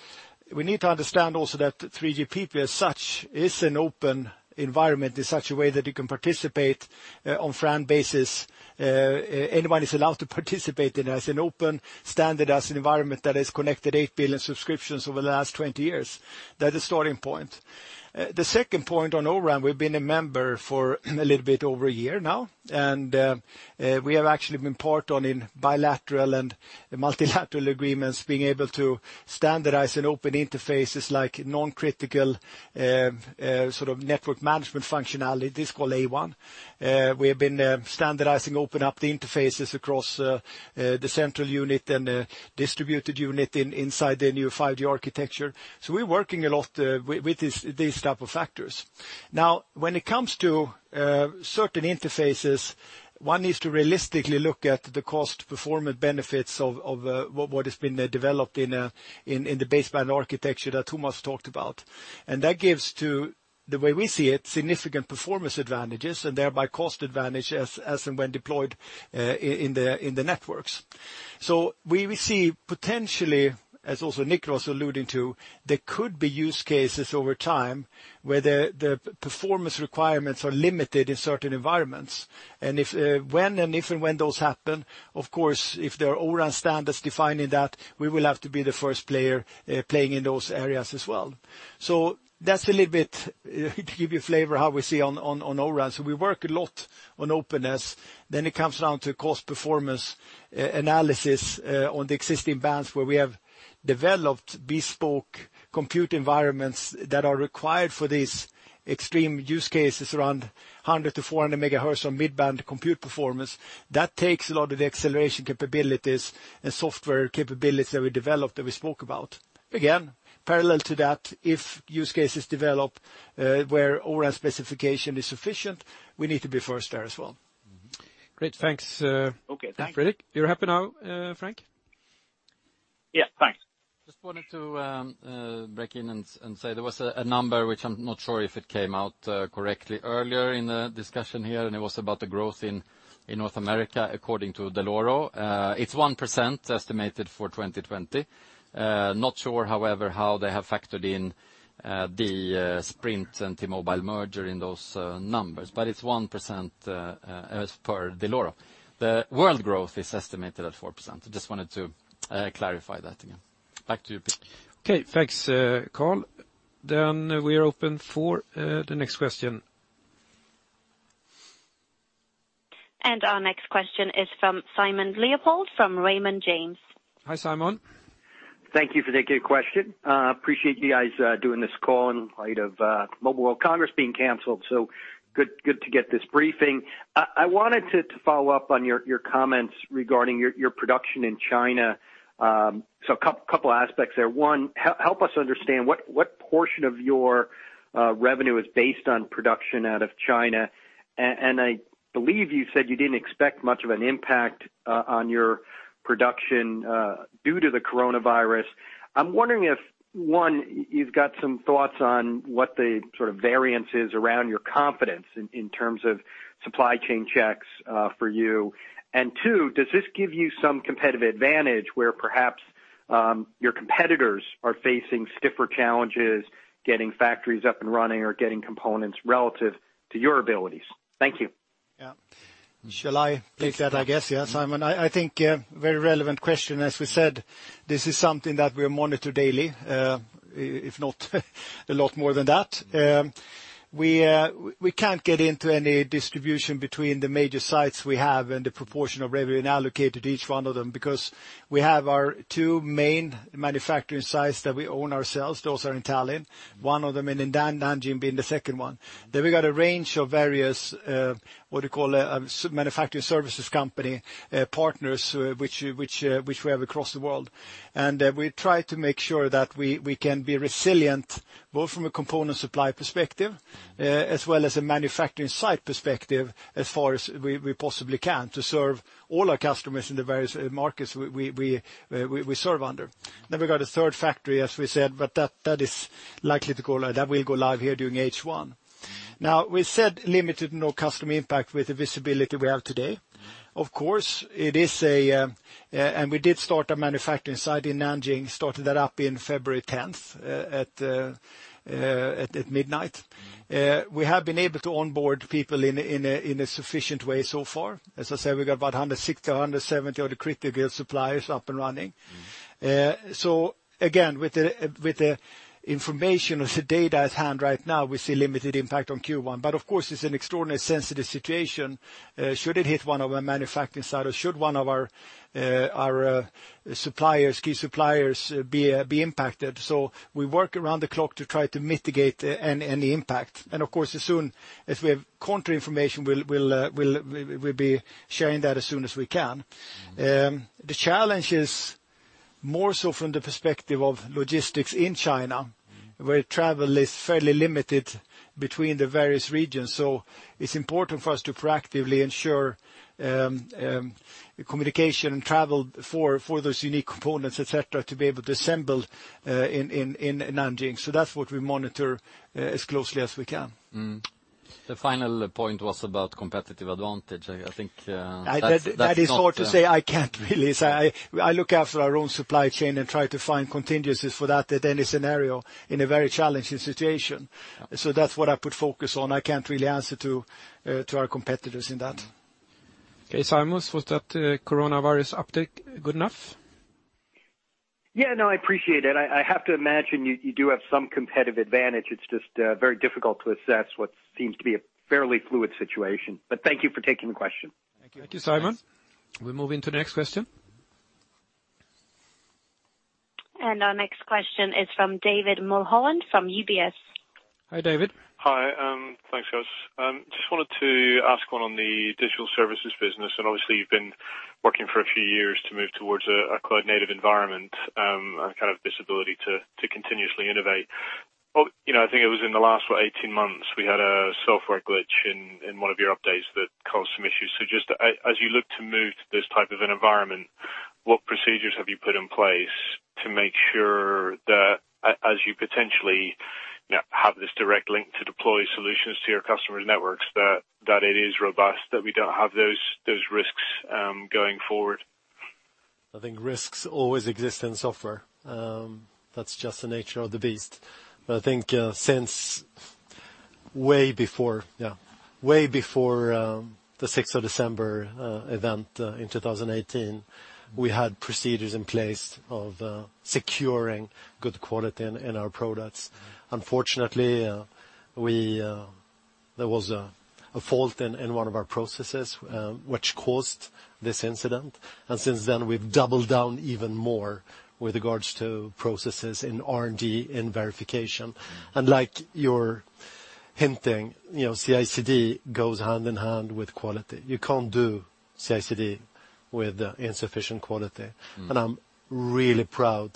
we need to understand also that 3GPP as such is an open environment in such a way that you can participate on FRAND basis. Anybody's allowed to participate in it as an open standard, as an environment that has connected eight billion subscriptions over the last 20 years. That is starting point. The second point on O-RAN, we've been a member for a little bit over a year now, and we have actually been part on in bilateral and multilateral agreements, being able to standardize in open interfaces like non-critical network management functionality, DISCO A1. We have been standardizing open up the interfaces across the central unit and distributed unit inside the new 5G architecture. We're working a lot with these type of factors. Now, when it comes to certain interfaces, one needs to realistically look at the cost performance benefits of what has been developed in the baseband architecture that Thomas talked about. That gives to, the way we see it, significant performance advantages and thereby cost advantage as and when deployed in the networks. We see potentially, as also Niklas alluding to, there could be use cases over time where the performance requirements are limited in certain environments. If and when those happen, of course, if there are O-RAN standards defining that, we will have to be the first player playing in those areas as well. That's a little bit to give you a flavor how we see on O-RAN. We work a lot on openness, then it comes down to cost performance analysis on the existing bands where we have developed bespoke compute environments that are required for these extreme use cases around 100-400 MHz on mid-band compute performance. That takes a lot of the acceleration capabilities and software capability that we developed that we spoke about. Again, parallel to that, if use cases develop where O-RAN specification is sufficient, we need to be first there as well. Great. Thanks. Okay, thank you. Thanks, Fredrik. You're happy now, Frank? Yeah. Thanks. Just wanted to break in and say there was a number which I'm not sure if it came out correctly earlier in the discussion here, and it was about the growth in North America, according to Dell'Oro. It's 1% estimated for 2020. Not sure, however, how they have factored in the Sprint and T-Mobile merger in those numbers, but it's 1% as per Dell'Oro. The world growth is estimated at 4%. I just wanted to clarify that again. Back to you, Peter. Okay. Thanks, Carl. We are open for the next question. Our next question is from Simon Leopold from Raymond James. Hi, Simon. Thank you for taking the question. Appreciate you guys doing this call in light of Mobile World Congress being canceled, so good to get this briefing. I wanted to follow up on your comments regarding your production in China. A couple of aspects there. One, help us understand what portion of your revenue is based on production out of China, and I believe you said you didn't expect much of an impact on your production due to the coronavirus. I'm wondering if, one, you've got some thoughts on what the sort of variance is around your confidence in terms of supply chain checks for you, and two, does this give you some competitive advantage where perhaps your competitors are facing stiffer challenges getting factories up and running or getting components relative to your abilities? Thank you. Yeah. Shall I take that, I guess? Yeah, Simon. I think a very relevant question. As we said, this is something that we monitor daily, if not a lot more than that. We can't get into any distribution between the major sites we have and the proportion of revenue allocated to each one of them because we have our two main manufacturing sites that we own ourselves. Those are in Tallinn. One of them, then Nanjing being the second one. Then we got a range of various, what you call, manufacturing services company partners which we have across the world. We try to make sure that we can be resilient, both from a component supply perspective as well as a manufacturing site perspective as far as we possibly can to serve all our customers in the various markets we serve under. We got a third factory, as we said, but that will go live here during H1. We said limited to no customer impact with the visibility we have today. We did start our manufacturing site in Nanjing, started that up in February 10th at midnight. We have been able to onboard people in a sufficient way so far. As I said, we got about 160 or 170 of the critical suppliers up and running. Again, with the information or the data at hand right now, we see limited impact on Q1. Of course, it's an extraordinary sensitive situation. Should it hit one of our manufacturing sites or should one of our key suppliers be impacted. We work around the clock to try to mitigate any impact. Of course, as soon as we have counter information, we'll be sharing that as soon as we can. The challenge is more so from the perspective of logistics in China. where travel is fairly limited between the various regions. It's important for us to proactively ensure communication and travel for those unique components, et cetera, to be able to assemble in Nanjing. That's what we monitor as closely as we can. The final point was about competitive advantage. That is hard to say. I can't really say. I look after our own supply chain and try to find contingencies for that at any scenario in a very challenging situation. That's what I put focus on. I can't really answer to our competitors in that. Okay. Simon, was that coronavirus update good enough? Yeah, no, I appreciate it. I have to imagine you do have some competitive advantage. It's just very difficult to assess what seems to be a fairly fluid situation. Thank you for taking the question. Thank you. Thank you, Simon. We move into the next question. Our next question is from David Mulholland from UBS. Hi, David. Hi. Thanks, guys. Just wanted to ask one on the Digital Services business, and obviously you've been working for a few years to move towards a cloud-native environment, and kind of this ability to continuously innovate. I think it was in the last, what, 18 months, we had a software glitch in one of your updates that caused some issues. Just as you look to move to this type of an environment, what procedures have you put in place to make sure that as you potentially have this direct link to deploy solutions to your customers' networks, that it is robust, that we don't have those risks going forward? I think risks always exist in software. That's just the nature of the beast. I think since. Way before the 6th of December event in 2018, we had procedures in place of securing good quality in our products. Unfortunately, there was a fault in one of our processes, which caused this incident. Since then, we've doubled down even more with regards to processes in R&D, in verification. Like you're hinting, CI/CD goes hand in hand with quality. You can't do CI/CD with insufficient quality. I'm really proud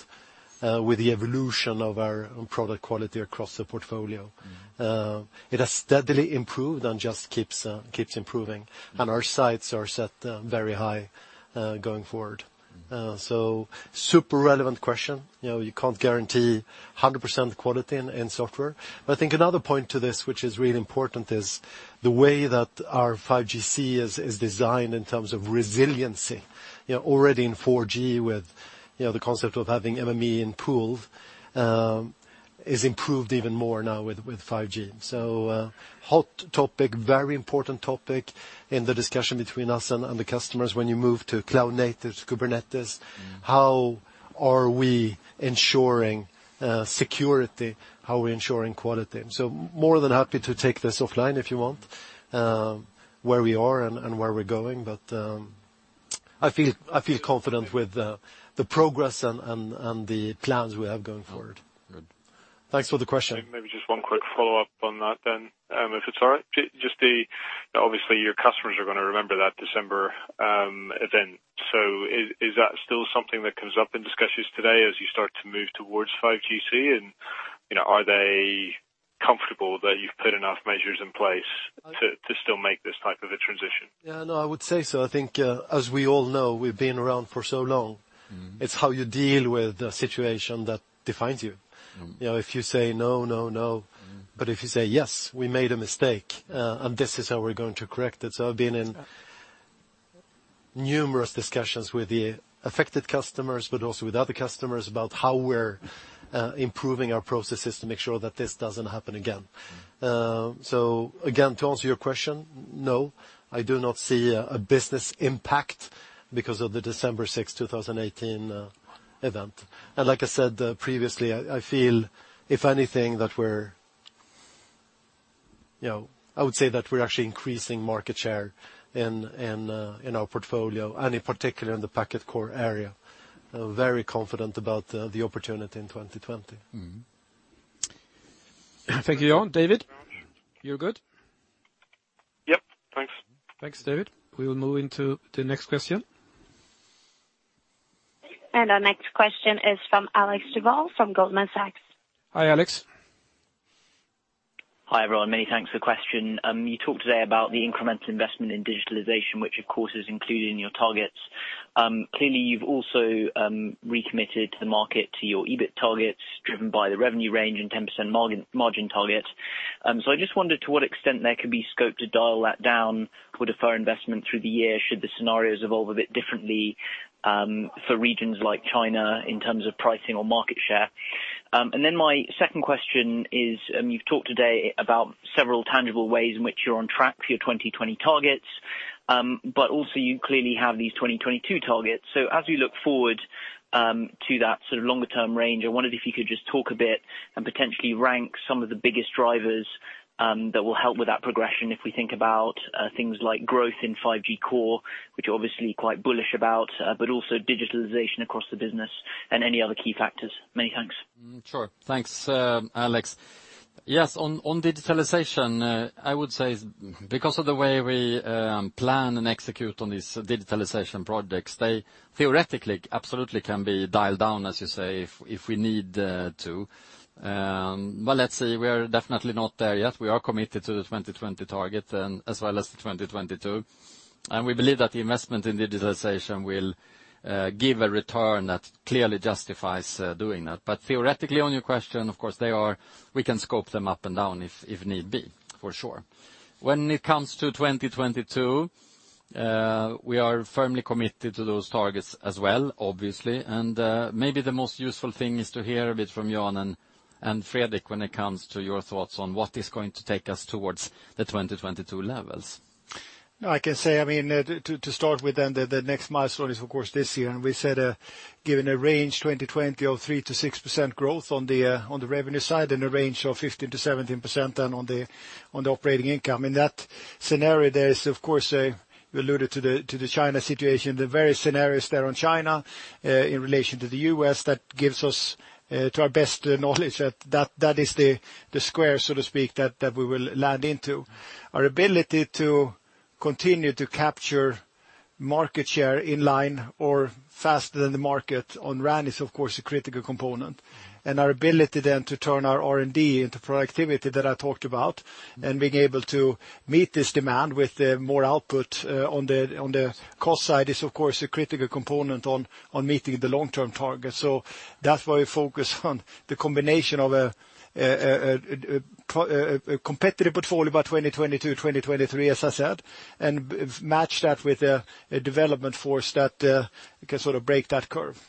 with the evolution of our own product quality across the portfolio. It has steadily improved and just keeps improving. Our sights are set very high going forward. Super relevant question. You can't guarantee 100% quality in software, but I think another point to this, which is really important, is the way that our 5GC is designed in terms of resiliency. Already in 4G with the concept of having MME in pool, is improved even more now with 5G. Hot topic, very important topic in the discussion between us and the customers when you move to cloud-native, Kubernetes. How are we ensuring security? How are we ensuring quality? More than happy to take this offline if you want, where we are and where we're going. I feel confident with the progress and the plans we have going forward. Good. Thanks for the question. Maybe just one quick follow-up on that then, if it's all right. Obviously, your customers are going to remember that December event. Is that still something that comes up in discussions today as you start to move towards 5GC? Are they comfortable that you've put enough measures in place to still make this type of a transition? Yeah, no, I would say so. I think, as we all know, we've been around for so long. It's how you deal with a situation that defines you. If you say, No, No, No. If you say, Yes, we made a mistake, and this is how we're going to correct it. I've been in numerous discussions with the affected customers, but also with other customers about how we're improving our processes to make sure that this doesn't happen again. Again, to answer your question, no, I do not see a business impact because of the December 6, 2018 event. Like I said previously, I feel if anything, I would say that we're actually increasing market share in our portfolio, and in particular in the Packet Core area. Very confident about the opportunity in 2020. Thank you, Jan. David, you're good? Yep. Thanks. Thanks, David. We will move into the next question. Our next question is from Alex Duval from Goldman Sachs Group, Inc. Hi, Alex. Hi, everyone. Many thanks for the question. You talked today about the incremental investment in digitalization, which of course, is included in your targets. Clearly, you've also recommitted to the market, to your EBIT targets, driven by the revenue range and 10% margin target. I just wondered to what extent there could be scope to dial that down or defer investment through the year should the scenarios evolve a bit differently, for regions like China in terms of pricing or market share. My second question is, you've talked today about several tangible ways in which you're on track for your 2020 targets. Also you clearly have these 2022 targets. As we look forward to that longer term range, I wondered if you could just talk a bit and potentially rank some of the biggest drivers that will help with that progression if we think about things like growth in 5G Core, which you're obviously quite bullish about, but also digitalization across the business and any other key factors. Many thanks. Sure. Thanks, Alex. Yes, on digitalization, I would say because of the way we plan and execute on these digitalization projects, they theoretically absolutely can be dialed down, as you say, if we need to. Let's see. We are definitely not there yet. We are committed to the 2020 target as well as the 2022. We believe that the investment in digitalization will give a return that clearly justifies doing that. Theoretically, on your question, of course, we can scope them up and down if need be, for sure. When it comes to 2022, we are firmly committed to those targets as well, obviously. Maybe the most useful thing is to hear a bit from Jan and Fredrik when it comes to your thoughts on what is going to take us towards the 2022 levels. No, I can say, to start with, the next milestone is of course this year, and we said, given a range 2020 of 3%-6% growth on the revenue side and a range of 15%-17% on the operating income. In that scenario, there is, of course, you alluded to the China situation, the various scenarios there on China, in relation to the U.S. That gives us, to our best knowledge, that is the square, so to speak, that we will land into. Our ability to continue to capture market share in line or faster than the market on RAN is of course a critical component. Our ability to turn our R&D into productivity that I talked about and being able to meet this demand with more output on the cost side is of course a critical component on meeting the long-term target. That's why we focus on the combination of a competitive portfolio by 2022, 2023, as I said, and match that with a development force that can break that curve.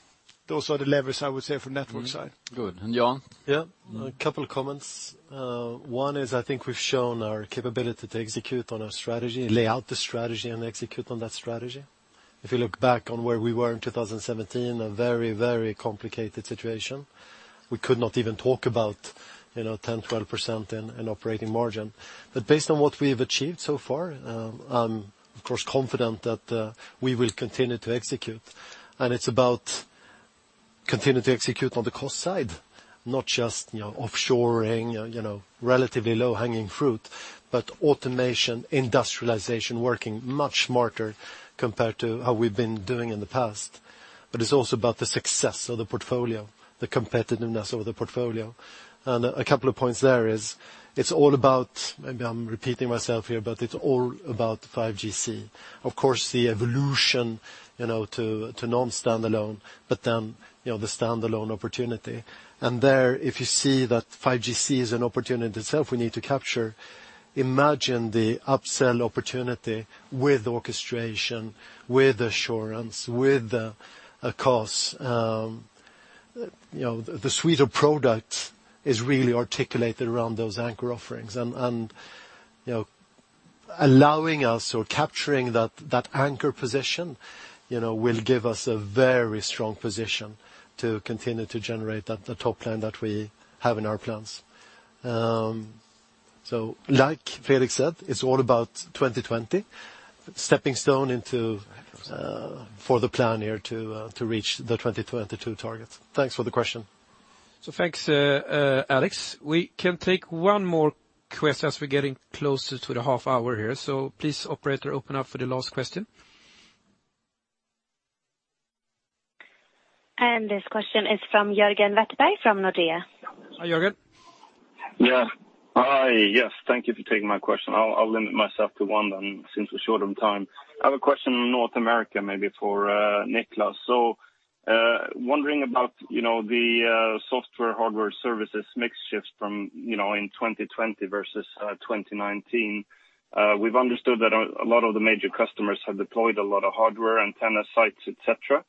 Those are the levers I would say from network side. Good. Jan? Yeah. A couple of comments. One is, I think we've shown our capability to execute on our strategy, lay out the strategy and execute on that strategy. If you look back on where we were in 2017, a very, very complicated situation. We could not even talk about 10, 12% in operating margin. Based on what we have achieved so far, I'm of course confident that we will continue to execute. It's about continuing to execute on the cost side, not just offshoring, relatively low-hanging fruit. Automation, industrialization, working much smarter compared to how we've been doing in the past. It's also about the success of the portfolio, the competitiveness of the portfolio. A couple of points there is, it's all about, maybe I'm repeating myself here, but it's all about 5GC. Of course, the evolution to non-standalone, but then, the standalone opportunity. There, if you see that 5GC is an opportunity itself we need to capture, imagine the upsell opportunity with orchestration, with assurance, with the cost. The suite of products is really articulated around those anchor offerings. Allowing us or capturing that anchor position will give us a very strong position to continue to generate that top line that we have in our plans. Like Fredrik said, it’s all about 2020, stepping stone for the plan here to reach the 2022 targets. Thanks for the question. Thanks, Alex. We can take one more question as we're getting closer to the half hour here. Please, operator open up for the last question. This question is from Jörgen Wetterberg from Nordea. Hi, Jörgen. Yeah. Hi. Yes, thank you for taking my question. I'll limit myself to one then, since we're short on time. I have a question on North America, maybe for Niklas. Wondering about the software, hardware, services, mix shift from in 2020 versus 2019. We've understood that a lot of the major customers have deployed a lot of hardware, antenna, sites, et cetera,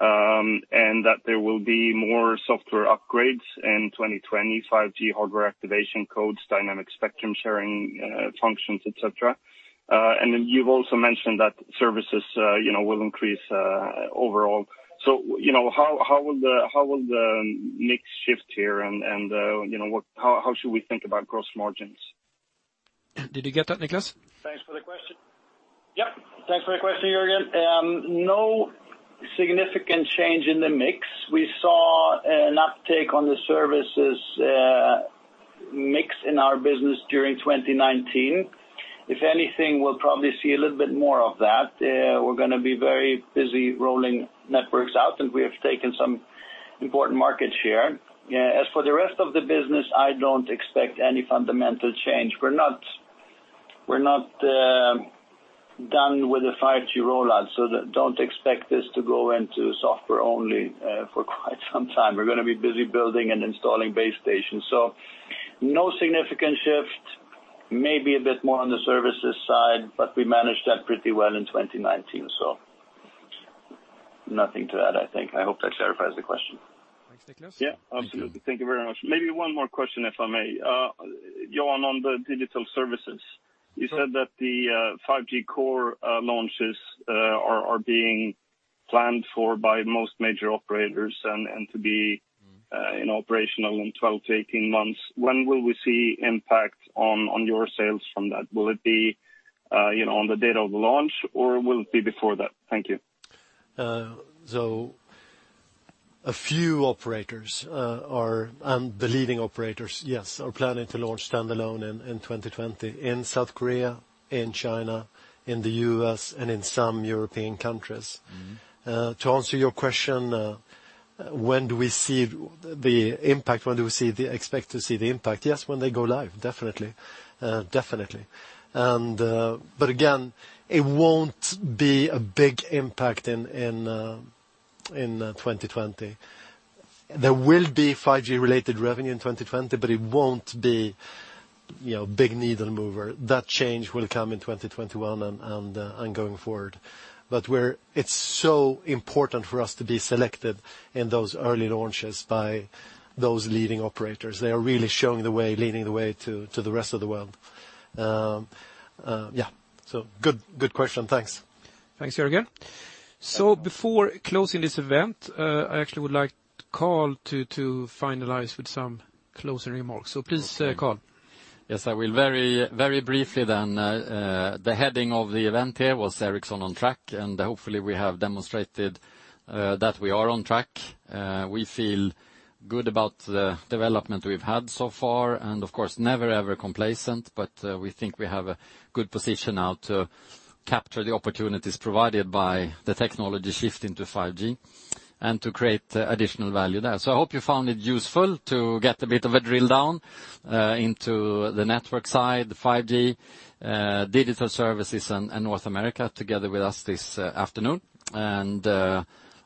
and that there will be more software upgrades in 2020, 5G hardware activation codes, Dynamic Spectrum Sharing functions, et cetera. Then you've also mentioned that services will increase overall. How will the mix shift here and how should we think about gross margins? Did you get that, Niklas? Thanks for the question. Yeah. Thanks for the question, Jörgen. No significant change in the mix. We saw an uptake on the services mix in our business during 2019. If anything, we'll probably see a little bit more of that. We're gonna be very busy rolling networks out, and we have taken some important market share. As for the rest of the business, I don't expect any fundamental change. We're not done with the 5G rollout, so don't expect this to go into software only for quite some time. We're gonna be busy building and installing base stations. No significant shift. Maybe a bit more on the services side, but we managed that pretty well in 2019. Nothing to add, I think. I hope that clarifies the question. Thanks, Niklas. Absolutely. Thank you very much. Maybe one more question, if I may. Jan, on the Digital Services. You said that the 5G Core launches are being planned for by most major operators and to be operational in 12 to 18 months. When will we see impact on your sales from that? Will it be on the date of the launch, or will it be before that? Thank you. A few operators and the leading operators, yes, are planning to launch standalone in 2020 in South Korea, in China, in the U.S., and in some European countries. To answer your question, when do we expect to see the impact? Yes, when they go live, definitely. Again, it won't be a big impact in 2020. There will be 5G-related revenue in 2020, but it won't be big needle mover. That change will come in 2021 and ongoing forward. It's so important for us to be selected in those early launches by those leading operators. They are really showing the way, leading the way to the rest of the world. Yeah. Good question. Thanks. Thanks, Jörgen. Before closing this event, I actually would like Carl to finalize with some closing remarks. Please, Carl. Yes, I will very briefly then. The heading of the event here was Ericsson on Track, and hopefully we have demonstrated that we are on track. We feel good about the development we've had so far, and of course, never ever complacent, but we think we have a good position now to capture the opportunities provided by the technology shift into 5G and to create additional value there. I hope you found it useful to get a bit of a drill down into the network side, 5G, digital services, and North America together with us this afternoon.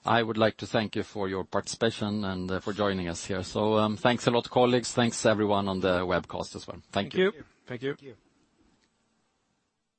I would like to thank you for your participation and for joining us here. Thanks a lot, colleagues. Thanks, everyone on the webcast as well. Thank you. Thank you. Thank you.